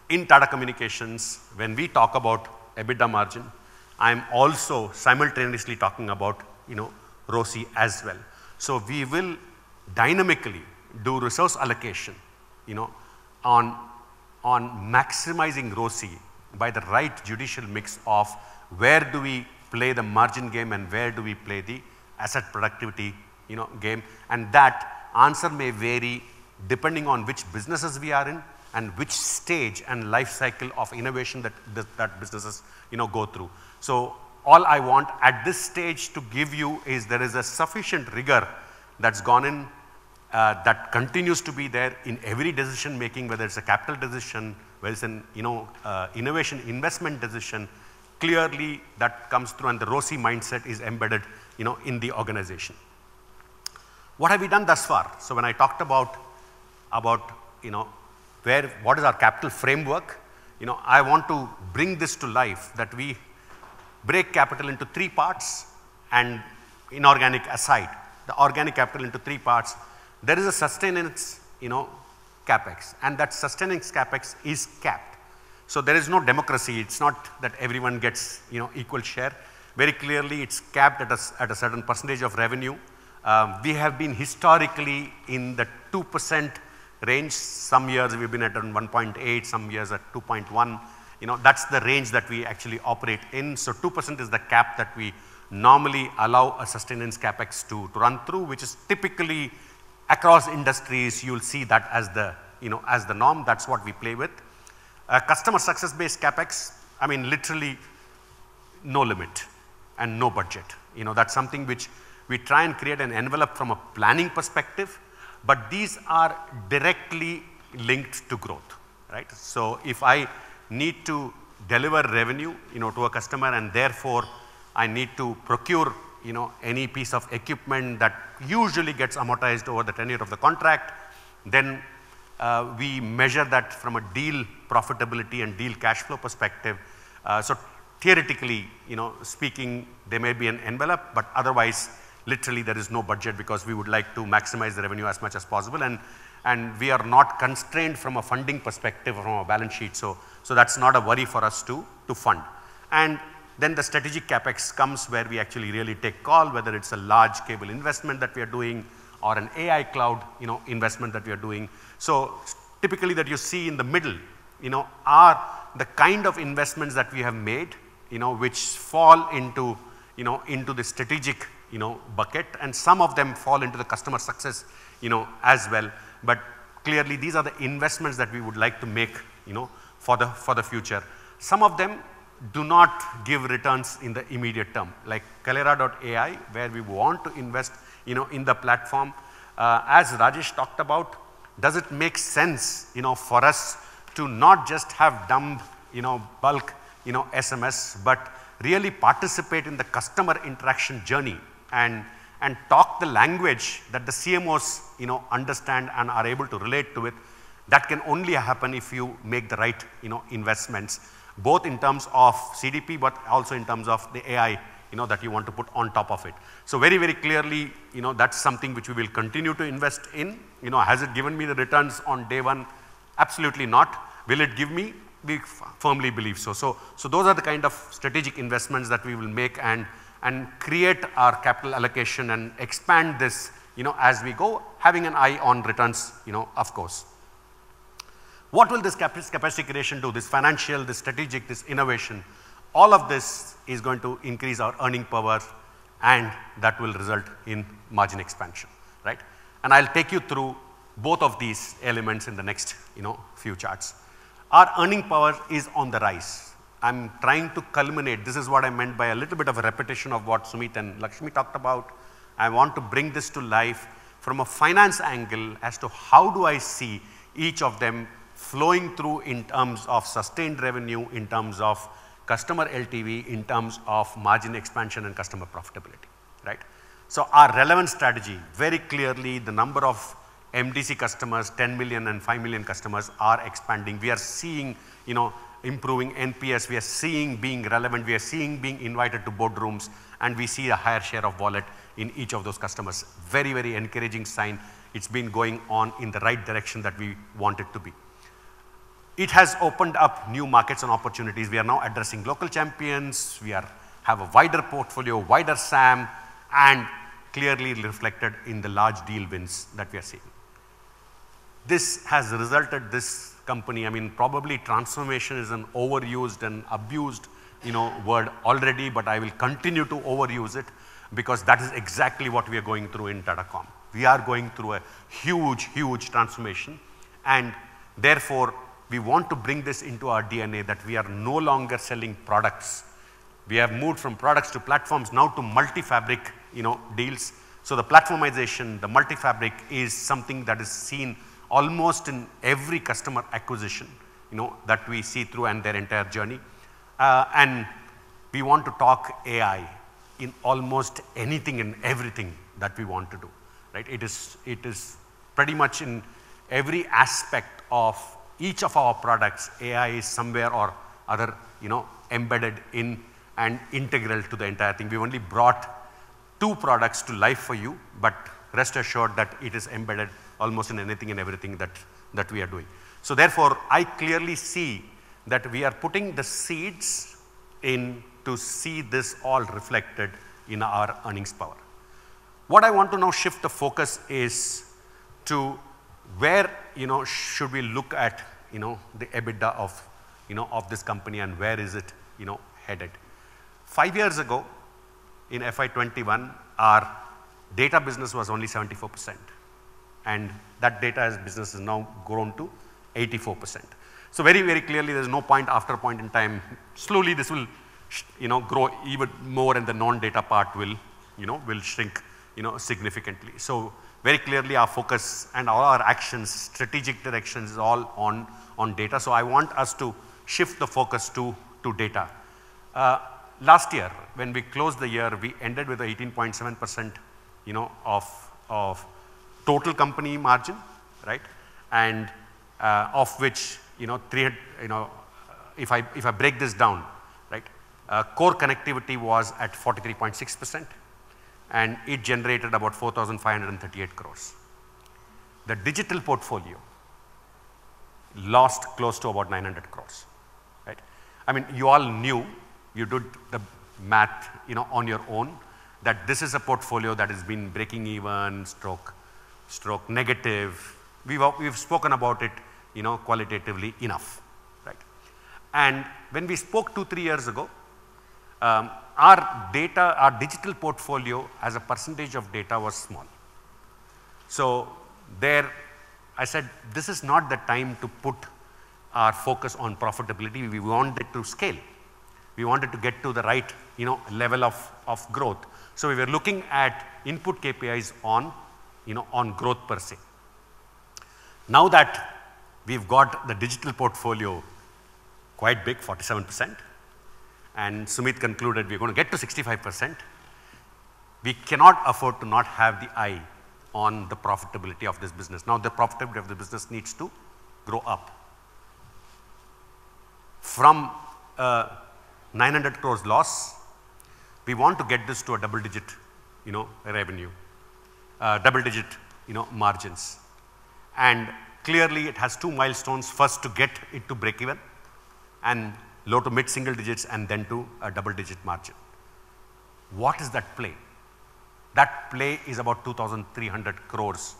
In Tata Communications, when we talk about EBITDA margin, I'm also simultaneously talking about, you know, ROCE as well. We will dynamically do resource allocation, you know, on maximizing ROCE by the right judicious mix of where do we play the margin game and where do we play the asset productivity, you know, game. That answer may vary depending on which businesses we are in and which stage and life cycle of innovation that the, that businesses, you know, go through. All I want at this stage to give you is there is a sufficient rigor that's gone in, that continues to be there in every decision-making, whether it's a capital decision, whether it's an, you know, innovation investment decision. Clearly, that comes through and the ROCE mindset is embedded, you know, in the organization. What have we done thus far? When I talked about, you know, what is our capital framework, you know, I want to bring this to life, that we break capital into three parts and inorganic aside, the organic capital into three parts. There is a sustenance, you know, CapEx, and that sustenance CapEx is capped. There is no democracy. It's not that everyone gets, you know, equal share. Very clearly, it's capped at a certain percentage of revenue. We have been historically in the 2% range. Some years we've been at 1.8%, some years at 2.1%. You know, that's the range that we actually operate in. 2% is the cap that we normally allow a sustenance CapEx to run through, which is typically across industries, you'll see that as the, you know, as the norm. That's what we play with. A customer success-based CapEx, I mean, literally no limit and no budget. You know, that's something which we try and create an envelope from a planning perspective, but these are directly linked to growth, right? If I need to deliver revenue, you know, to a customer, and therefore I need to procure, you know, any piece of equipment that usually gets amortized over the tenure of the contract, then we measure that from a deal profitability and deal cash flow perspective. Theoretically, you know, speaking, there may be an envelope, but otherwise literally there is no budget because we would like to maximize the revenue as much as possible, and we are not constrained from a funding perspective or a balance sheet. That's not a worry for us to fund. Then the strategic CapEx comes where we actually really take call, whether it's a large cable investment that we are doing or an AI Cloud, you know, investment that we are doing. Typically that you see in the middle, you know, are the kind of investments that we have made, you know, which fall into, you know, into the strategic, you know, bucket, and some of them fall into the customer success, you know, as well. Clearly these are the investments that we would like to make, you know, for the, for the future. Some of them do not give returns in the immediate term, like Kaleyra AI, where we want to invest, you know, in the platform. As Rajesh talked about, does it make sense, you know, for us to not just have dumb, you know, bulk, you know, SMS, but really participate in the customer interaction journey and talk the language that the CMOs, you know, understand and are able to relate to it? That can only happen if you make the right, you know, investments, both in terms of CDP, but also in terms of the AI, you know, that you want to put on top of it. Very, very clearly, you know, that's something which we will continue to invest in. You know, has it given me the returns on day one? Absolutely not. Will it give me? We firmly believe so. So those are the kind of strategic investments that we will make and create our capital allocation and expand this, you know, as we go, having an eye on returns, you know, of course. What will this capacity creation do? This financial, this strategic, this innovation, all of this is going to increase our earning power, and that will result in margin expansion, right? I'll take you through both of these elements in the next, you know, few charts. Our earning power is on the rise. I'm trying to culminate. This is what I meant by a little bit of a repetition of what Sumeet and Lakshmi talked about. I want to bring this to life from a finance angle as to how do I see each of them flowing through in terms of sustained revenue, in terms of customer LTV, in terms of margin expansion and customer profitability, right? Our relevant strategy, very clearly the number of MDC customers, $10 million and $5 million customers are expanding. We are seeing, you know, improving NPS. We are seeing being relevant. We are seeing being invited to boardrooms, and we see a higher share of wallet in each of those customers. Very, very encouraging sign. It's been going on in the right direction that we want it to be. It has opened up new markets and opportunities. We are now addressing local champions. We have a wider portfolio, wider SAM, and clearly reflected in the large deal wins that we are seeing. This has resulted this company... I mean, probably transformation is an overused and abused, you know, word already. I will continue to overuse it because that is exactly what we are going through in Tata Comm. We are going through a huge transformation. Therefore, we want to bring this into our DNA that we are no longer selling products. We have moved from products to platforms now to multi-fabric, you know, deals. The platformization, the multi-fabric is something that is seen almost in every customer acquisition, you know, that we see through and their entire journey. We want to talk AI in almost anything and everything that we want to do, right? It is pretty much in every aspect of each of our products, AI is somewhere or other, you know, embedded in and integral to the entire thing. We've only brought two products to life for you, rest assured that it is embedded almost in anything and everything that we are doing. Therefore, I clearly see that we are putting the seeds in to see this all reflected in our earnings power. What I want to now shift the focus is to where, you know, should we look at, you know, the EBITDA of, you know, of this company and where is it, you know, headed. Five years ago, in FY 2021, our data business was only 74%, that data as business has now grown to 84%. Very clearly, there's no point after point in time. Slowly this will, you know, grow even more the non-data part will, you know, shrink, you know, significantly. Very clearly, our focus and all our actions, strategic directions is all on data. Last year, when we closed the year, we ended with 18.7%, you know, of total company margin, right? Of which, you know, if I break this down, right? Core connectivity was at 43.6%, and it generated about 4,538 crores. The digital portfolio lost close to about 900 crores, right? I mean, you all knew, you did the math, you know, on your own, that this is a portfolio that has been breaking even stroke negative. We've spoken about it, you know, qualitatively enough, right? When we spoke two, three years ago, our digital portfolio as a percentage of data was small. There I said, this is not the time to put our focus on profitability. We want it to scale. We want it to get to the right, you know, level of growth. We were looking at input KPIs on, you know, on growth per se. That we've got the digital portfolio quite big, 47%, and Sumeet concluded we're going to get to 65%, we cannot afford to not have the eye on the profitability of this business. The profitability of the business needs to grow up. From 900 crores loss, we want to get this to a double-digit, you know, revenue. Double-digit, you know, margins. Clearly it has two milestones. First to get it to breakeven and low to mid-single digits, and then to a double-digit margin. What is that play? That play is about 2,300 crores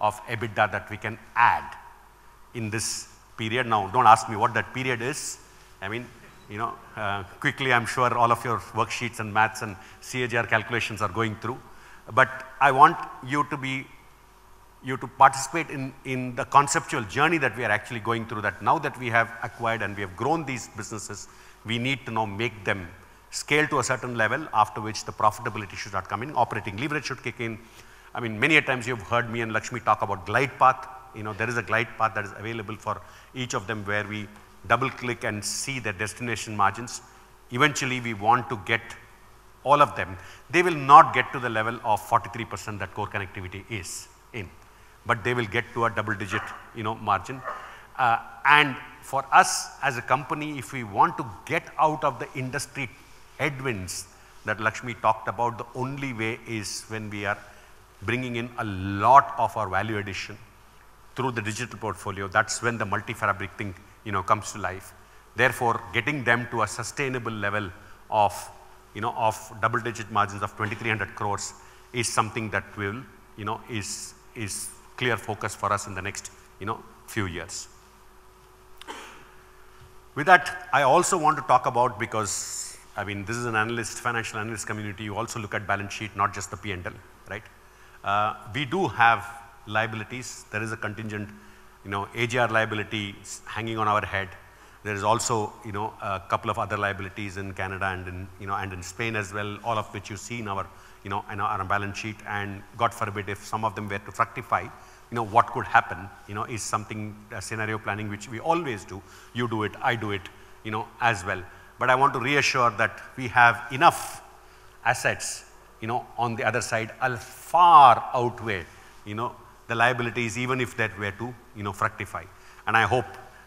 of EBITDA that we can add in this period. Don't ask me what that period is. I mean, you know, quickly, I'm sure all of your worksheets and maths and CAGR calculations are going through. I want you to participate in the conceptual journey that we are actually going through. Now that we have acquired and we have grown these businesses, we need to now make them scale to a certain level after which the profitability should start coming, operating leverage should kick in. I mean, many a times you've heard me and Lakshmi talk about glide path. You know, there is a glide path that is available for each of them, where we double-click and see their destination margins. Eventually, we want to get all of them. They will not get to the level of 43% that core connectivity is in, but they will get to a double-digit, you know, margin. For us as a company, if we want to get out of the industry headwinds that Lakshmi talked about, the only way is when we are bringing in a lot of our value addition through the digital portfolio. That's when the multi-fabric thing, you know, comes to life. Therefore, getting them to a sustainable level of, you know, of double-digit margins of 2,300 crores is clear focus for us in the next, you know, few years. With that, I also want to talk about, because, I mean, this is an analyst, financial analyst community. You also look at balance sheet, not just the P&L, right? We do have liabilities. There is a contingent, you know, AGR liability hanging on our head. There is also, you know, a couple of other liabilities in Canada and in, you know, and in Spain as well, all of which you see in our, you know, in our balance sheet. God forbid, if some of them were to fructify, you know, what could happen, you know, is something, a scenario planning, which we always do. You do it, I do it, you know, as well. But I want to reassure that we have enough assets, you know, on the other side, far outweigh, you know, the liabilities, even if that were to, you know, fructify. I hope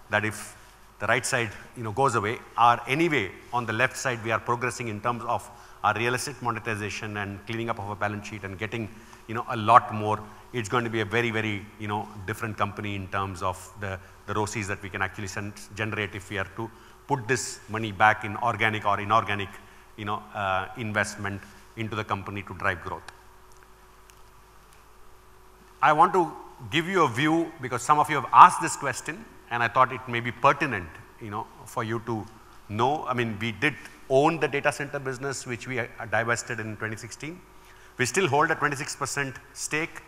that if the right side, you know, goes away, our anyway on the left side, we are progressing in terms of our real estate monetization and cleaning up of our balance sheet and getting, you know, a lot more. It's going to be a very, very, you know, different company in terms of the ROCEs that we can actually generate if we are to put this money back in organic or inorganic, you know, investment into the company to drive growth. I want to give you a view because some of you have asked this question, and I thought it may be pertinent, you know, for you to know. I mean, we did own the data center business, which we divested in 2016. We still hold a 26% stake.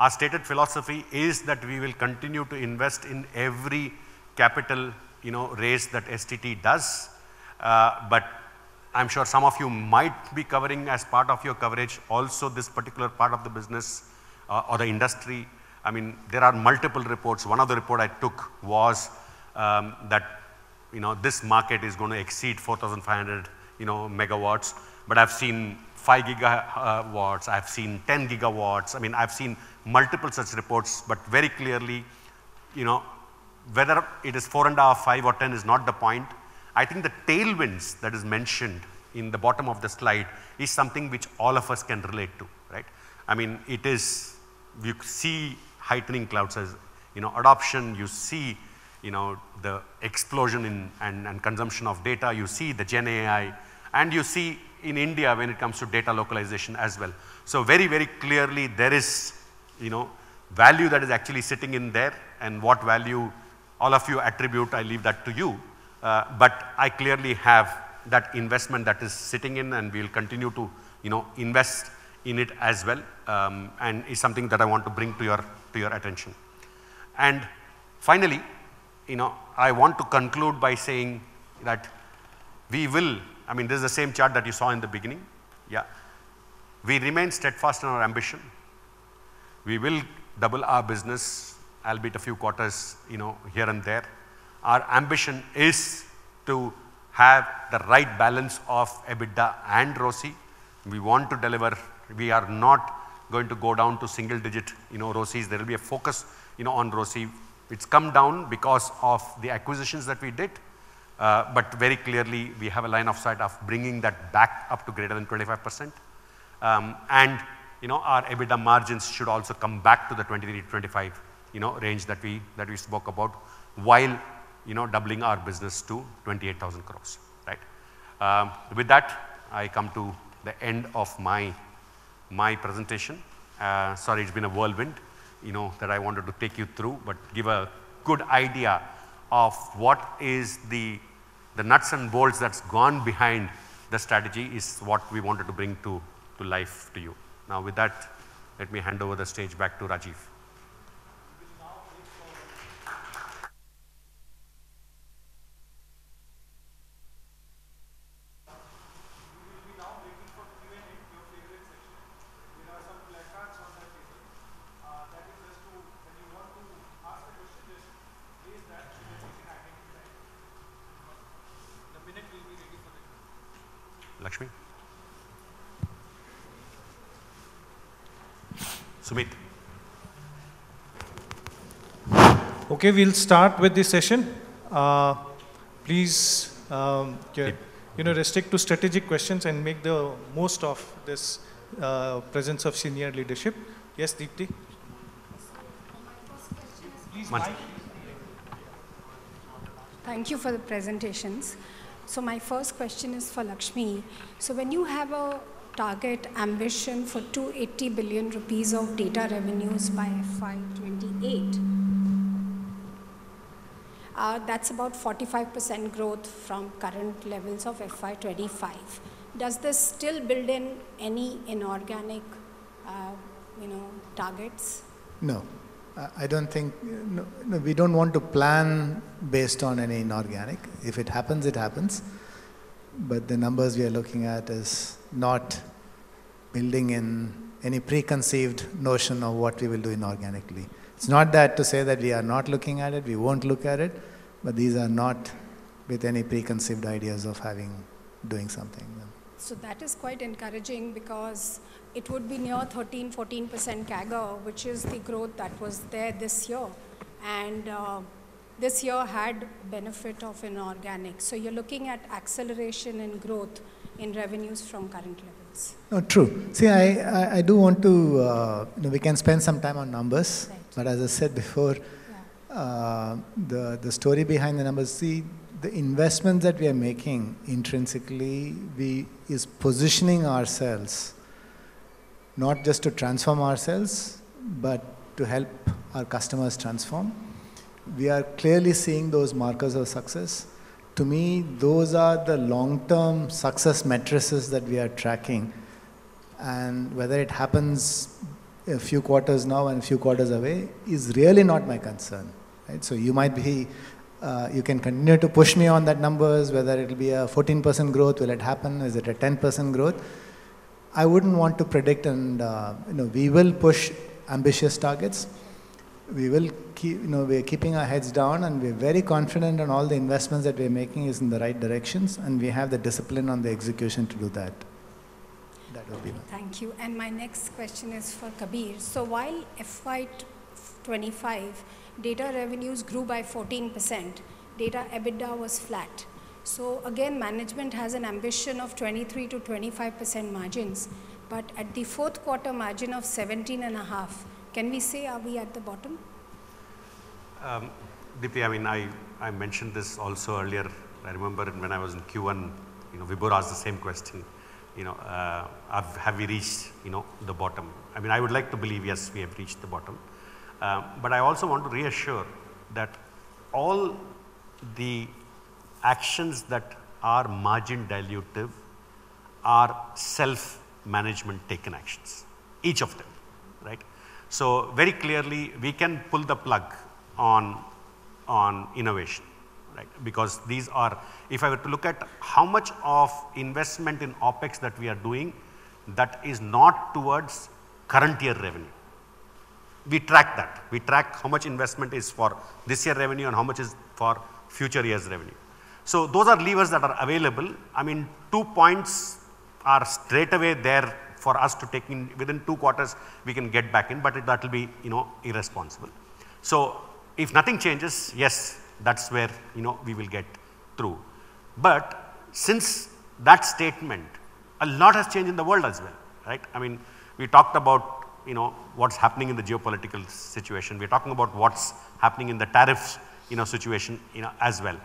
Our stated philosophy is that we will continue to invest in every capital, you know, raise that STT does. I'm sure some of you might be covering as part of your coverage also this particular part of the business or the industry. I mean, there are multiple reports. One of the report I took was that, you know, this market is gonna exceed 4,500, you know, megawatts. I've seen 5 GW, I've seen 10 GW. I mean, I've seen multiple such reports. Very clearly, you know, whether it is 4.5 GW or 10 GW is not the point. I think the tailwinds that is mentioned in the bottom of the slide is something which all of us can relate to, right? I mean, you see heightening cloud, as you know, adoption. You see, you know, the explosion and consumption of data. You see the GenAI, and you see in India when it comes to data localization as well. Very, very clearly there is, you know, value that is actually sitting in there and what value all of you attribute, I leave that to you. I clearly have that investment that is sitting in and we'll continue to, you know, invest in it as well. It's something that I want to bring to your attention. Finally, you know, I want to conclude by saying that we will, I mean, this is the same chart that you saw in the beginning. We remain steadfast in our ambition. We will double our business, albeit a few quarters, you know, here and there. Our ambition is to have the right balance of EBITDA and ROCE. We want to deliver. We are not going to go down to single-digit, you know, ROCEs. There will be a focus, you know, on ROCE. It's come down because of the acquisitions that we did. Very clearly we have a line of sight of bringing that back up to greater than 25%. Our EBITDA margins should also come back to the 23%-25%, you know, range that we, that we spoke about while, you know, doubling our business to 28,000 crores, right? With that, I come to the end of my presentation. Sorry, it's been a whirlwind, you know, that I wanted to take you through, give a good idea of what is the nuts and bolts that's gone behind the strategy is what we wanted to bring to life to you. With that, let me hand over the stage back to Rajiv.
We will be now waiting for Q&A, your favorite section. There are some placards on the table, that is just to when you want to ask a question, just raise that so that we can identify you. The minute we'll be ready for the Q&A. Okay, we'll start with this session. Please, you know, restrict to strategic questions and make the most of this presence of senior leadership. Yes, Deepti?
My first question is.
Please use the microphone.
Thank you for the presentations. My first question is for Lakshmi. When you have a target ambition for 280 billion rupees of data revenues by FY 2028, that's about 45% growth from current levels of FY 2025. Does this still build in any inorganic, you know, targets?
No. No, no, we don't want to plan based on any inorganic. If it happens, it happens. The numbers we are looking at is not building in any preconceived notion of what we will do inorganically. It's not that to say that we are not looking at it, we won't look at it, but these are not with any preconceived ideas of having doing something. No.
That is quite encouraging because it would be near 13%-14% CAGR, which is the growth that was there this year. This year had benefit of inorganic. You're looking at acceleration in growth in revenues from current levels.
Oh, true. See, I do want to, you know, we can spend some time on numbers.
Right.
As I said before. The story behind the numbers, see, the investment that we are making intrinsically, is positioning ourselves not just to transform ourselves, but to help our customers transform. We are clearly seeing those markers of success. To me, those are the long-term success matrices that we are tracking, and whether it happens a few quarters now and a few quarters away is really not my concern, right? You might be, you can continue to push me on the numbers, whether it'll be a 14% growth, will it happen? Is it a 10% growth? I wouldn't want to predict and, you know, we will push ambitious targets. We will you know, we are keeping our heads down, and we're very confident in all the investments that we're making is in the right directions, and we have the discipline on the execution to do that. That would be nice.
Thank you. My next question is for Kabir. While FY 2025 data revenues grew by 14%, data EBITDA was flat. Again, management has an ambition of 23%-25% margins. At the fourth quarter margin of 17.5%, can we say are we at the bottom?
Deepti, I mean, I mentioned this also earlier. I remember when I was in Q1, you know, Vibhor asked the same question, you know, have we reached, you know, the bottom? I mean, I would like to believe, yes, we have reached the bottom. I also want to reassure that all the actions that are margin dilutive are self-management taken actions, each of them, right? Very clearly, we can pull the plug on innovation, right? If I were to look at how much of investment in OpEx that we are doing, that is not towards current year revenue. We track that. We track how much investment is for this year revenue and how much is for future year's revenue. Those are levers that are available. I mean, two points are straight away there for us to take in. Within two quarters we can get back in, that'll be, you know, irresponsible. If nothing changes, yes, that's where, you know, we will get through. Since that statement, a lot has changed in the world as well, right? I mean, we talked about, you know, what's happening in the geopolitical situation. We're talking about what's happening in the tariffs, you know, situation, you know, as well.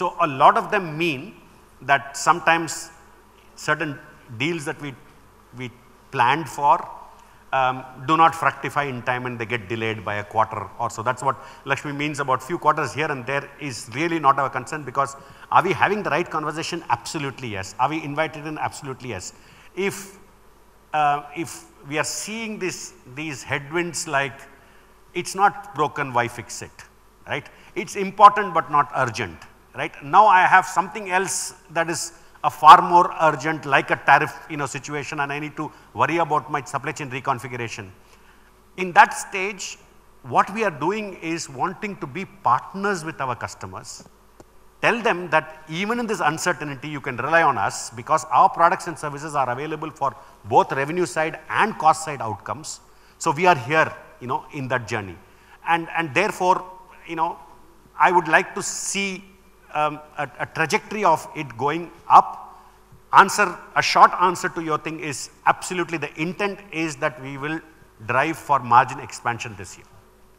A lot of them mean that sometimes certain deals that we planned for do not fructify in time, and they get delayed by one quarter or so. That's what Lakshmi means about few quarters here and there is really not our concern because are we having the right conversation? Absolutely, yes. Are we invited in? Absolutely, yes. If we are seeing these headwinds like it's not broken, why fix it, right? It's important, but not urgent, right? I have something else that is a far more urgent, like a tariff situation, and I need to worry about my supply chain reconfiguration. In that stage, what we are doing is wanting to be partners with our customers. Tell them that even in this uncertainty, you can rely on us because our products and services are available for both revenue side and cost side outcomes. We are here in that journey. I would like to see a trajectory of it going up. A short answer to your thing is absolutely the intent is that we will drive for margin expansion this year.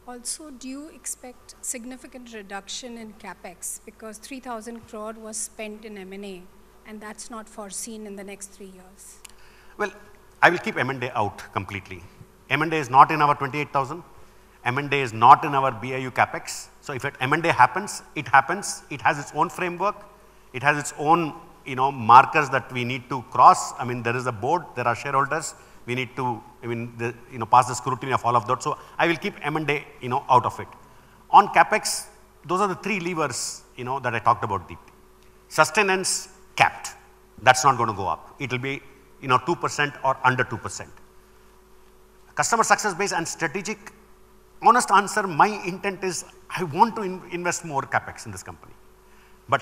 Also, do you expect significant reduction in CapEx? Because 3,000 crore was spent in M&A, and that's not foreseen in the next three years.
I will keep M&A out completely. M&A is not in our 28,000. M&A is not in our BAU CapEx. If an M&A happens, it happens. It has its own framework. It has its own, you know, markers that we need to cross. I mean, there is a board, there are shareholders. We need to, I mean, you know, pass the scrutiny of all of those. I will keep M&A, you know, out of it. On CapEx, those are the three levers, you know, that I talked about, Deepti. Sustenance, capped. That's not gonna go up. It'll be, you know, 2% or under 2%. Customer success base and strategic, honest answer, my intent is I want to in-invest more CapEx in this company.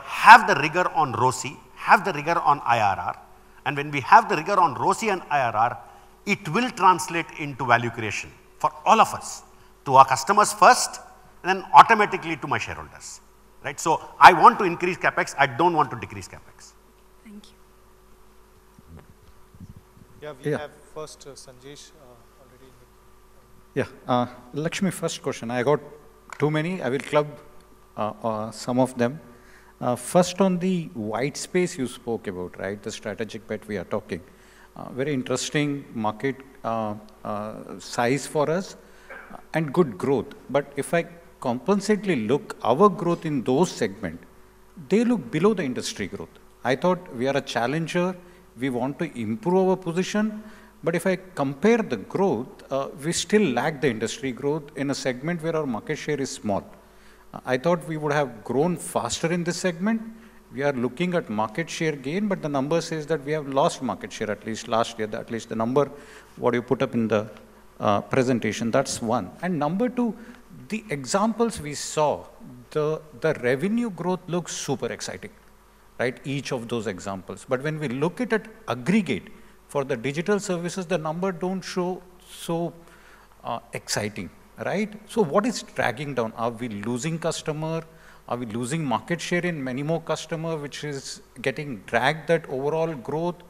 Have the rigor on ROCE, have the rigor on IRR, when we have the rigor on ROCE and IRR, it will translate into value creation for all of us, to our customers first, and then automatically to my shareholders, right. I want to increase CapEx, I don't want to decrease CapEx.
Thank you.
Yeah. We have first, Sanjesh, already in the.
Yeah. Lakshmi, first question. I got too many. I will club some of them. First on the white space you spoke about, right? The strategic bet we are talking. Very interesting market size for us and good growth. If I comparatively look our growth in those segment, they look below the industry growth. I thought we are a challenger, we want to improve our position, but if I compare the growth, we still lack the industry growth in a segment where our market share is small. I thought we would have grown faster in this segment. We are looking at market share gain, but the numbers says that we have lost market share, at least last year. At least the number what you put up in the presentation. That's one. Number two, the examples we saw, the revenue growth looks super exciting, right? Each of those examples. When we look at it aggregate for the digital services, the number don't show so exciting, right? What is dragging down? Are we losing customer? Are we losing market share in many more customer, which is getting dragged at overall growth?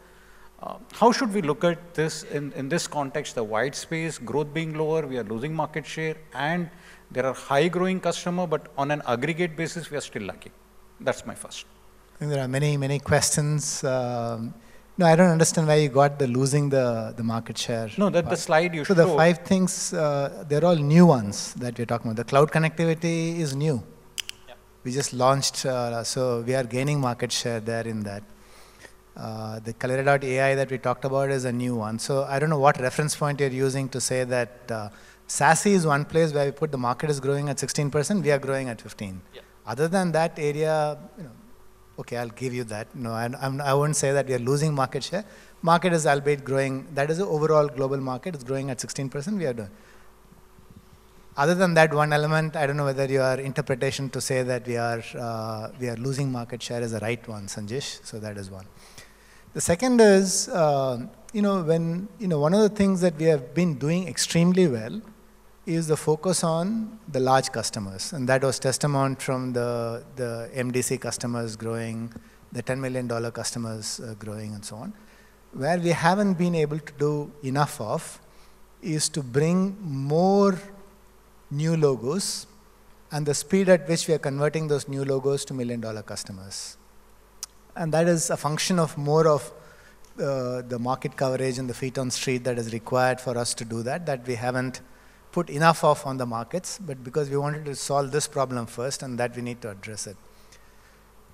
How should we look at this in this context, the wide space, growth being lower, we are losing market share, and there are high growing customer, but on an aggregate basis we are still lacking. That's my first.
I think there are many, many questions. I don't understand why you got the losing the market share part.
No, the slide you show.
The five things, they're all new ones that you're talking about. The cloud connectivity is new. We just launched. We are gaining market share there in that. The Kaleyra AI that we talked about is a new one. I don't know what reference point you're using to say that SASE is one place where we put the market is growing at 16%, we are growing at 15%. Other than that area, you know. Okay, I'll give you that. No, I wouldn't say that we are losing market share. Market is albeit growing. That is the overall global market. It's growing at 16%. We are doing. Other than that one element, I don't know whether your interpretation to say that we are losing market share is the right one, Sanjesh. That is one. The second is, you know, when, you know, one of the things that we have been doing extremely well is the focus on the large customers. That was testament from the MDC customers growing, the $10 million customers growing, and so on. Where we haven't been able to do enough of is to bring more new logos and the speed at which we are converting those new logos to million-dollar customers. That is a function of more of the market coverage and the feet on street that is required for us to do that we haven't put enough of on the markets, because we wanted to solve this problem first, and that we need to address it.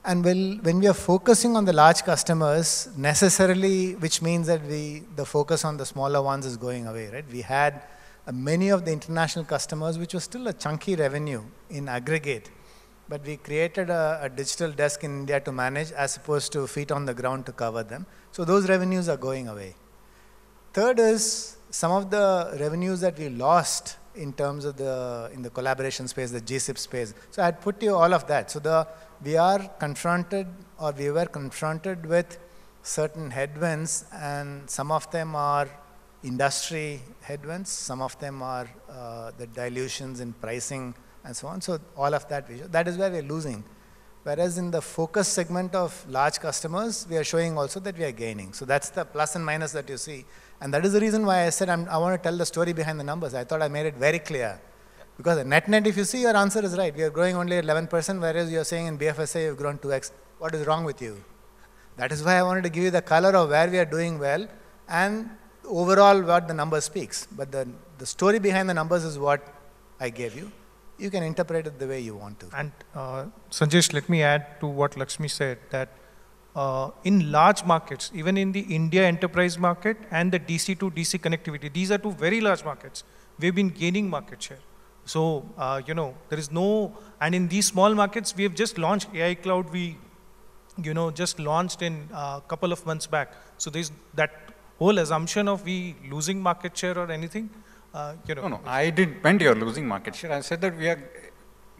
When we are focusing on the large customers necessarily, which means that the focus on the smaller ones is going away, right? We had many of the international customers, which was still a chunky revenue in aggregate, but we created a digital desk in India to manage as opposed to feet on the ground to cover them. Those revenues are going away. Third is some of the revenues that we lost in terms of in the collaboration space, the GSIP space. I'd put you all of that. We are confronted, or we were confronted with certain headwinds, and some of them are industry headwinds, some of them are the dilutions in pricing and so on. That is where we're losing. Whereas in the focus segment of large customers, we are showing also that we are gaining. That's the plus and minus that you see. That is the reason why I said I wanna tell the story behind the numbers. I thought I made it very clear. Net-net, if you see your answer is right. We are growing only at 11%, whereas you are saying in BFSI you've grown 2x. What is wrong with you? That is why I wanted to give you the color of where we are doing well and overall what the number speaks. The story behind the numbers is what I gave you. You can interpret it the way you want to.
Sanjesh, let me add to what Lakshmi said, that in large markets, even in the India enterprise market and the DC to DC connectivity, these are two very large markets. We've been gaining market share. In these small markets, we have just launched AI Cloud. We, you know, just launched in a couple of months back. There's that whole assumption of we losing market share or anything, you know.
No, no, I didn't mean you're losing market share. I said that we are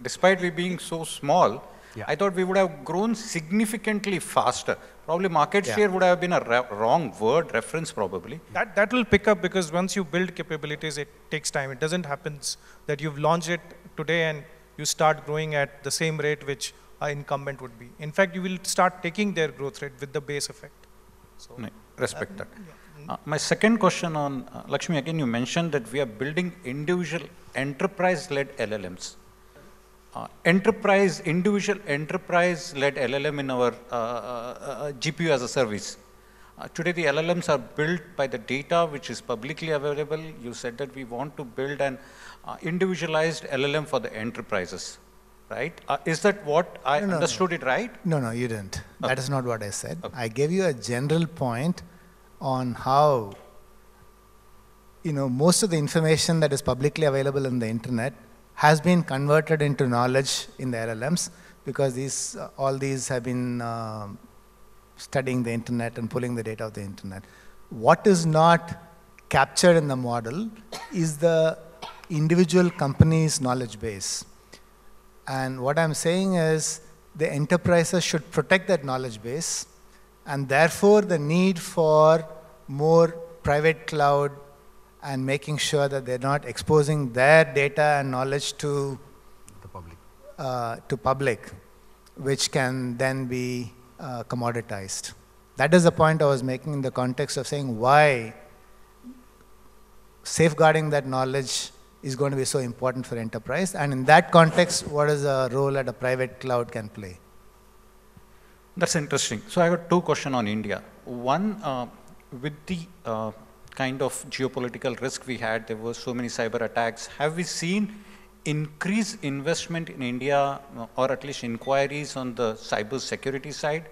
despite we being so small. I thought we would have grown significantly faster share would have been a wrong word reference probably.
That will pick up because once you build capabilities, it takes time. It doesn't happen that you've launched it today and you start growing at the same rate which an incumbent would be. In fact, you will start taking their growth rate with the base effect.
Right. Respect that.
Yeah. Mm-hmm.
My second question on Lakshmi, again, you mentioned that we are building individual enterprise-led LLMs. Individual enterprise-led LLM in our GPU as a service. Today the LLMs are built by the data which is publicly available. You said that we want to build an individualized LLM for the enterprises, right? Is that what I understood it right?
No, no, you didn't. That is not what I said.
Okay.
I gave you a general point on how, you know, most of the information that is publicly available on the internet has been converted into knowledge in the LLMs because these, all these have been, studying the internet and pulling the data of the internet. What is not captured in the model is the individual company's knowledge base. What I'm saying is the enterprises should protect that knowledge base, and therefore the need for more private cloud and making sure that they're not exposing their data and knowledge to public, which can then be commoditized. That is the point I was making in the context of saying why safeguarding that knowledge is going to be so important for enterprise, and in that context, what is the role that a private cloud can play.
That's interesting. I have two questions on India. One, with the kind of geopolitical risk we had, there were so many cyberattacks. Have we seen increased investment in India or at least inquiries on the cybersecurity side?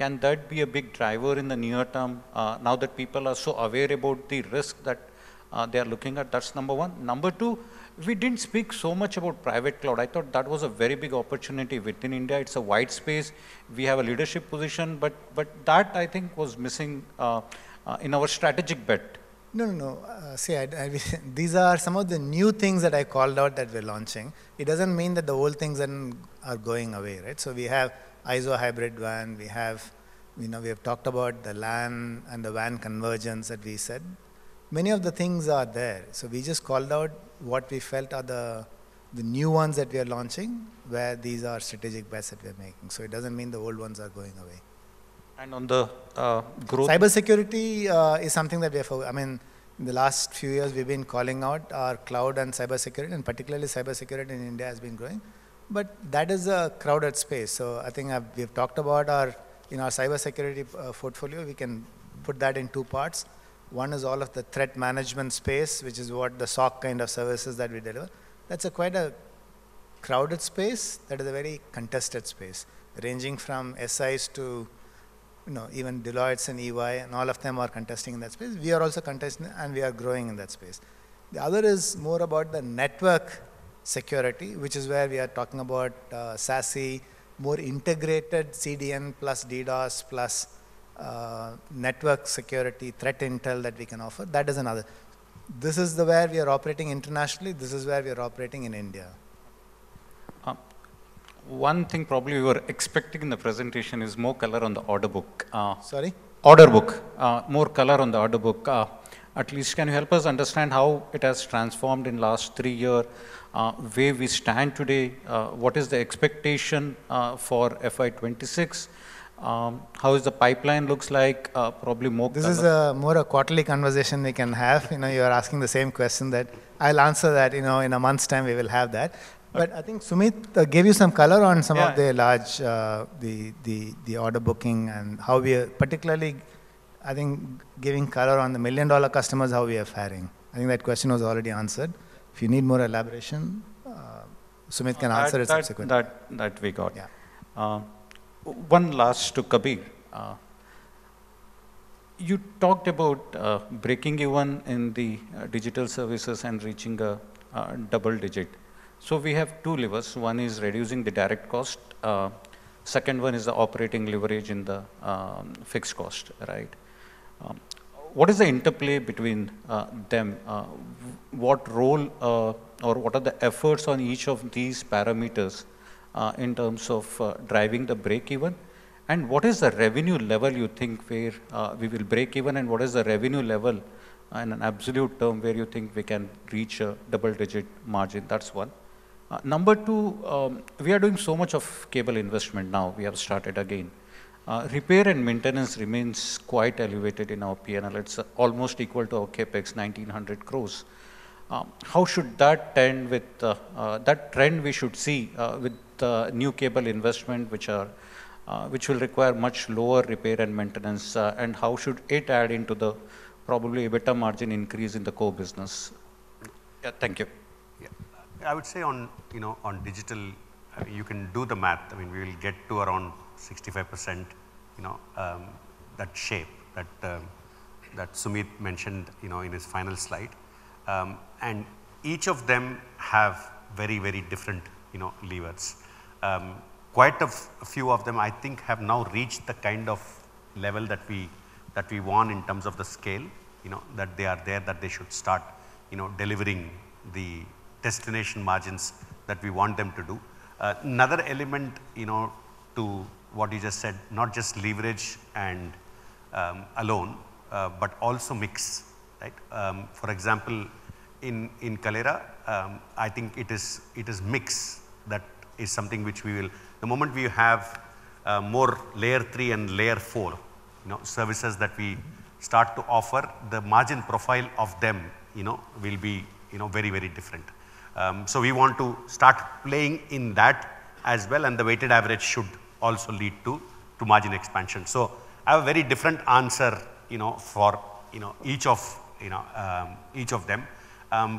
Can that be a big driver in the near term, now that people are so aware about the risk that they are looking at? That's number one. Number two, we didn't speak so much about private cloud. I thought that was a very big opportunity within India. It's a wide space. We have a leadership position, but that I think was missing in our strategic bet.
No, no. See, these are some of the new things that I called out that we're launching. It doesn't mean that the old things then are going away, right? We have IZO Hybrid WAN, we have. You know, we have talked about the LAN and the WAN convergence that we said. Many of the things are there. We just called out what we felt are the new ones that we are launching, where these are strategic bets that we are making. It doesn't mean the old ones are going away.
on the growth-
Cybersecurity is something that we have. I mean, in the last few years we've been calling out our cloud and cybersecurity, and particularly cybersecurity in India has been growing. That is a crowded space, so I think we have talked about our, you know, our cybersecurity portfolio. We can put that in two parts. One is all of the threat management space, which is what the SOC kind of services that we deliver. That's a quite a crowded space. That is a very contested space, ranging from SIs to, you know, even Deloitte and EY, and all of them are contesting in that space. We are also contesting and we are growing in that space. The other is more about the network security, which is where we are talking about SASE, more integrated CDN plus DDoS plus network security, threat intel that we can offer. That is another. This is where we are operating internationally. This is where we are operating in India.
One thing probably we were expecting in the presentation is more color on the order book.
Sorry?
Order book. More color on the order book. At least, can you help us understand how it has transformed in the last three years? Where we stand today? What is the expectation for FY 2026? How is the pipeline looks like?
This is more a quarterly conversation we can have. You know, you're asking the same question that I'll answer that, you know, in a month's time we will have that. I think Sumeet gave you some color on.
Yeah...
of the large, the order booking and how we are particularly, I think, giving color on the million-dollar customers, how we are faring. I think that question was already answered. If you need more elaboration, Sumeet can answer it subsequently.
That we got.
Yeah.
One last to Kabir. You talked about breaking even in the digital services and reaching a double-digit. We have two levers. One is reducing the direct cost. Second one is the operating leverage in the fixed cost, right? What is the interplay between them? What role, or what are the efforts on each of these parameters, in terms of driving the break even? What is the revenue level you think where we will break even, and what is the revenue level in an absolute term where you think we can reach a double-digit margin? That's one. Number two, we are doing so much of cable investment now. We have started again. Repair and maintenance remains quite elevated in our P&L. It's almost equal to our CapEx, 1,900 crores. How should that end with the, that trend we should see with the new cable investment, which will require much lower repair and maintenance, and how should it add into the probably EBITDA margin increase in the core business? Yeah, thank you.
Yeah. I would say on, you know, on digital, I mean, you can do the math. I mean, we'll get to around 65%, you know, that shape that Sumeet mentioned, you know, in his final slide. Each of them have very, very different, you know, levers. Quite a few of them, I think, have now reached the kind of level that we want in terms of the scale, you know, that they should start, you know, delivering the destination margins that we want them to do. Another element, you know, to what you just said, not just leverage and alone, but also mix, like, for example, in Kaleyra, I think it is mix that is something which we will. The moment we have more layer three and layer four, you know, services that we start to offer, the margin profile of them, you know, will be, you know, very, very different. We want to start playing in that as well, and the weighted average should also lead to margin expansion. I have a very different answer, you know, for, you know, each of, you know, each of them.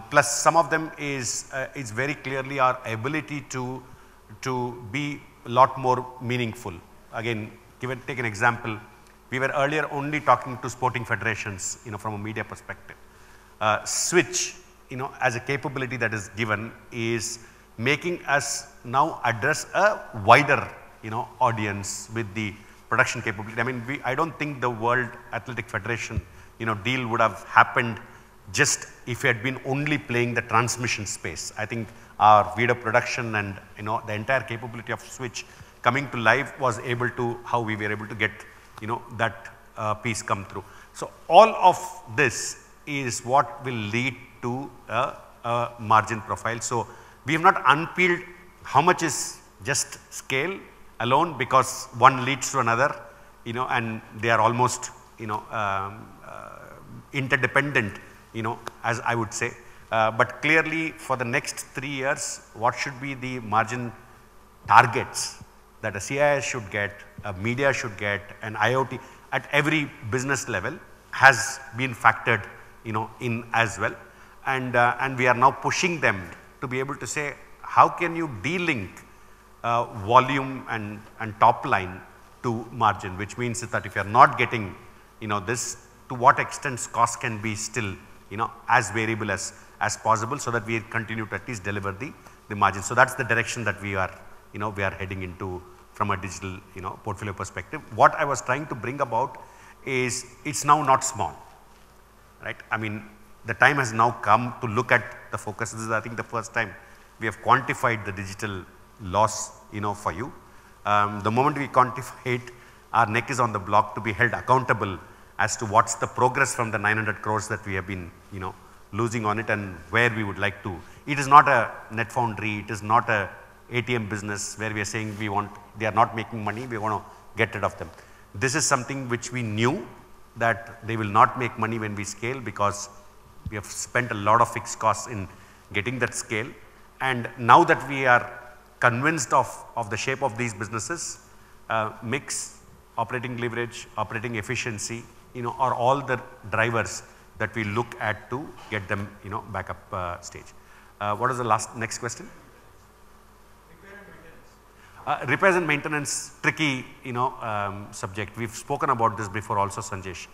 Plus some of them is very clearly our ability to be a lot more meaningful. Again, take an example. We were earlier only talking to sporting federations, you know, from a media perspective. Switch, you know, as a capability that is given, is making us now address a wider, you know, audience with the production capability. I mean, I don't think the World Athletics deal would have happened just if we had been only playing the transmission space. I think our video production and, you know, the entire capability of Switch coming to life was able to how we were able to get, you know, that piece come through. All of this is what will lead to a margin profile. We have not unpeeled how much is just scale alone, because one leads to another, you know, and they are almost, you know, interdependent, you know, as I would say. Clearly for the next three years, what should be the margin targets that a CIS should get, a media should get, an IoT at every business level has been factored, you know, in as well. We are now pushing them to be able to say, "How can you de-link volume and top line to margin?" Which means that if you're not getting, you know, this, to what extent cost can be still, you know, as variable as possible so that we continue to at least deliver the margin. That's the direction that we are, you know, we are heading into from a digital, you know, portfolio perspective. What I was trying to bring about is it's now not small, right? I mean, the time has now come to look at the focus. This is, I think, the first time we have quantified the digital loss, you know, for you. The moment we quantify it, our neck is on the block to be held accountable as to what's the progress from the 900 crores that we have been, you know, losing on it and where we would like to. It is not a NetFoundry. It is not a ATM business where we are saying They are not making money, we want to get rid of them. This is something which we knew that they will not make money when we scale because we have spent a lot of fixed costs in getting that scale. Now that we are convinced of the shape of these businesses, mix, operating leverage, operating efficiency, you know, are all the drivers that we look at to get them, you know, back up stage. What is the next question?
Repair and maintenance.
Repair and maintenance, tricky, you know, subject. We've spoken about this before also, Sanjesh.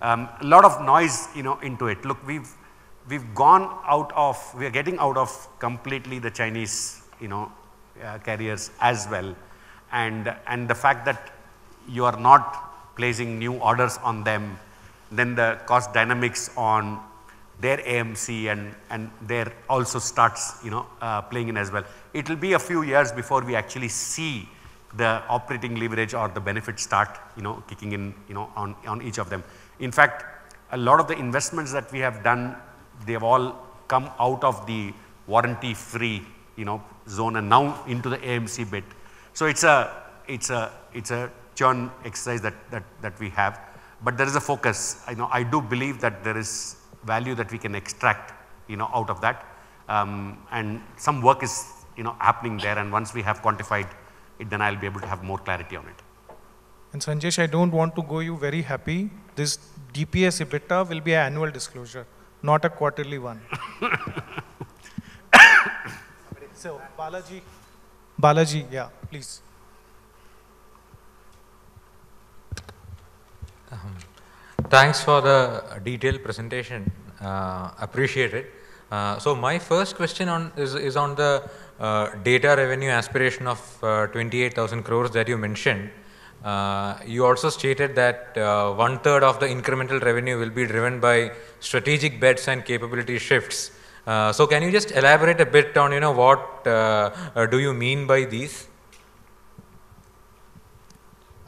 A lot of noise, you know, into it. Look, we are getting out of completely the Chinese, you know, carriers as well, and the fact that you are not placing new orders on them, then the cost dynamics on their AMC and their also starts, you know, playing in as well. It'll be a few years before we actually see the operating leverage or the benefits start, you know, kicking in on each of them. In fact, a lot of the investments that we have done, they have all come out of the warranty-free, you know, zone and now into the AMC bit. It's a churn exercise that we have. There is a focus. You know, I do believe that there is value that we can extract, you know, out of that. Some work is, you know, happening there, and once we have quantified it, then I'll be able to have more clarity on it.
Sanjesh, I don't want to go you very happy. This DPS EBITDA will be an annual disclosure, not a quarterly one. Balaji. Balaji, yeah, please.
Thanks for the detailed presentation. Appreciate it. My first question is on the data revenue aspiration of 28,000 crores that you mentioned. You also stated that one-third of the incremental revenue will be driven by strategic bets and capability shifts. Can you just elaborate a bit on, you know, what do you mean by these?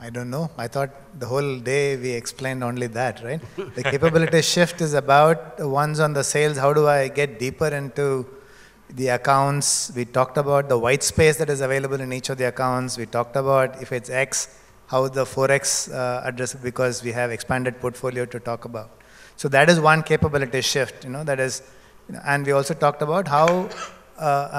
I don't know. I thought the whole day we explained only that, right? The capability shift is about the ones on the sales, how do I get deeper into the accounts. We talked about the white space that is available in each of the accounts. We talked about if it's X, how the 4x address it because we have expanded portfolio to talk about. That is one capability shift, you know. We also talked about how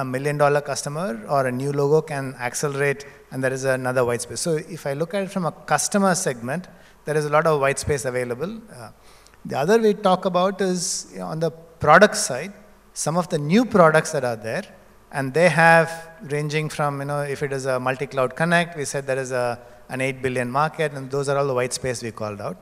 a million-dollar customer or a new logo can accelerate, and there is another white space. If I look at it from a customer segment, there is a lot of white space available. The other we talk about is on the product side, some of the new products that are there. They have ranging from, if it is a multi-cloud connect, we said there is an 8 billion market, and those are all the white space we called out.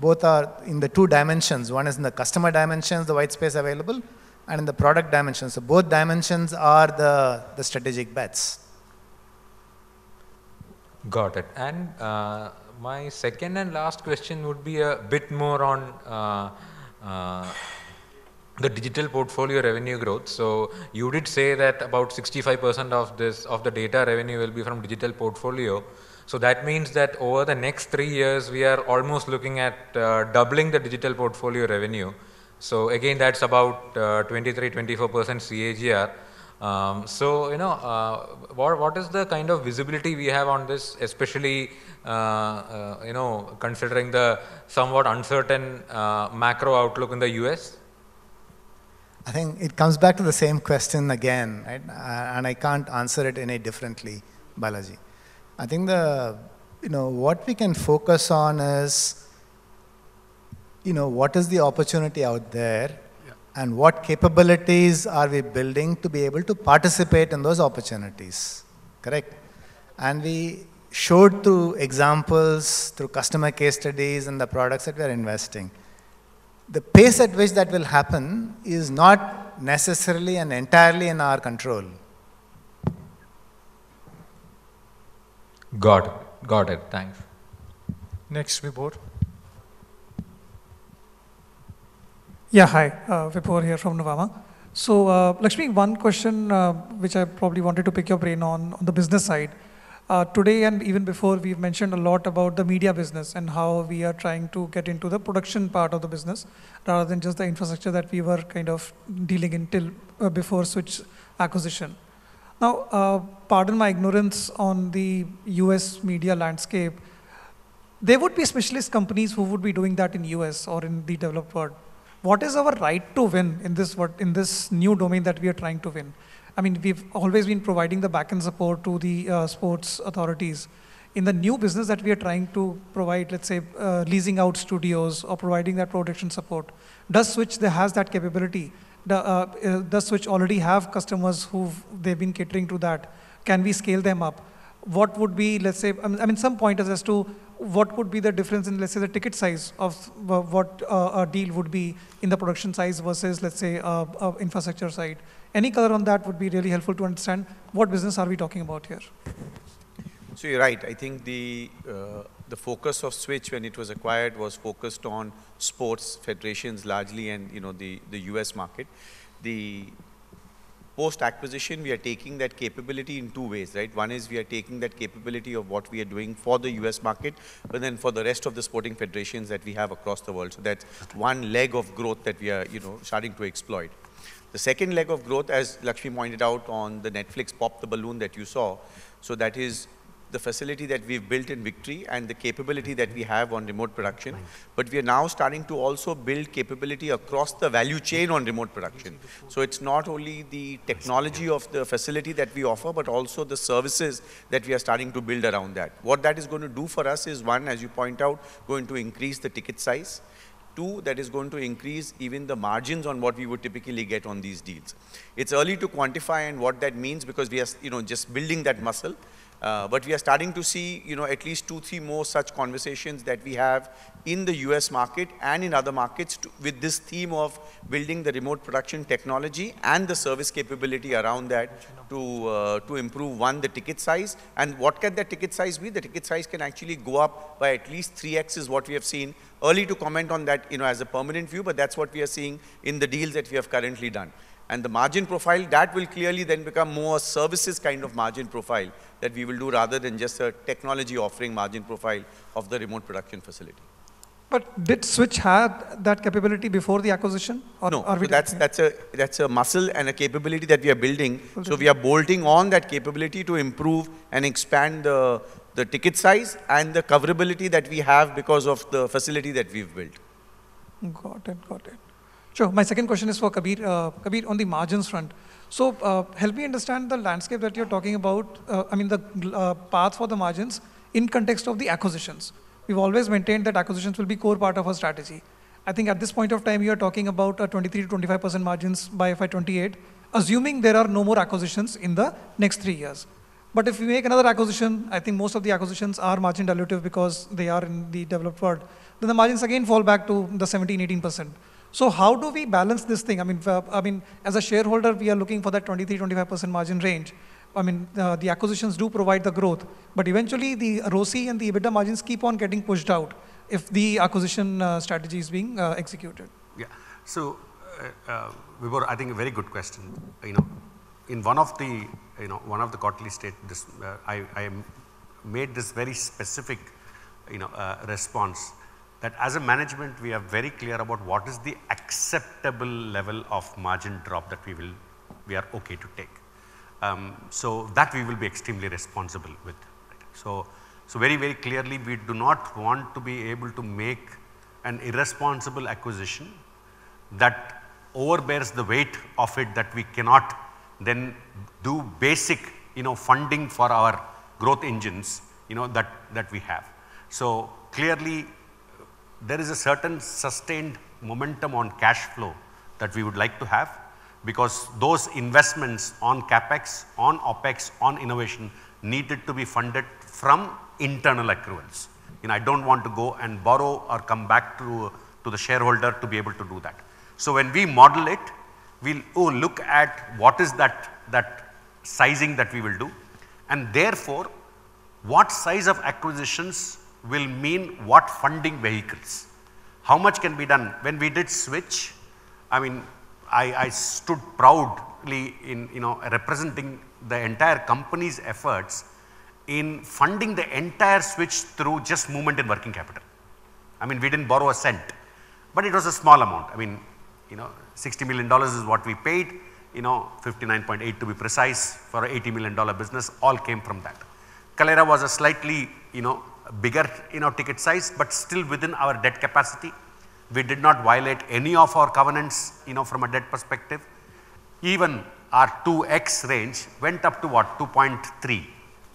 Both are in the two dimensions. One is in the customer dimensions, the white space available, in the product dimensions. Both dimensions are the strategic bets.
Got it. My second and last question would be a bit more on the digital portfolio revenue growth. You did say that about 65% of the data revenue will be from digital portfolio. That means that over the next three years, we are almost looking at doubling the digital portfolio revenue. Again, that's about 23%, 24% CAGR. You know, what is the kind of visibility we have on this, especially, you know, considering the somewhat uncertain macro outlook in the U.S.?
I think it comes back to the same question again, right? I can't answer it any differently, Balaji. You know, what we can focus on is, you know, what is the opportunity out there. What capabilities are we building to be able to participate in those opportunities. Correct. We showed through examples, through customer case studies and the products that we are investing. The pace at which that will happen is not necessarily and entirely in our control.
Got it. Thanks.
Next, Vibhor.
Yeah, hi, Vibhor here from Nuvama. Lakshmi, one question, which I probably wanted to pick your brain on the business side. Today and even before, we've mentioned a lot about the media business and how we are trying to get into the production part of the business rather than just the infrastructure that we were kind of dealing until before Switch acquisition. Now, pardon my ignorance on the U.S. media landscape. There would be specialist companies who would be doing that in U.S. or in the developed world. What is our right to win in this new domain that we are trying to win? I mean, we've always been providing the backend support to the sports authorities. In the new business that we are trying to provide, let's say, leasing out studios or providing that production support, does Switch has that capability? Does Switch already have customers they've been catering to that? Can we scale them up? What would be, let's say, I mean, some pointers as to what would be the difference in, let's say, the ticket size of what a deal would be in the production size versus, let's say, infrastructure side. Any color on that would be really helpful to understand what business are we talking about here.
You're right. I think the focus of Switch when it was acquired was focused on sports federations largely and, you know, the U.S. market. The post-acquisition, we are taking that capability in two ways, right? One is we are taking that capability of what we are doing for the U.S. market, for the rest of the sporting federations that we have across the world. That's one leg of growth that we are, you know, starting to exploit. The second leg of growth, as Lakshmi pointed out on the Netflix Pop the Balloon that you saw, that is the facility that we've built in Victory and the capability that we have on remote production.
Right.
We are now starting to also build capability across the value chain on remote production. It's not only the technology of the facility that we offer, but also the services that we are starting to build around that. What that is gonna do for us is, one, as you point out, going to increase the ticket size. Two, that is going to increase even the margins on what we would typically get on these deals. It's early to quantify and what that means because we are, you know, just building that muscle. We are starting to see, you know, at least two, three more such conversations that we have in the U.S. market and in other markets with this theme of building the remote production technology and the service capability around that to improve, one, the ticket size. What can the ticket size be? The ticket size can actually go up by at least 3x is what we have seen. Early to comment on that, you know, as a permanent view, but that's what we are seeing in the deals that we have currently done. The margin profile, that will clearly then become more services kind of margin profile that we will do rather than just a technology offering margin profile of the remote production facility.
Did Switch have that capability before the acquisition?
No, that's a muscle and a capability that we are building. We are bolting on that capability to improve and expand the ticket size and the coverage that we have because of the facility that we've built.
Got it. Got it. Sure. My second question is for Kabir. Kabir, on the margins front. Help me understand the landscape that you're talking about. I mean the path for the margins in context of the acquisitions. We've always maintained that acquisitions will be core part of our strategy. I think at this point of time, we are talking about a 23%-25% margins by FY 2028, assuming there are no more acquisitions in the next three years. If we make another acquisition, I think most of the acquisitions are margin dilutive because they are in the developed world. The margins again fall back to the 17%-18%. How do we balance this thing? I mean, as a shareholder, we are looking for that 23%-25% margin range. I mean, the acquisitions do provide the growth, but eventually the ROCE and the EBITDA margins keep on getting pushed out if the acquisition, strategy is being, executed.
Vibhor, I think a very good question. You know, in one of the, you know, one of the quarterly state this, I made this very specific, you know, response that as a management, we are very clear about what is the acceptable level of margin drop that we are okay to take. So that we will be extremely responsible with. Very, very clearly, we do not want to be able to make an irresponsible acquisition that overbears the weight of it that we cannot then do basic, you know, funding for our growth engines, you know, that we have. Clearly, there is a certain sustained momentum on cash flow that we would like to have because those investments on CapEx, on OpEx, on innovation needed to be funded from internal accruals. I don't want to go and borrow or come back to the shareholder to be able to do that. When we model it. We'll look at what is that sizing that we will do, and therefore what size of acquisitions will mean what funding vehicles. How much can be done? When we did Switch, I mean, I stood proudly in, you know, representing the entire company's efforts in funding the entire Switch through just movement in working capital. I mean, we didn't borrow a cent, but it was a small amount. I mean, you know, $60 million is what we paid, you know, $59.8 to be precise, for a $80 million business, all came from that. Kaleyra was a slightly, you know, bigger, you know, ticket size, but still within our debt capacity. We did not violate any of our covenants, you know, from a debt perspective. Even our 2x range went up to what? 2.3x,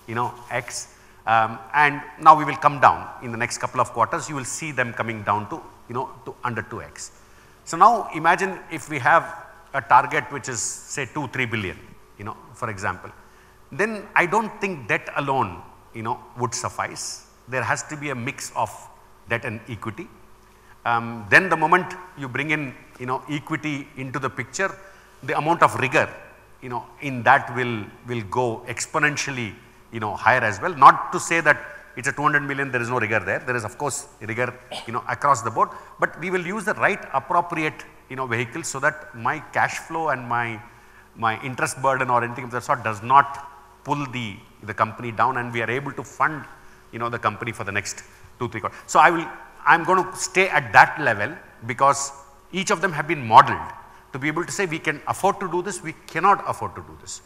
you know, and now we will come down. In the next couple of quarters, you will see them coming down to, you know, to under 2x. Now imagine if we have a target which is, say, 2 billion-3 billion, you know, for example, then I don't think debt alone, you know, would suffice. There has to be a mix of debt and equity. The moment you bring in, you know, equity into the picture, the amount of rigor, you know, in that will go exponentially, you know, higher as well. Not to say that it's a 200 million, there is no rigor there. There is of course rigor, you know, across the board. We will use the right appropriate, you know, vehicles so that my cash flow and my interest burden or anything of that sort does not pull the company down and we are able to fund, you know, the next company for the next two, three quart. I'm going to stay at that level because each of them have been modeled to be able to say, we can afford to do this, we cannot afford to do this.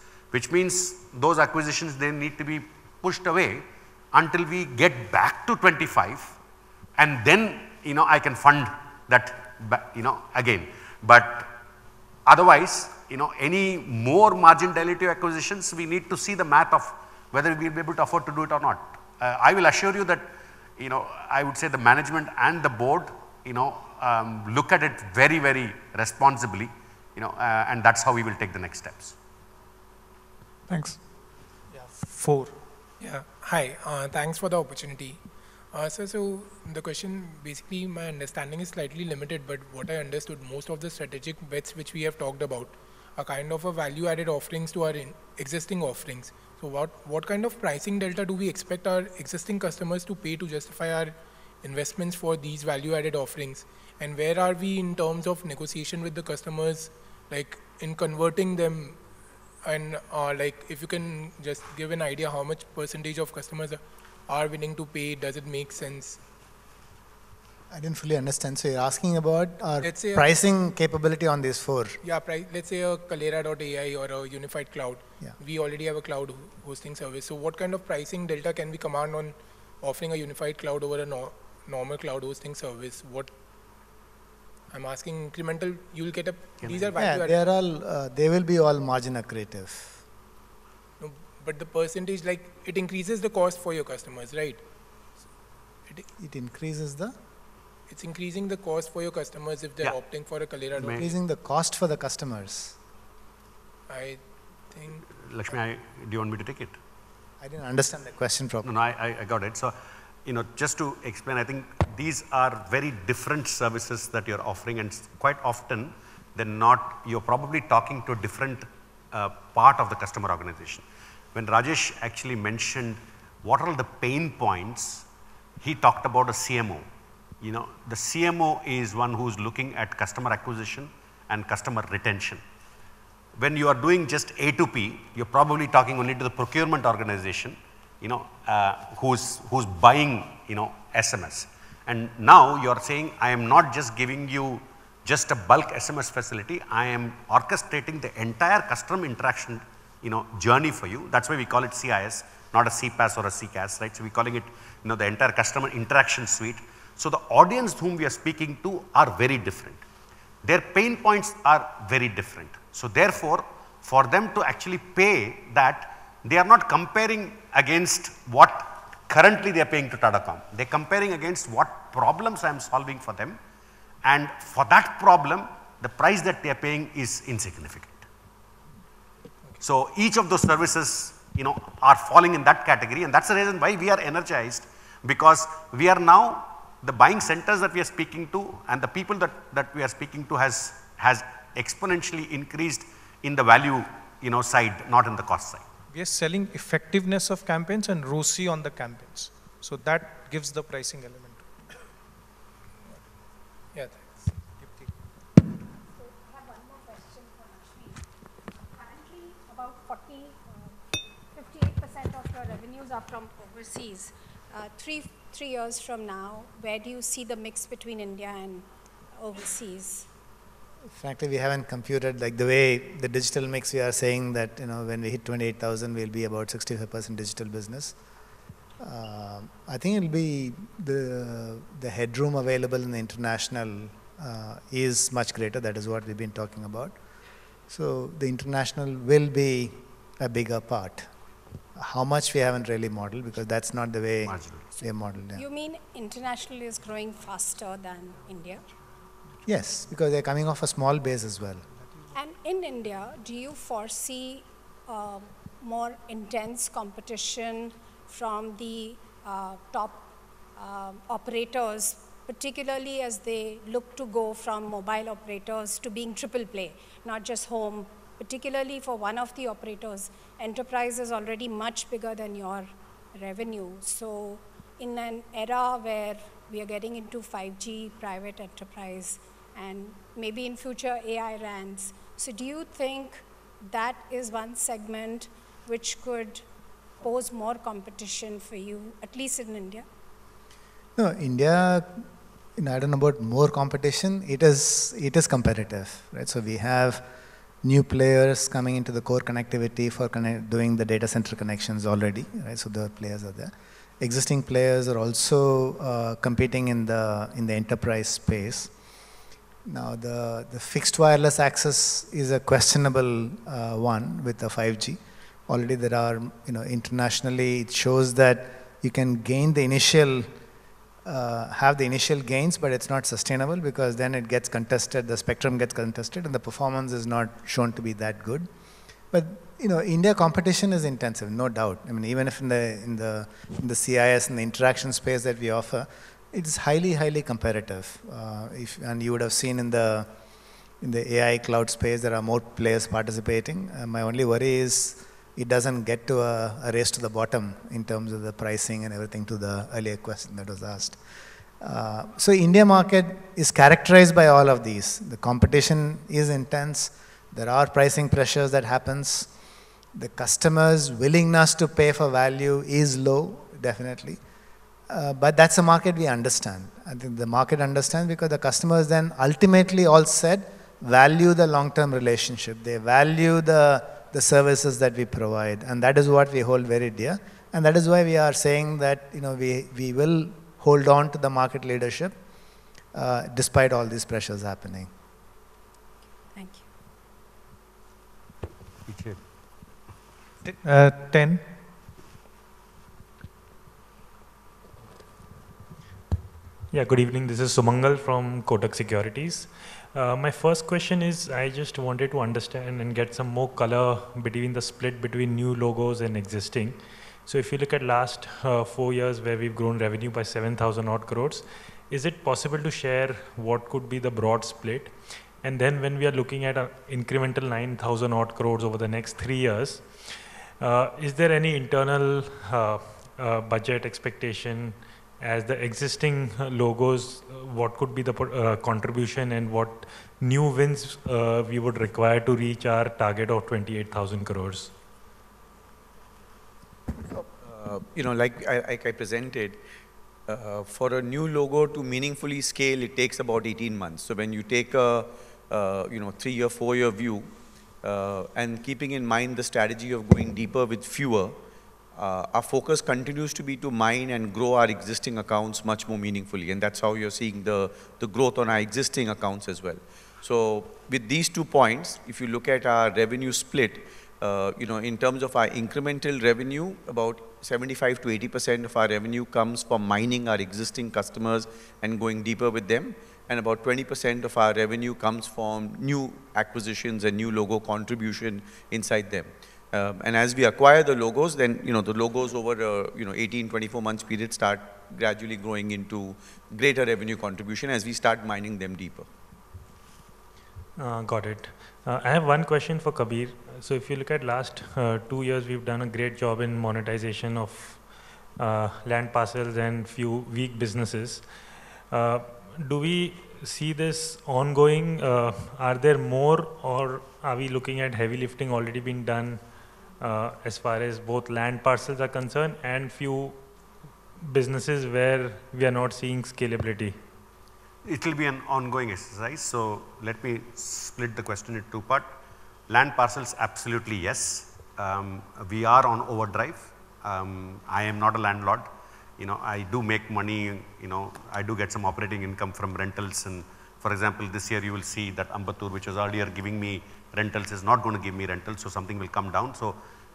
Those acquisitions then need to be pushed away until we get back to 25 and then, you know, I can fund that ba- you know, again. Otherwise, you know, any more marginality acquisitions, we need to see the math of whether we'll be able to afford to do it or not. I will assure you that, you know, I would say the management and the board, you know, look at it very, very responsibly, you know, that's how we will take the next steps.
Thanks.
Yeah. Hi. Thanks for the opportunity. The question, basically, my understanding is slightly limited, but what I understood, most of the strategic bets which we have talked about are kind of a value-added offerings to our existing offerings. What kind of pricing delta do we expect our existing customers to pay to justify our investments for these value-added offerings? Where are we in terms of negotiation with the customers, like in converting them and, like if you can just give an idea how much percentage of customers are willing to pay? Does it make sense?
I didn't fully understand. You're asking about our-
Let's say-
-pricing capability on these four?
Yeah, let's say a Kaleyra AI or a unified cloud.
Yeah.
We already have a cloud hosting service. What kind of pricing delta can we command on offering a Unified Cloud over a normal cloud hosting service? I'm asking incremental. These are value added.
Yeah. They will be all margin accretive.
The percentage, like it increases the cost for your customers, right?
It increases the?
It's increasing the cost for your customers if they're-
Yeah.
opting for a Kaleyra AI.
Increasing the cost for the customers.
I think-
Lakshmi, Do you want me to take it?
I didn't understand the question properly.
No, no, I, I got it. You know, just to explain, I think these are very different services that you're offering, and quite often you're probably talking to a different part of the customer organization. When Rajesh actually mentioned what are the pain points, he talked about a CMO. You know? The CMO is one who's looking at customer acquisition and customer retention. When you are doing just A2P, you're probably talking only to the procurement organization, you know, who's buying, you know, SMS. Now you're saying, "I am not just giving you just a bulk SMS facility. I am orchestrating the entire customer interaction, you know, journey for you." That's why we call it CIS, not a CPaaS or a CCaaS, right? We're calling it, you know, the entire customer interaction suite. The audience whom we are speaking to are very different. Their pain points are very different. Therefore, for them to actually pay that, they are not comparing against what currently they are paying to Tata Comm. They're comparing against what problems I'm solving for them, and for that problem, the price that they're paying is insignificant. Each of those services, you know, are falling in that category, and that's the reason why we are energized because we are now the buying centers that we are speaking to and the people that we are speaking to has exponentially increased in the value, you know, side, not in the cost side.
We are selling effectiveness of campaigns and ROAS on the campaigns, so that gives the pricing element.
Yeah. Thanks.
Deepthi.
I have one more question for Lakshmi. Currently, about 58% of your revenues are from overseas. Three years from now, where do you see the mix between India and overseas?
Frankly, we haven't computed, like the way the digital mix we are saying that, you know, when we hit 28,000, we'll be about 65% digital business. I think it'll be the headroom available in the international, is much greater. That is what we've been talking about. The international will be a bigger part. How much we haven't really modeled because that's not the way.
Modeled.
We have modeled, yeah.
You mean internationally is growing faster than India?
Yes, because they're coming off a small base as well.
In India, do you foresee more intense competition from the top operators, particularly as they look to go from mobile operators to being triple play, not just home. Particularly for one of the operators, enterprise is already much bigger than your revenue. In an era where we are getting into 5G private enterprise and maybe in future AI RANs. Do you think that is one segment which could pose more competition for you, at least in India?
No, India, you know, I don't know about more competition. It is competitive, right? We have new players coming into the core connectivity doing the data center connections already, right? The players are there. Existing players are also competing in the enterprise space. The fixed wireless access is a questionable one with the 5G. Already there are, you know, internationally it shows that you can gain the initial have the initial gains, but it's not sustainable because then it gets contested, the spectrum gets contested, and the performance is not shown to be that good. You know, India competition is intensive, no doubt. I mean, even if in the CIS and the interaction space that we offer, it is highly competitive. You would have seen in the, in the AI Cloud space, there are more players participating. My only worry is it doesn't get to a race to the bottom in terms of the pricing and everything to the earlier question that was asked. India market is characterized by all of these. The competition is intense. There are pricing pressures that happens. The customers' willingness to pay for value is low, definitely. That's a market we understand. I think the market understand because the customers then ultimately all said value the long-term relationship. They value the services that we provide, and that is what we hold very dear. That is why we are saying that, you know, we will hold on to the market leadership despite all these pressures happening.
Thank you.
Thank you.
10?
Good evening. This is Sumangal from Kotak Securities. My first question is I just wanted to understand and get some more color between the split between new logos and existing. If you look at last four years where we've grown revenue by 7,000 odd crores, is it possible to share what could be the broad split? When we are looking at a incremental 9,000 odd crores over the next three years, is there any internal budget expectation as the existing logos, what could be the contribution and what new wins we would require to reach our target of 28,000 crores?
You know, like I, like I presented, for a new logo to meaningfully scale, it takes about 18 months. When you take a, you know, three-year, four-year view, and keeping in mind the strategy of going deeper with fewer, our focus continues to be to mine and grow our existing accounts much more meaningfully, and that's how you're seeing the growth on our existing accounts as well. With these two points, if you look at our revenue split, you know, in terms of our incremental revenue, about 75%-80% of our revenue comes from mining our existing customers and going deeper with them. About 20% of our revenue comes from new acquisitions and new logo contribution inside them. As we acquire the logos, then, you know, the logos over a, you know, 18, 24 months period start gradually growing into greater revenue contribution as we start mining them deeper.
Got it. I have one question for Kabir. If you look at last two years, we've done a great job in monetization of land parcels and few weak businesses. Do we see this ongoing? Are there more or are we looking at heavy lifting already being done, as far as both land parcels are concerned and few businesses where we are not seeing scalability?
It will be an ongoing exercise. Let me split the question in two parts. Land parcels, absolutely, yes. We are on overdrive. I am not a landlord. You know, I do make money, you know, I do get some operating income from rentals and for example, this year you will see that Ambattur, which was earlier giving me rentals, is not going to give me rentals, so something will come down.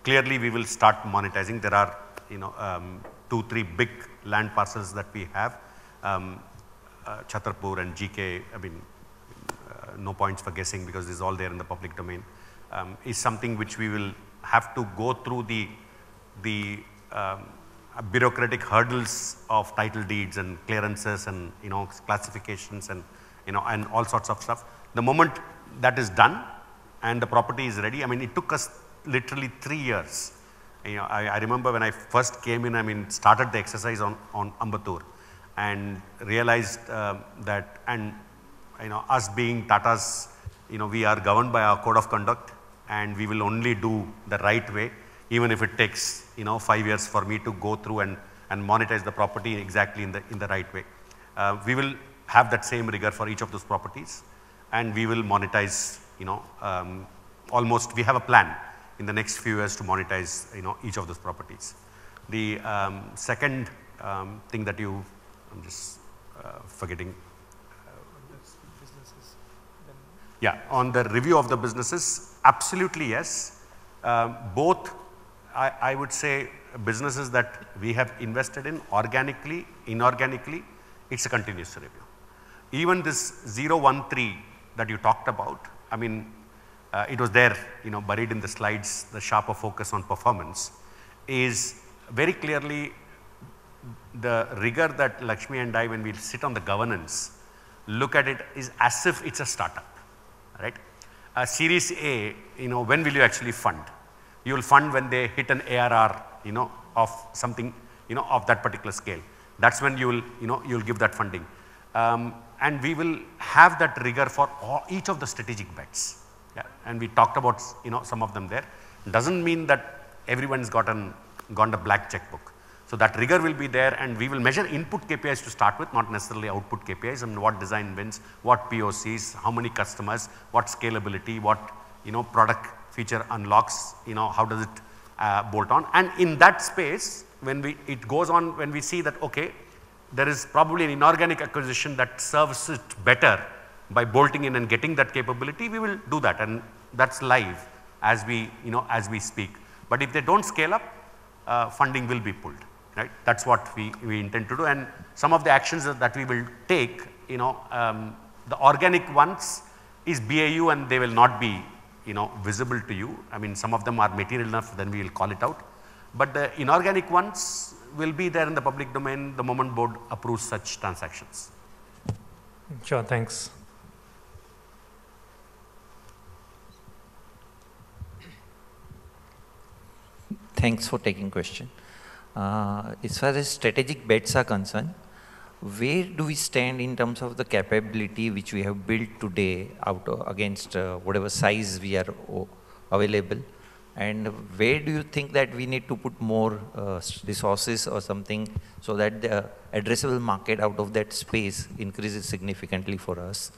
Clearly we will start monetizing. There are, you know, two, three big land parcels that we have. Chattarpur and GK, I mean, no points for guessing because it's all there in the public domain, is something which we will have to go through the bureaucratic hurdles of title deeds and clearances and, you know, classifications and, you know, and all sorts of stuff. The moment that is done and the property is ready, I mean, it took us literally three years. You know, I remember when I first came in, I mean, started the exercise on Ambattur and realized that and, you know, us being Tatas, you know, we are governed by our code of conduct, and we will only do the right way, even if it takes, you know, five years for me to go through and monetize the property exactly in the right way. We will have that same rigor for each of those properties and we will monetize, you know, almost we have a plan in the next few years to monetize, you know, each of those properties. The second thing that you. I'm just forgetting.
On the businesses.
Yeah. On the review of the businesses, absolutely yes. Both, I would say businesses that we have invested in organically, inorganically, it's a continuous review. Even this 013 that you talked about, I mean, it was there, you know, buried in the slides, the sharper focus on performance, is very clearly the rigor that Lakshmi and I when we sit on the governance look at it is as if it's a startup. Right? A Series A, you know, when will you actually fund? You'll fund when they hit an ARR, you know, of something, you know, of that particular scale. That's when you'll, you know, you'll give that funding. We will have that rigor for all each of the strategic bets. Yeah. We talked about, you know, some of them there. Doesn't mean that everyone's gone to black checkbook. That rigor will be there. We will measure input KPIs to start with, not necessarily output KPIs and what design wins, what POCs, how many customers, what scalability, what, you know, product feature unlocks, you know, how does it bolt on. In that space, when we see that, okay, there is probably an inorganic acquisition that serves it better by bolting in and getting that capability, we will do that, and that's live as we, you know, as we speak. If they don't scale up, funding will be pulled, right? That's what we intend to do. Some of the actions that we will take, you know, the organic ones is BAU. They will not be, you know, visible to you. I mean, some of them are material enough, we'll call it out. The inorganic ones will be there in the public domain the moment board approves such transactions.
Sure. Thanks.
Thanks for taking question. As far as strategic bets are concerned, where do we stand in terms of the capability which we have built today out against whatever size we are available? Where do you think that we need to put more resources or something so that the addressable market out of that space increases significantly for us?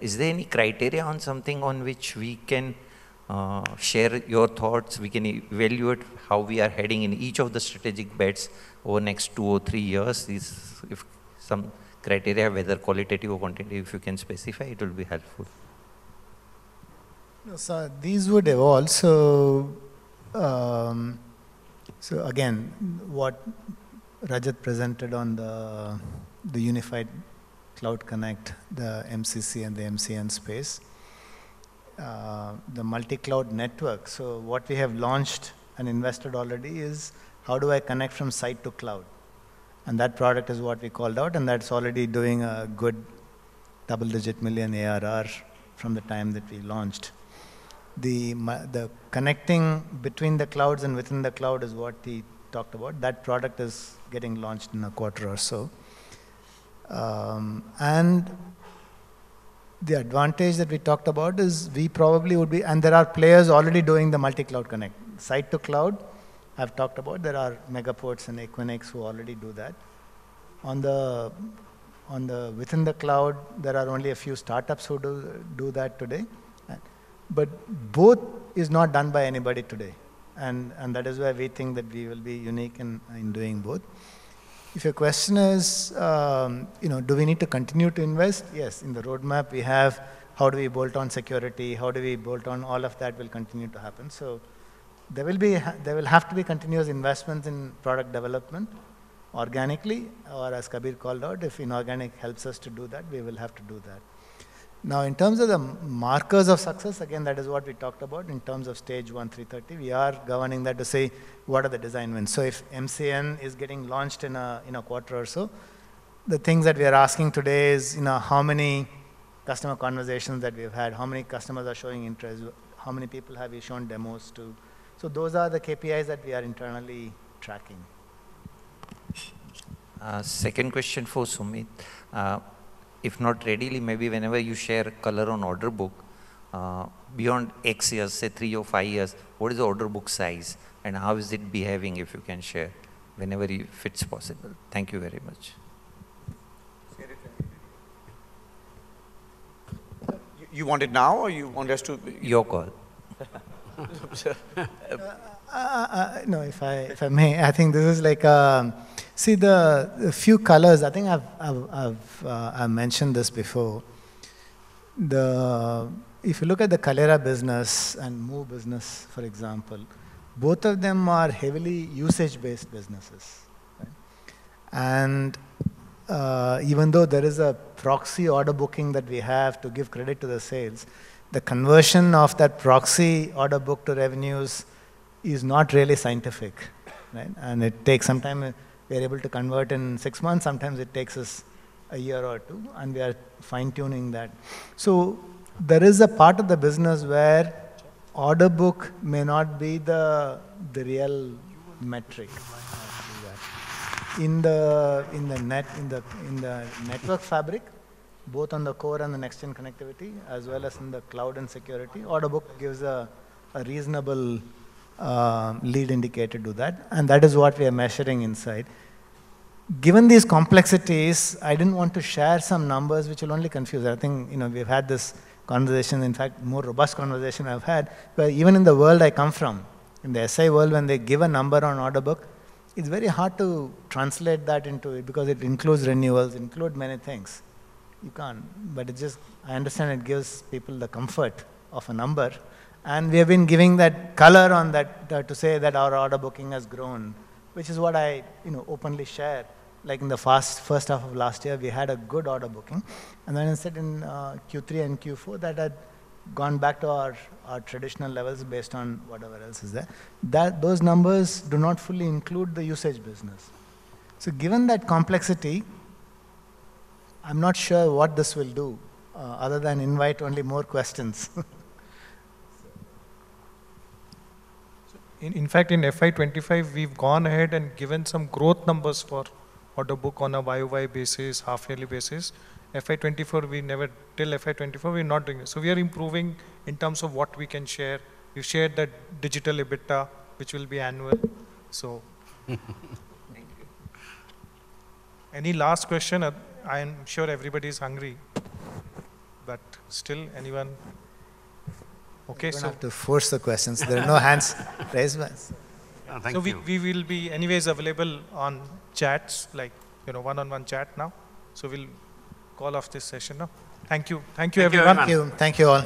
Is there any criteria on something on which we can share your thoughts, we can evaluate how we are heading in each of the strategic bets over next two or three years? Is if some criteria, whether qualitative or quantitative, if you can specify, it'll be helpful.
Sir, these would evolve. Again, what Rajat presented on the unified cloud connect, the MCC and the MCN space, the Multi-Cloud Network. What we have launched and invested already is how do I connect from site to cloud? That product is what we called out, and that's already doing a good double-digit million ARR from the time that we launched. The connecting between the clouds and within the cloud is what we talked about. That product is getting launched in a quarter or so. The advantage that we talked about is we probably would be. There are players already doing the multi-cloud connect. Site to cloud, I've talked about. There are Megaport and Equinix who already do that. Within the cloud, there are only a few startups who do that today. Both is not done by anybody today. That is why we think that we will be unique in doing both. If your question is, you know, do we need to continue to invest? Yes. In the roadmap, we have, how do we bolt on security? How do we bolt on all of that will continue to happen. There will have to be continuous investments in product development organically or as Kabir called out, if inorganic helps us to do that, we will have to do that. In terms of the markers of success, again, that is what we talked about in terms of stage one 330, we are governing that to say what are the design wins. If MCN is getting launched in a quarter or so, the things that we are asking today is, you know, how many customer conversations that we have had, how many customers are showing interest, how many people have we shown demos to? Those are the KPIs that we are internally tracking.
Second question for Sumeet. If not readily, maybe whenever you share color on order book, beyond X years, say three or five years, what is the order book size and how is it behaving, if you can share if it's possible. Thank you very much.
Share it. You want it now or you want us to?
Your call.
I'm sorry.
No, if I, if I may, I think this is like, See, the few colors, I think I've mentioned this before. If you look at the Kaleyra business and MoU business, for example, both of them are heavily usage-based businesses. Right? Even though there is a proxy order booking that we have to give credit to the sales, the conversion of that proxy order book to revenues is not really scientific, right? It takes some time. We are able to convert in six months, sometimes it takes us one year or two, and we are fine-tuning that. There is a part of the business where order book may not be the real metric to that. In the network fabric, both on the core and the next gen connectivity, as well as in the cloud and security, order book gives a reasonable lead indicator to that. That is what we are measuring inside. Given these complexities, I didn't want to share some numbers which will only confuse. I think, you know, we've had this conversation, in fact, more robust conversation I've had, where even in the world I come from, in the SI world, when they give a number on order book, it's very hard to translate that into it because it includes renewals, include many things. You can't. I understand it gives people the comfort of a number. We have been giving that color on that to say that our order booking has grown, which is what I, you know, openly share. Like in the first half of last year, we had a good order booking, and then I said in Q3 and Q4 that had gone back to our traditional levels based on whatever else is there. Those numbers do not fully include the usage business. Given that complexity, I'm not sure what this will do other than invite only more questions.
In fact, in FY 2025, we've gone ahead and given some growth numbers for order book on a YOY basis, half yearly basis. Till FY 2024, we're not doing it. We are improving in terms of what we can share. We've shared that digital EBITDA, which will be annual.
Thank you.
Any last question? I am sure everybody's hungry. Still, anyone? Okay.
We don't have to force the questions. There are no hands raised ones.
We will be anyway available on chats, like, you know, one-on-one chat now. We will call off this session now. Thank you. Thank you, everyone.
Thank you everyone.
Thank you all.